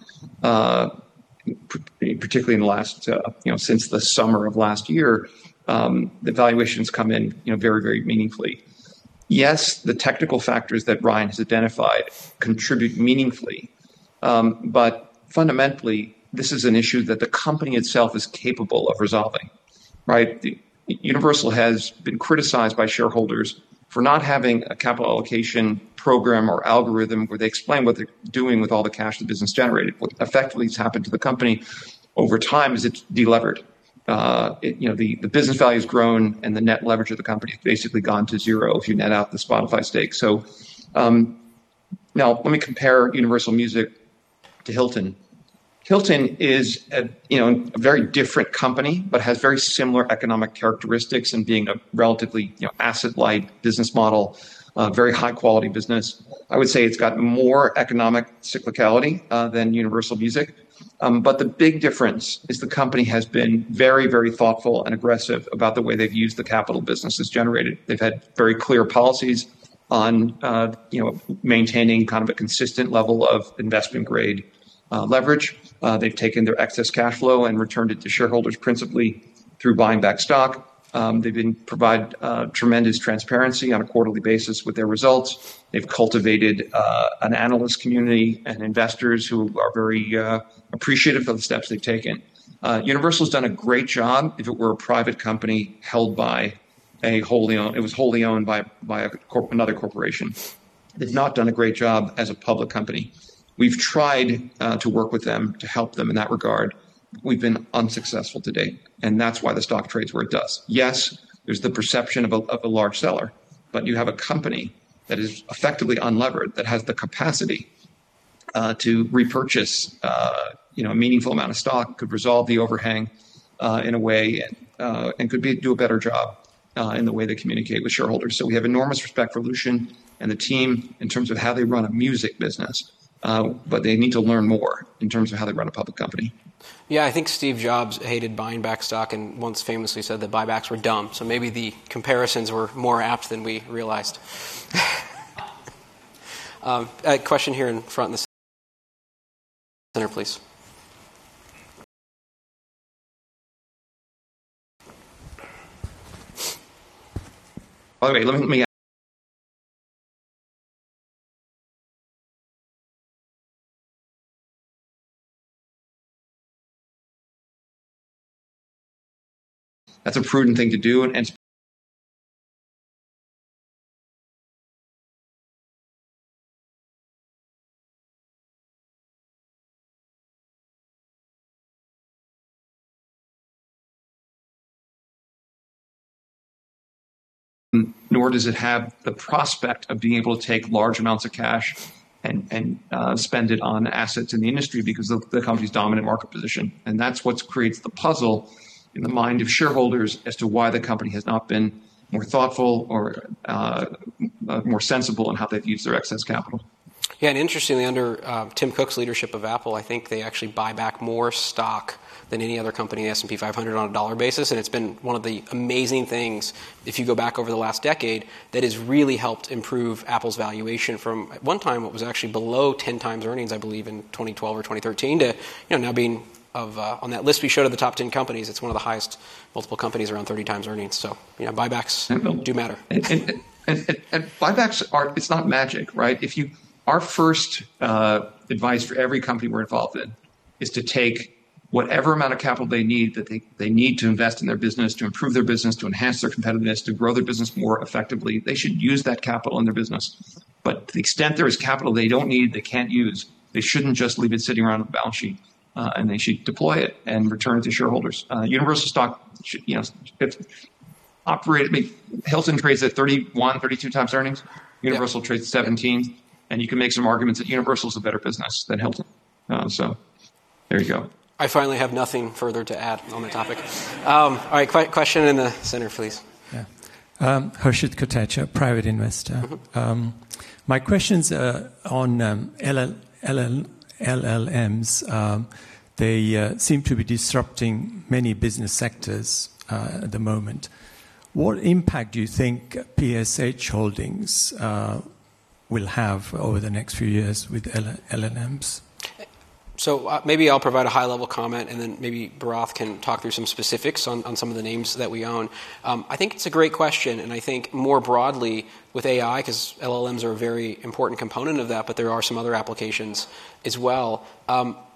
particularly in the last since the summer of last year. The valuations come in very, very meaningfully. Yes, the technical factors that Ryan has identified contribute meaningfully. But fundamentally, this is an issue that the company itself is capable of resolving, right? Universal has been criticized by shareholders for not having a capital allocation program or algorithm where they explain what they're doing with all the cash the business generated. What effectively has happened to the company over time is it's delevered. The business value has grown. The net leverage of the company has basically gone to zero if you net out the Spotify stake. So now let me compare Universal Music to Hilton. Hilton is a very different company but has very similar economic characteristics and being a relatively asset-light business model, very high-quality business. I would say it's got more economic cyclicality than Universal Music. The big difference is the company has been very, very thoughtful and aggressive about the way they've used the capital business that's generated. They've had very clear policies on maintaining kind of a consistent level of investment-grade leverage. They've taken their excess cash flow and returned it to shareholders principally through buying back stock. They've been providing tremendous transparency on a quarterly basis with their results. They've cultivated an analyst community and investors who are very appreciative of the steps they've taken. Universal has done a great job if it were a private company held by a wholly owned it was wholly owned by another corporation. They've not done a great job as a public company. We've tried to work with them to help them in that regard. We've been unsuccessful to date. And that's why the stock trades where it does. Yes, there's the perception of a large seller. But you have a company that is effectively unlevered that has the capacity to repurchase a meaningful amount of stock, could resolve the overhang in a way, and could do a better job in the way they communicate with shareholders. So we have enormous respect for Lucian and the team in terms of how they run a music business. But they need to learn more in terms of how they run a public company. Yeah. I think Steve Jobs hated buying back stock and once famously said that buybacks were dumb. So maybe the comparisons were more apt than we realized. Question here in front of the center, please. By the way, let me ask, that's a prudent thing to do. Nor does it have the prospect of being able to take large amounts of cash and spend it on assets in the industry because of the company's dominant market position. That's what creates the puzzle in the mind of shareholders as to why the company has not been more thoughtful or more sensible in how they've used their excess capital. Yeah. And interestingly, under Tim Cook's leadership of Apple, I think they actually buy back more stock than any other company in the S&P 500 on a dollar basis. And it's been one of the amazing things, if you go back over the last decade, that has really helped improve Apple's valuation from at one time, what was actually below 10x earnings, I believe, in 2012 or 2013 to now being one, on that list we showed of the top 10 companies, it's one of the highest multiple companies, around 30x earnings. So buybacks do matter. Buybacks aren't. It's not magic, right? Our first advice for every company we're involved in is to take whatever amount of capital they need that they need to invest in their business, to improve their business, to enhance their competitiveness, to grow their business more effectively. They should use that capital in their business. But to the extent there is capital they don't need, they can't use, they shouldn't just leave it sitting around on the balance sheet. And they should deploy it and return it to shareholders. Universal stock should operate. I mean, Hilton trades at 31-32 times earnings. Universal trades at 17. And you can make some arguments that Universal is a better business than Hilton. So there you go. I finally have nothing further to add on the topic. All right. Question in the center, please. Yeah. Harshit Kotecha, private investor. My question is on LLMs. They seem to be disrupting many business sectors at the moment. What impact do you think PSH Holdings will have over the next few years with LLMs? So maybe I'll provide a high-level comment. And then maybe Bharath can talk through some specifics on some of the names that we own. I think it's a great question. And I think more broadly with AI because LLMs are a very important component of that. But there are some other applications as well.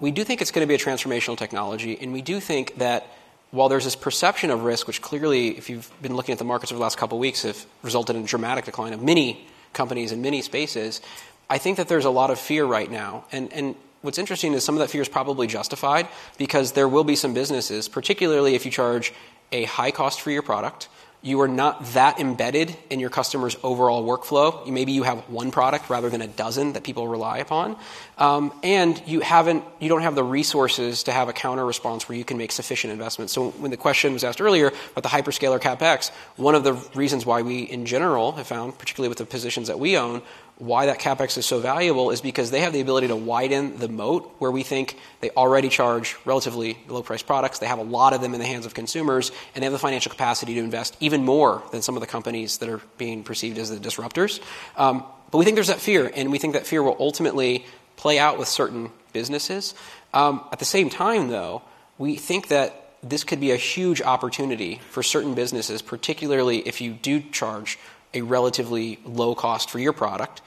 We do think it's going to be a transformational technology. And we do think that while there's this perception of risk, which clearly, if you've been looking at the markets over the last couple of weeks, has resulted in a dramatic decline of many companies in many spaces, I think that there's a lot of fear right now. And what's interesting is some of that fear is probably justified because there will be some businesses, particularly if you charge a high cost for your product, you are not that embedded in your customer's overall workflow. Maybe you have one product rather than a dozen that people rely upon. And you don't have the resources to have a counterresponse where you can make sufficient investments. So when the question was asked earlier about the hyperscaler CapEx, one of the reasons why we, in general, have found, particularly with the positions that we own, why that CapEx is so valuable is because they have the ability to widen the moat where we think they already charge relatively low-priced products. They have a lot of them in the hands of consumers. And they have the financial capacity to invest even more than some of the companies that are being perceived as the disruptors. But we think there's that fear. And we think that fear will ultimately play out with certain businesses. At the same time, though, we think that this could be a huge opportunity for certain businesses, particularly if you do charge a relatively low cost for your product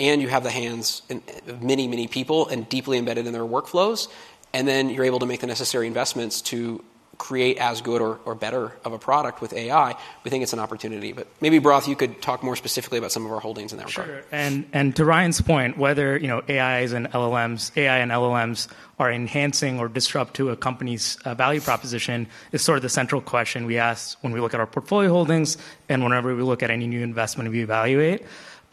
and you have the hands of many, many people and deeply embedded in their workflows, and then you're able to make the necessary investments to create as good or better of a product with AI, we think it's an opportunity. But maybe, Bharath, you could talk more specifically about some of our holdings in that regard. Sure. To Ryan's point, whether AI and LLMs are enhancing or disruptive to a company's value proposition is sort of the central question we ask when we look at our portfolio holdings and whenever we look at any new investment we evaluate.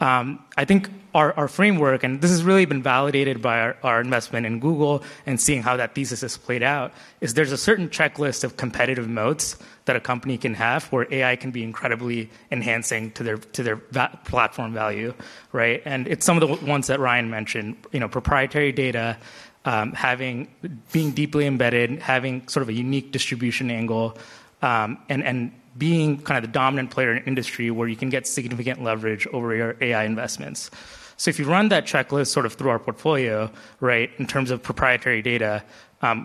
I think our framework and this has really been validated by our investment in Google and seeing how that thesis has played out, is there's a certain checklist of competitive moats that a company can have where AI can be incredibly enhancing to their platform value, right? And it's some of the ones that Ryan mentioned, proprietary data, being deeply embedded, having sort of a unique distribution angle, and being kind of the dominant player in an industry where you can get significant leverage over your AI investments. So if you run that checklist sort of through our portfolio, right, in terms of proprietary data,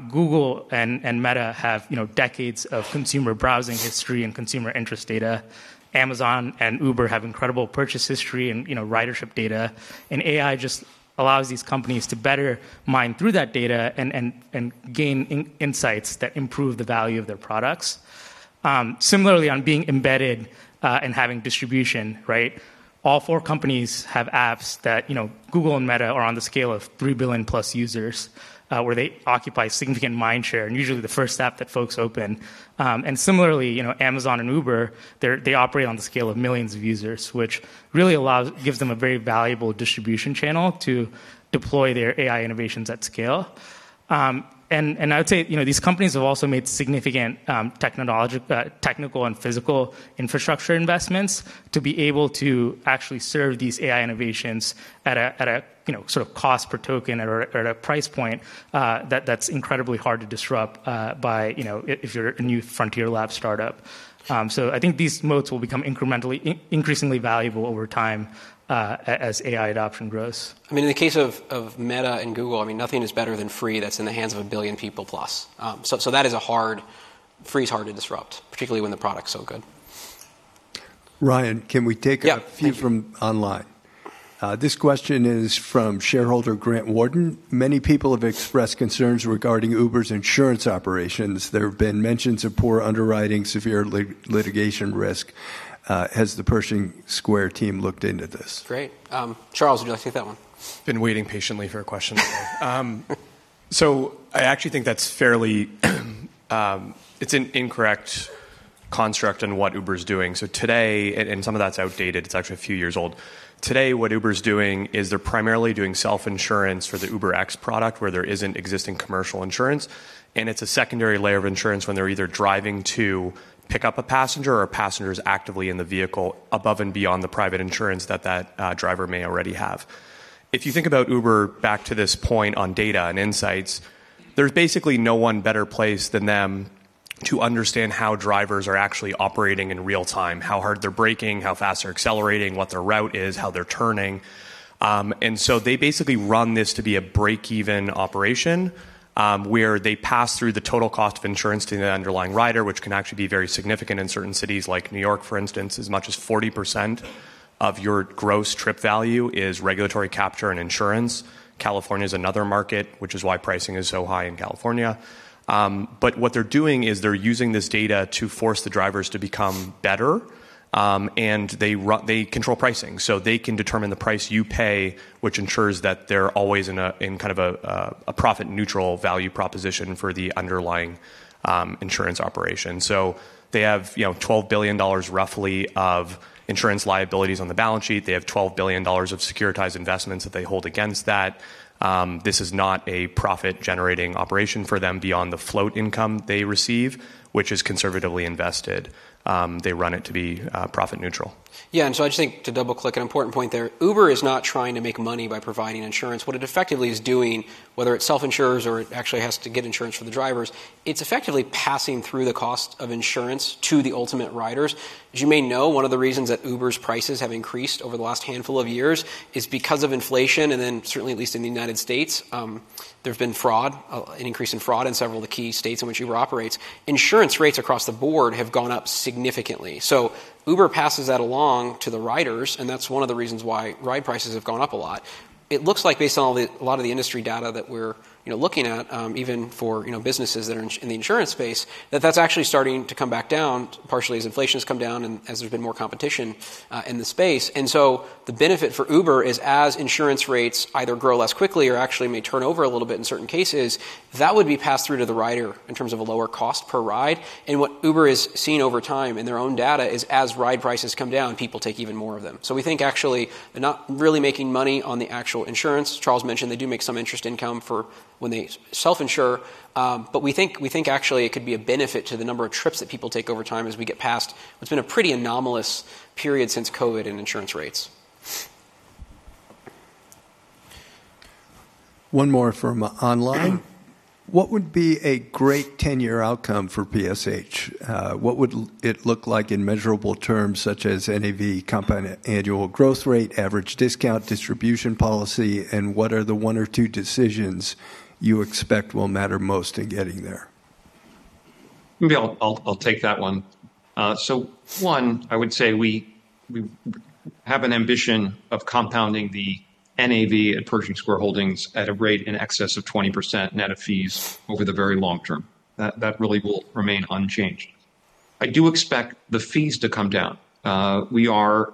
Google and Meta have decades of consumer browsing history and consumer interest data. Amazon and Uber have incredible purchase history and ridership data. And AI just allows these companies to better mine through that data and gain insights that improve the value of their products. Similarly, on being embedded and having distribution, right, all four companies have apps that Google and Meta are on the scale of 3 billion-plus users where they occupy significant mind share, usually the first app that folks open. And similarly, Amazon and Uber, they operate on the scale of millions of users, which really gives them a very valuable distribution channel to deploy their AI innovations at scale. I would say these companies have also made significant technical and physical infrastructure investments to be able to actually serve these AI innovations at a sort of cost per token or at a price point that's incredibly hard to disrupt if you're a new frontier lab startup. I think these moats will become increasingly valuable over time as AI adoption grows. I mean, in the case of Meta and Google, I mean, nothing is better than free that's in the hands of 1 billion people plus. So that is a hard free is hard to disrupt, particularly when the product's so good. Ryan, can we take a few from online? This question is from shareholder Grant Worden. Many people have expressed concerns regarding Uber's insurance operations. There have been mentions of poor underwriting, severe litigation risk. Has the Pershing Square team looked into this? Great. Charles, would you like to take that one? Been waiting patiently for a question. So I actually think that's fairly, it's an incorrect construct on what Uber's doing. And some of that's outdated. It's actually a few years old. Today, what Uber's doing is they're primarily doing self-insurance for the UberX product where there isn't existing commercial insurance. And it's a secondary layer of insurance when they're either driving to pick up a passenger or a passenger is actively in the vehicle above and beyond the private insurance that that driver may already have. If you think about Uber back to this point on data and insights, there's basically no one better place than them to understand how drivers are actually operating in real time, how hard they're braking, how fast they're accelerating, what their route is, how they're turning. They basically run this to be a break-even operation where they pass through the total cost of insurance to the underlying rider, which can actually be very significant in certain cities like New York, for instance, as much as 40% of your gross trip value is regulatory capture and insurance. California is another market, which is why pricing is so high in California. What they're doing is they're using this data to force the drivers to become better. They control pricing. They can determine the price you pay, which ensures that they're always in kind of a profit-neutral value proposition for the underlying insurance operation. They have $12 billion, roughly, of insurance liabilities on the balance sheet. They have $12 billion of securitized investments that they hold against that. This is not a profit-generating operation for them beyond the float income they receive, which is conservatively invested. They run it to be profit-neutral. Yeah. And so I just think, to double-click an important point there, Uber is not trying to make money by providing insurance. What it effectively is doing, whether it self-insures or it actually has to get insurance for the drivers, it's effectively passing through the cost of insurance to the ultimate riders. As you may know, one of the reasons that Uber's prices have increased over the last handful of years is because of inflation. And then, certainly, at least in the United States, there's been an increase in fraud in several of the key states in which Uber operates. Insurance rates across the board have gone up significantly. So Uber passes that along to the riders. And that's one of the reasons why ride prices have gone up a lot. It looks like, based on a lot of the industry data that we're looking at, even for businesses that are in the insurance space, that that's actually starting to come back down partially as inflation has come down and as there's been more competition in the space. So the benefit for Uber is, as insurance rates either grow less quickly or actually may turn over a little bit in certain cases, that would be passed through to the rider in terms of a lower cost per ride. And what Uber has seen over time in their own data is, as ride prices come down, people take even more of them. So we think, actually, they're not really making money on the actual insurance. Charles mentioned they do make some interest income when they self-insure. But we think, actually, it could be a benefit to the number of trips that people take over time as we get past what's been a pretty anomalous period since COVID in insurance rates. One more from online. What would be a great 10-year outcome for PSH? What would it look like in measurable terms such as NAV, company annual growth rate, average discount, distribution policy? What are the one or two decisions you expect will matter most in getting there? Maybe I'll take that one. So one, I would say we have an ambition of compounding the NAV at Pershing Square Holdings at a rate in excess of 20% net of fees over the very long term. That really will remain unchanged. I do expect the fees to come down. We are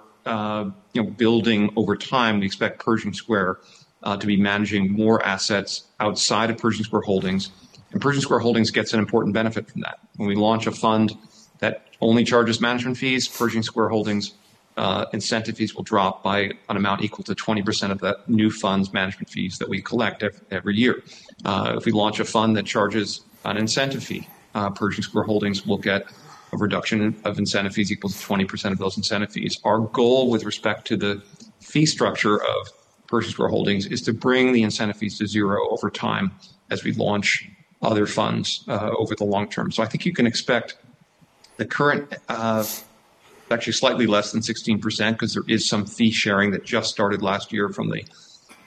building over time. We expect Pershing Square to be managing more assets outside of Pershing Square Holdings. And Pershing Square Holdings gets an important benefit from that. When we launch a fund that only charges management fees, Pershing Square Holdings' incentive fees will drop by an amount equal to 20% of the new fund's management fees that we collect every year. If we launch a fund that charges an incentive fee, Pershing Square Holdings will get a reduction of incentive fees equal to 20% of those incentive fees. Our goal with respect to the fee structure of Pershing Square Holdings is to bring the incentive fees to zero over time as we launch other funds over the long term. So I think you can expect the current it's actually slightly less than 16% because there is some fee sharing that just started last year from the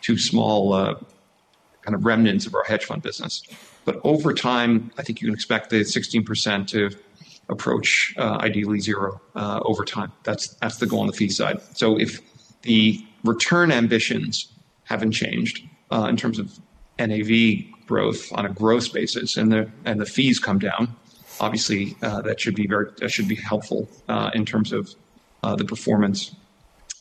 two small kind of remnants of our hedge fund business. But over time, I think you can expect the 16% to approach ideally zero over time. That's the goal on the fee side. So if the return ambitions haven't changed in terms of NAV growth on a growth basis and the fees come down, obviously, that should be helpful in terms of the performance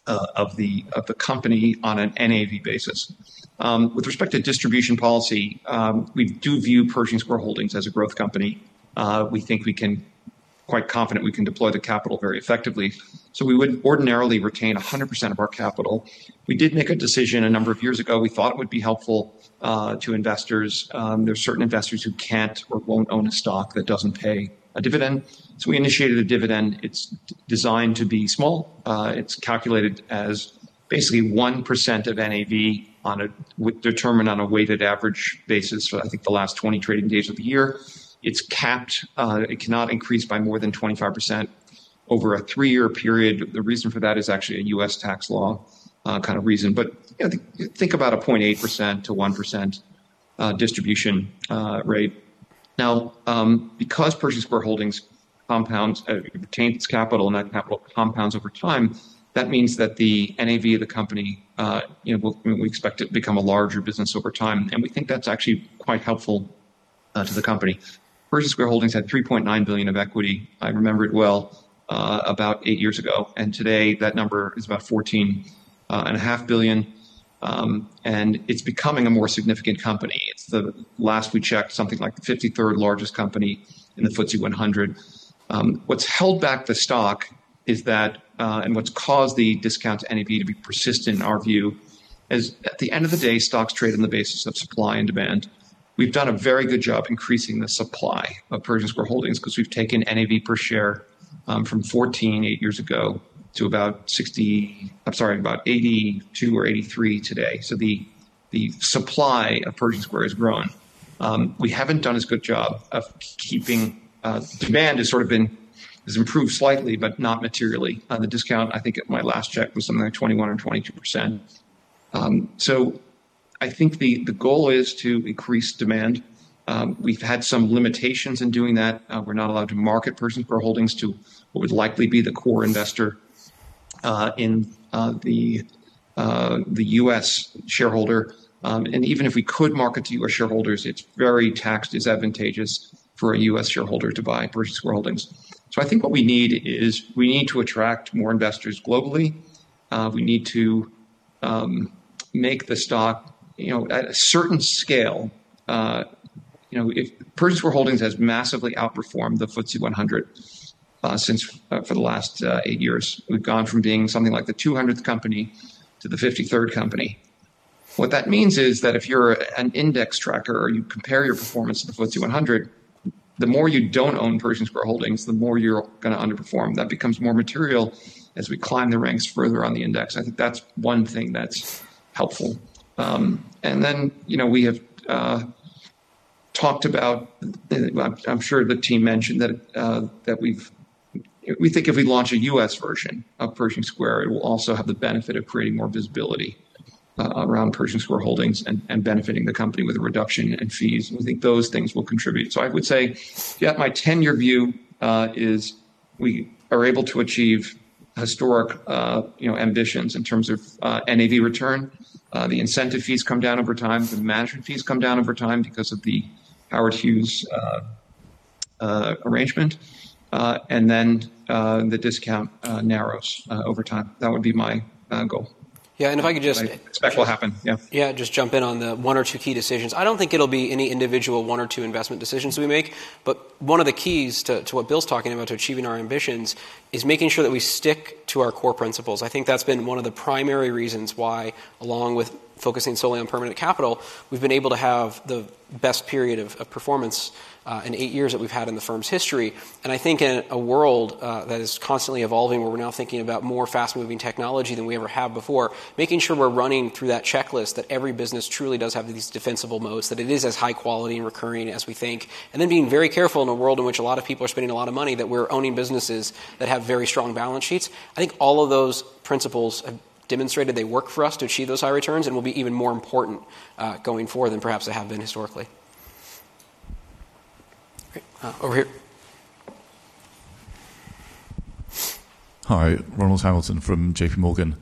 of the company on an NAV basis. With respect to distribution policy, we do view Pershing Square Holdings as a growth company. We think we can quite confident we can deploy the capital very effectively. So we would ordinarily retain 100% of our capital. We did make a decision a number of years ago. We thought it would be helpful to investors. There's certain investors who can't or won't own a stock that doesn't pay a dividend. So we initiated a dividend. It's designed to be small. It's calculated as basically 1% of NAV determined on a weighted average basis for, I think, the last 20 trading days of the year. It's capped. It cannot increase by more than 25% over a three-year period. The reason for that is actually a U.S. tax law kind of reason. But think about a 0.8%-1% distribution rate. Now, because Pershing Square Holdings retains its capital and that capital compounds over time, that means that the NAV of the company, we expect it to become a larger business over time. We think that's actually quite helpful to the company. Pershing Square Holdings had $3.9 billion of equity, I remember it well, about eight years ago. Today, that number is about $14.5 billion. It's becoming a more significant company. It's, last we checked, something like the 53rd largest company in the FTSE 100. What's held back the stock is that and what's caused the discount to NAV to be persistent, in our view, is, at the end of the day, stocks trade on the basis of supply and demand. We've done a very good job increasing the supply of Pershing Square Holdings because we've taken NAV per share from $14 eight years ago to about $60. I'm sorry, about $82 or $83 today. So the supply of Pershing Square has grown. We haven't done as good a job of keeping demand has sort of been improved slightly but not materially. The discount, I think, at my last check was something like 21% or 22%. So I think the goal is to increase demand. We've had some limitations in doing that. We're not allowed to market Pershing Square Holdings to what would likely be the core investor in the U.S. shareholder. And even if we could market to U.S. shareholders, it's very tax disadvantageous for a U.S. shareholder to buy Pershing Square Holdings. So I think what we need is we need to attract more investors globally. We need to make the stock at a certain scale. Pershing Square Holdings has massively outperformed the FTSE 100 for the last 8 years. We've gone from being something like the 200th company to the 53rd company. What that means is that if you're an index tracker or you compare your performance to the FTSE 100, the more you don't own Pershing Square Holdings, the more you're going to underperform. That becomes more material as we climb the ranks further on the index. I think that's one thing that's helpful. And then we have talked about. I'm sure the team mentioned that we think if we launch a U.S. version of Pershing Square, it will also have the benefit of creating more visibility around Pershing Square Holdings and benefiting the company with a reduction in fees. And we think those things will contribute. I would say, yeah, my 10-year view is we are able to achieve historic ambitions in terms of NAV return. The incentive fees come down over time. The management fees come down over time because of the Howard Hughes arrangement. Then the discount narrows over time. That would be my goal. Yeah. And if I could just. I expect what will happen. Yeah. Yeah. Just jump in on the one or two key decisions. I don't think it'll be any individual one or two investment decisions that we make. But one of the keys to what Bill's talking about, to achieving our ambitions, is making sure that we stick to our core principles. I think that's been one of the primary reasons why, along with focusing solely on permanent capital, we've been able to have the best period of performance in eight years that we've had in the firm's history. I think in a world that is constantly evolving, where we're now thinking about more fast-moving technology than we ever have before, making sure we're running through that checklist that every business truly does have these defensible moats, that it is as high-quality and recurring as we think, and then being very careful in a world in which a lot of people are spending a lot of money, that we're owning businesses that have very strong balance sheets, I think all of those principles have demonstrated they work for us to achieve those high returns and will be even more important going forward than perhaps they have been historically. Great. Over here. Hi. Ronald Hamilton from J.P. Morgan.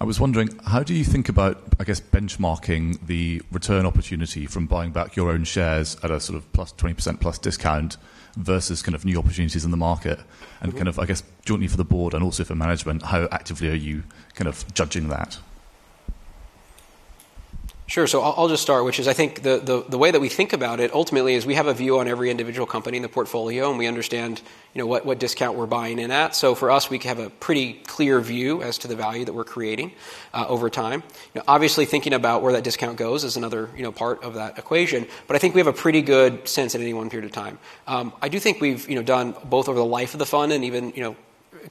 I was wondering, how do you think about, I guess, benchmarking the return opportunity from buying back your own shares at a sort of 20% plus discount versus kind of new opportunities in the market? And kind of, I guess, jointly for the board and also for management, how actively are you kind of judging that? Sure. So I'll just start, which is, I think the way that we think about it, ultimately, is we have a view on every individual company in the portfolio. And we understand what discount we're buying in at. So for us, we have a pretty clear view as to the value that we're creating over time. Obviously, thinking about where that discount goes is another part of that equation. But I think we have a pretty good sense in any one period of time. I do think we've done both over the life of the fund and even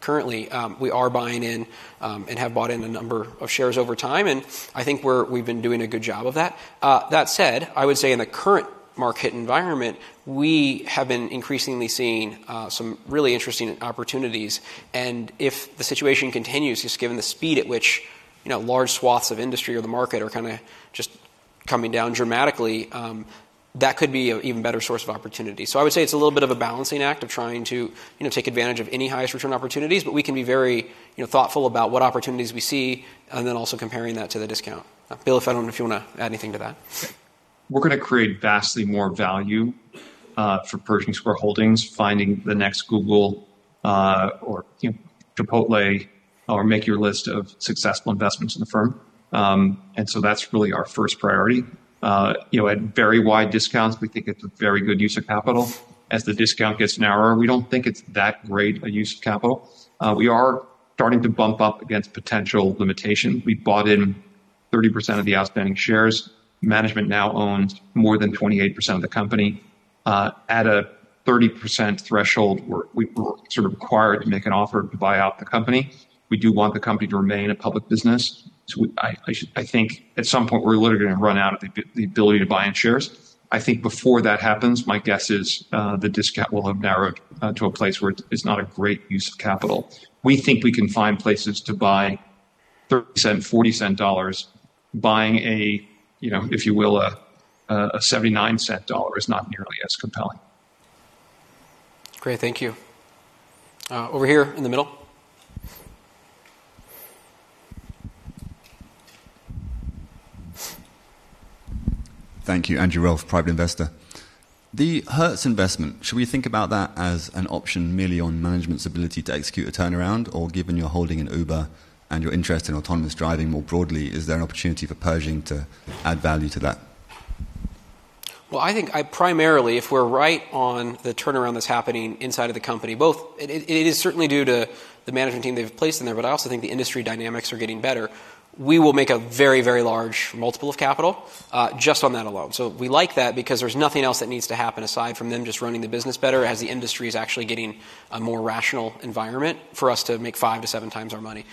currently, we are buying in and have bought in a number of shares over time. And I think we've been doing a good job of that. That said, I would say, in the current market environment, we have been increasingly seeing some really interesting opportunities. If the situation continues, just given the speed at which large swaths of industry or the market are kind of just coming down dramatically, that could be an even better source of opportunity. So I would say it's a little bit of a balancing act of trying to take advantage of any highest return opportunities. But we can be very thoughtful about what opportunities we see and then also comparing that to the discount. Bill, I don't know if you want to add anything to that. We're going to create vastly more value for Pershing Square Holdings, finding the next Google or Chipotle or make your list of successful investments in the firm. So that's really our first priority. At very wide discounts, we think it's a very good use of capital. As the discount gets narrower, we don't think it's that great a use of capital. We are starting to bump up against potential limitations. We bought in 30% of the outstanding shares. Management now owns more than 28% of the company. At a 30% threshold, we're sort of required to make an offer to buy out the company. We do want the company to remain a public business. I think, at some point, we're literally going to run out of the ability to buy in shares. I think, before that happens, my guess is the discount will have narrowed to a place where it's not a great use of capital. We think we can find places to buy $0.30, $0.40 dollars. Buying a, if you will, a $0.79 dollar is not nearly as compelling. Great. Thank you. Over here in the middle. Thank you. Andrew Rolfe, private investor. The Hertz investment, should we think about that as an option merely on management's ability to execute a turnaround? Or given you're holding an Uber and you're interested in autonomous driving more broadly, is there an opportunity for Pershing to add value to that? Well, I think, primarily, if we're right on the turnaround that's happening inside of the company both it is certainly due to the management team they've placed in there. But I also think the industry dynamics are getting better. We will make a very, very large multiple of capital just on that alone. So we like that because there's nothing else that needs to happen aside from them just running the business better as the industry is actually getting a more rational environment for us to make 5-7 times our money.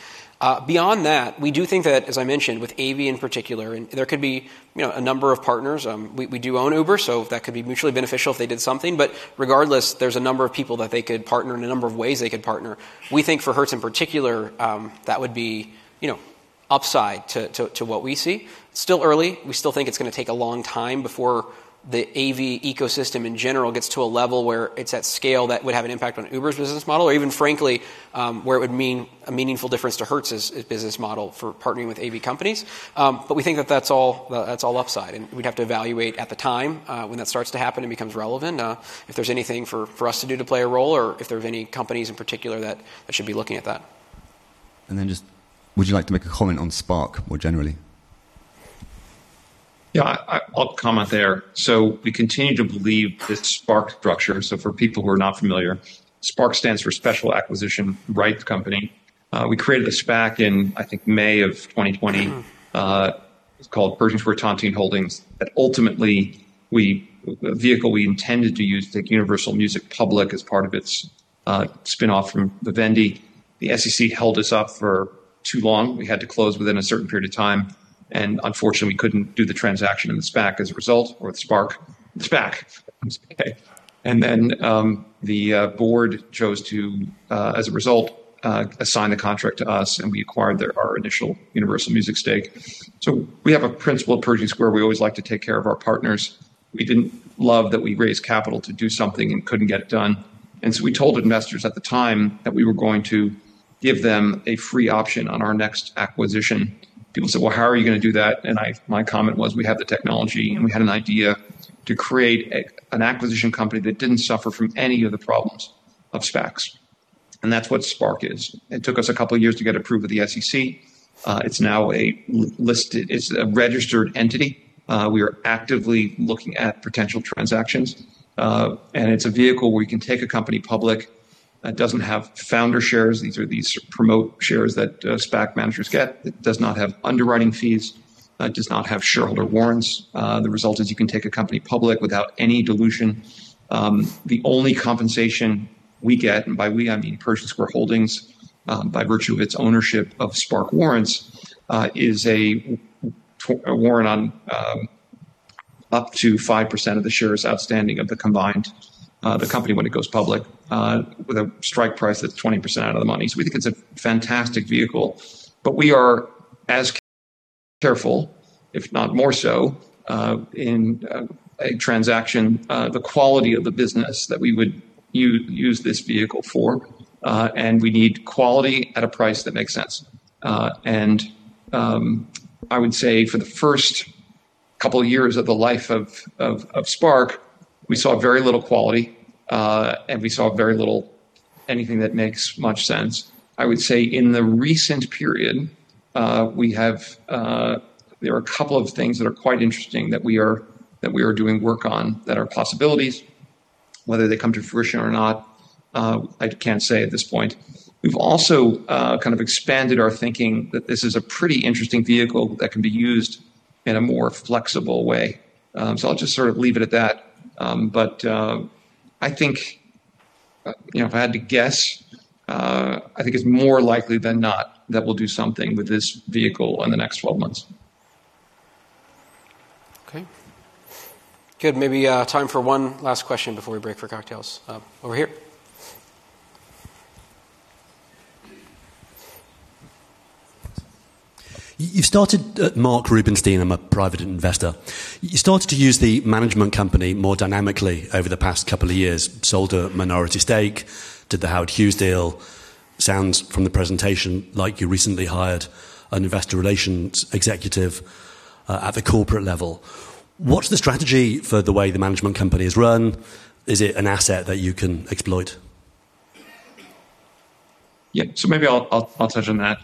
Beyond that, we do think that, as I mentioned, with AV in particular, and there could be a number of partners. We do own Uber. So that could be mutually beneficial if they did something. But regardless, there's a number of people that they could partner in a number of ways they could partner. We think, for Hertz in particular, that would be upside to what we see. It's still early. We still think it's going to take a long time before the AV ecosystem, in general, gets to a level where it's at scale that would have an impact on Uber's business model or even, frankly, where it would mean a meaningful difference to Hertz's business model for partnering with AV companies. But we think that that's all upside. And we'd have to evaluate at the time when that starts to happen and becomes relevant if there's anything for us to do to play a role or if there are any companies, in particular, that should be looking at that. Then just, would you like to make a comment on SPARC more generally? Yeah. I'll comment there. So we continue to believe this SPARC structure, so for people who are not familiar, SPARC stands for Special Acquisition Rights Company. We created the SPAC in, I think, May of 2020. It's called Pershing Square Tontine Holdings. Ultimately, the vehicle we intended to use to take Universal Music public as part of its spinoff from Vivendi, the SEC held us up for too long. We had to close within a certain period of time. And unfortunately, we couldn't do the transaction in the SPAC as a result or the SPARC, the SPAC, I'm sorry. And then the board chose to, as a result, assign the contract to us. And we acquired our initial Universal Music stake. So we have a principle at Pershing Square. We always like to take care of our partners. We didn't love that we raised capital to do something and couldn't get it done. So we told investors at the time that we were going to give them a free option on our next acquisition. People said, "Well, how are you going to do that?" And my comment was, "We have the technology. And we had an idea to create an acquisition company that didn't suffer from any of the problems of SPACs." And that's what SPARC is. It took us a couple of years to get approved with the SEC. It's now a registered entity. We are actively looking at potential transactions. And it's a vehicle where you can take a company public. It doesn't have founder shares. These are these promote shares that SPAC managers get. It does not have underwriting fees. It does not have shareholder warrants. The result is you can take a company public without any dilution. The only compensation we get and by we, I mean Pershing Square Holdings, by virtue of its ownership of SPARC warrants, is a warrant on up to 5% of the shares outstanding of the combined company when it goes public with a strike price that's 20% out of the money. So we think it's a fantastic vehicle. But we are as careful, if not more so, in a transaction, the quality of the business that we would use this vehicle for. And we need quality at a price that makes sense. And I would say, for the first couple of years of the life of SPARC, we saw very little quality. And we saw very little anything that makes much sense. I would say, in the recent period, there are a couple of things that are quite interesting that we are doing work on that are possibilities. Whether they come to fruition or not, I can't say at this point. We've also kind of expanded our thinking that this is a pretty interesting vehicle that can be used in a more flexible way. So I'll just sort of leave it at that. But I think, if I had to guess, I think it's more likely than not that we'll do something with this vehicle in the next 12 months. Okay. Good. Maybe time for one last question before we break for cocktails. Over here. You started at Mark Rubinstein. I'm a private investor. You started to use the management company more dynamically over the past couple of years. Sold a minority stake. Did the Howard Hughes deal. Sounds from the presentation like you recently hired an investor relations executive at the corporate level. What's the strategy for the way the management company is run? Is it an asset that you can exploit? Yeah. So maybe I'll touch on that.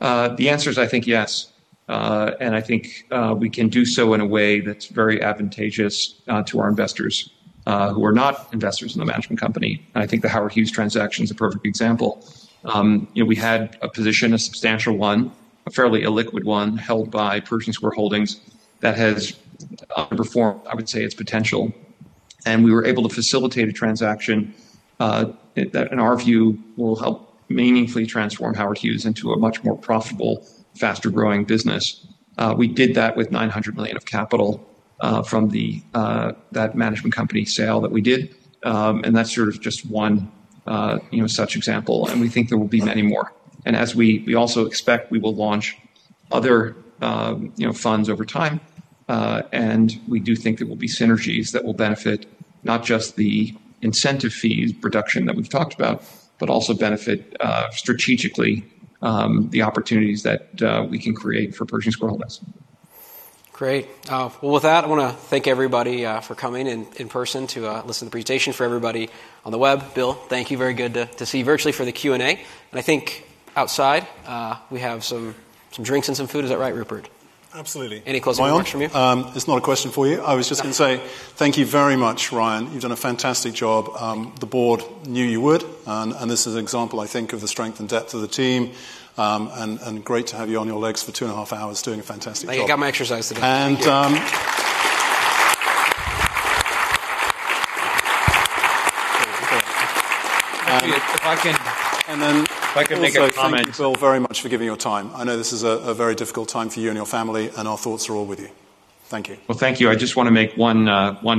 The answer is, I think, yes. And I think we can do so in a way that's very advantageous to our investors who are not investors in the management company. And I think the Howard Hughes transaction is a perfect example. We had a position, a substantial one, a fairly illiquid one, held by Pershing Square Holdings that has underperformed, I would say, its potential. And we were able to facilitate a transaction that, in our view, will help meaningfully transform Howard Hughes into a much more profitable, faster-growing business. We did that with $900 million of capital from that management company sale that we did. And that's sort of just one such example. And we think there will be many more. And as we also expect, we will launch other funds over time. We do think there will be synergies that will benefit not just the incentive fees production that we've talked about but also benefit, strategically, the opportunities that we can create for Pershing Square Holdings. Great. Well, with that, I want to thank everybody for coming in person to listen to the presentation. For everybody on the web, Bill, thank you. Very good to see virtually for the Q&A. I think, outside, we have some drinks and some food. Is that right, Rupert? Absolutely. Any closing remarks from you? It's not a question for you. I was just going to say thank you very much, Ryan. You've done a fantastic job. The board knew you would. This is an example, I think, of the strength and depth of the team. Great to have you on your legs for 2.5 hours doing a fantastic job. Yeah. You got my exercise today. And then. If I can make a comment. Thank you, Bill, very much for giving your time. I know this is a very difficult time for you and your family. Our thoughts are all with you. Thank you. Well, thank you. I just want to make one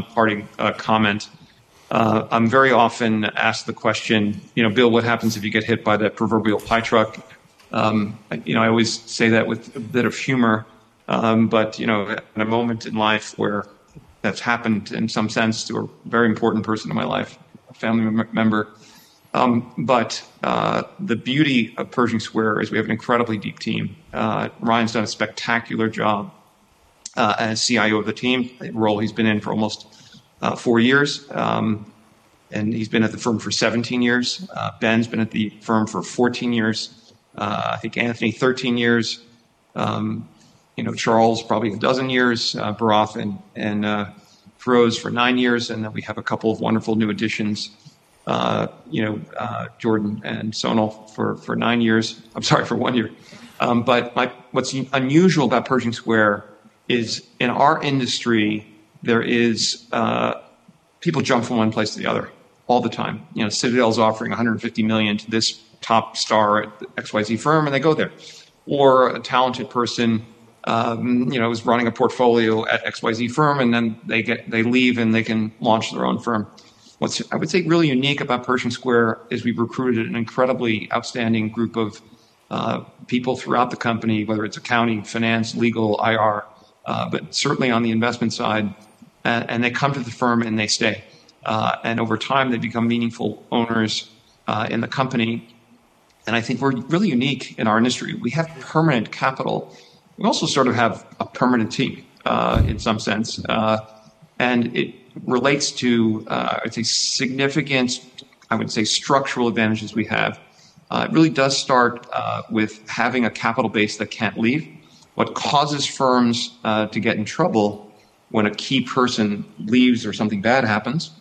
parting comment. I'm very often asked the question, "Bill, what happens if you get hit by that proverbial pie truck?" I always say that with a bit of humor. But at a moment in life where that's happened, in some sense, to a very important person in my life, a family member. But the beauty of Pershing Square is we have an incredibly deep team. Ryan's done a spectacular job as CIO of the team, a role he's been in for almost four years. And he's been at the firm for 17 years. Ben's been at the firm for 14 years. I think Anthony, 13 years. Charles, probably 12 years. Bharath and Feroz for nine years. And then we have a couple of wonderful new additions, Jordan and Sonal, for nine years. I'm sorry, for one year. But what's unusual about Pershing Square is, in our industry, people jump from one place to the other all the time. Citadel's offering $150 million to this top star at XYZ firm. And they go there. Or a talented person was running a portfolio at XYZ firm. And then they leave. And they can launch their own firm. What's, I would say, really unique about Pershing Square is we've recruited an incredibly outstanding group of people throughout the company, whether it's accounting, finance, legal, IR. But certainly, on the investment side. And they come to the firm. And they stay. And over time, they become meaningful owners in the company. And I think we're really unique in our industry. We have permanent capital. We also sort of have a permanent team, in some sense. And it relates to, I'd say, significant, I would say, structural advantages we have. It really does start with having a capital base that can't leave. What causes firms to get in trouble when a key person leaves or something bad happens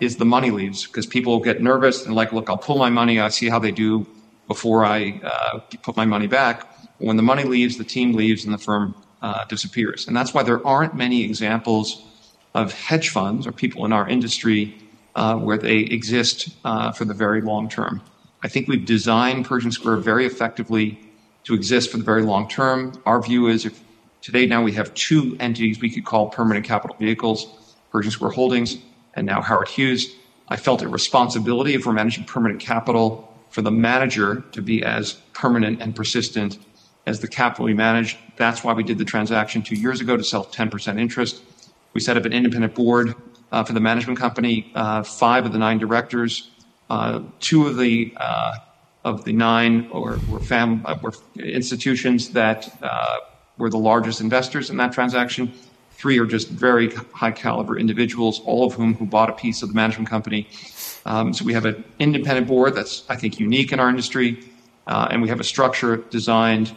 is the money leaves because people get nervous. And they're like, "Look, I'll pull my money. I'll see how they do before I put my money back." When the money leaves, the team leaves. And the firm disappears. And that's why there aren't many examples of hedge funds or people in our industry where they exist for the very long term. I think we've designed Pershing Square very effectively to exist for the very long term. Our view is, today, now, we have two entities we could call permanent capital vehicles: Pershing Square Holdings and now Howard Hughes. I felt a responsibility for managing permanent capital for the manager to be as permanent and persistent as the capital we manage. That's why we did the transaction two years ago to sell 10% interest. We set up an independent board for the management company, five of the nine directors. Two of the nine were institutions that were the largest investors in that transaction. Three are just very high-caliber individuals, all of whom bought a piece of the management company. So we have an independent board that's, I think, unique in our industry. And we have a structure designed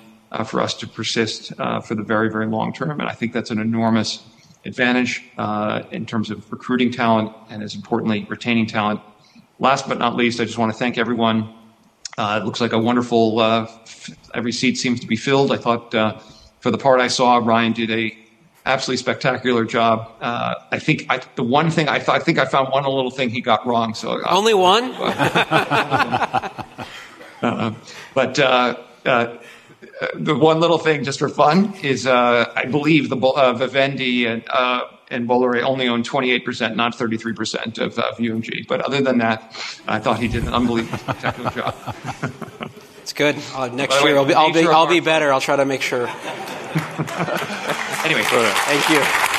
for us to persist for the very, very long term. And I think that's an enormous advantage in terms of recruiting talent and, as importantly, retaining talent. Last but not least, I just want to thank everyone. It looks like a wonderful every seat seems to be filled. I thought, for the part I saw, Ryan did an absolutely spectacular job. I think the one thing I found one little thing he got wrong. So. Only one? But the one little thing, just for fun, is I believe Vivendi and Bolloré only own 28%, not 33%, of UMG. But other than that, I thought he did an unbelievably spectacular job. It's good. Next year, I'll be better. I'll try to make sure. Anyway. Thank you.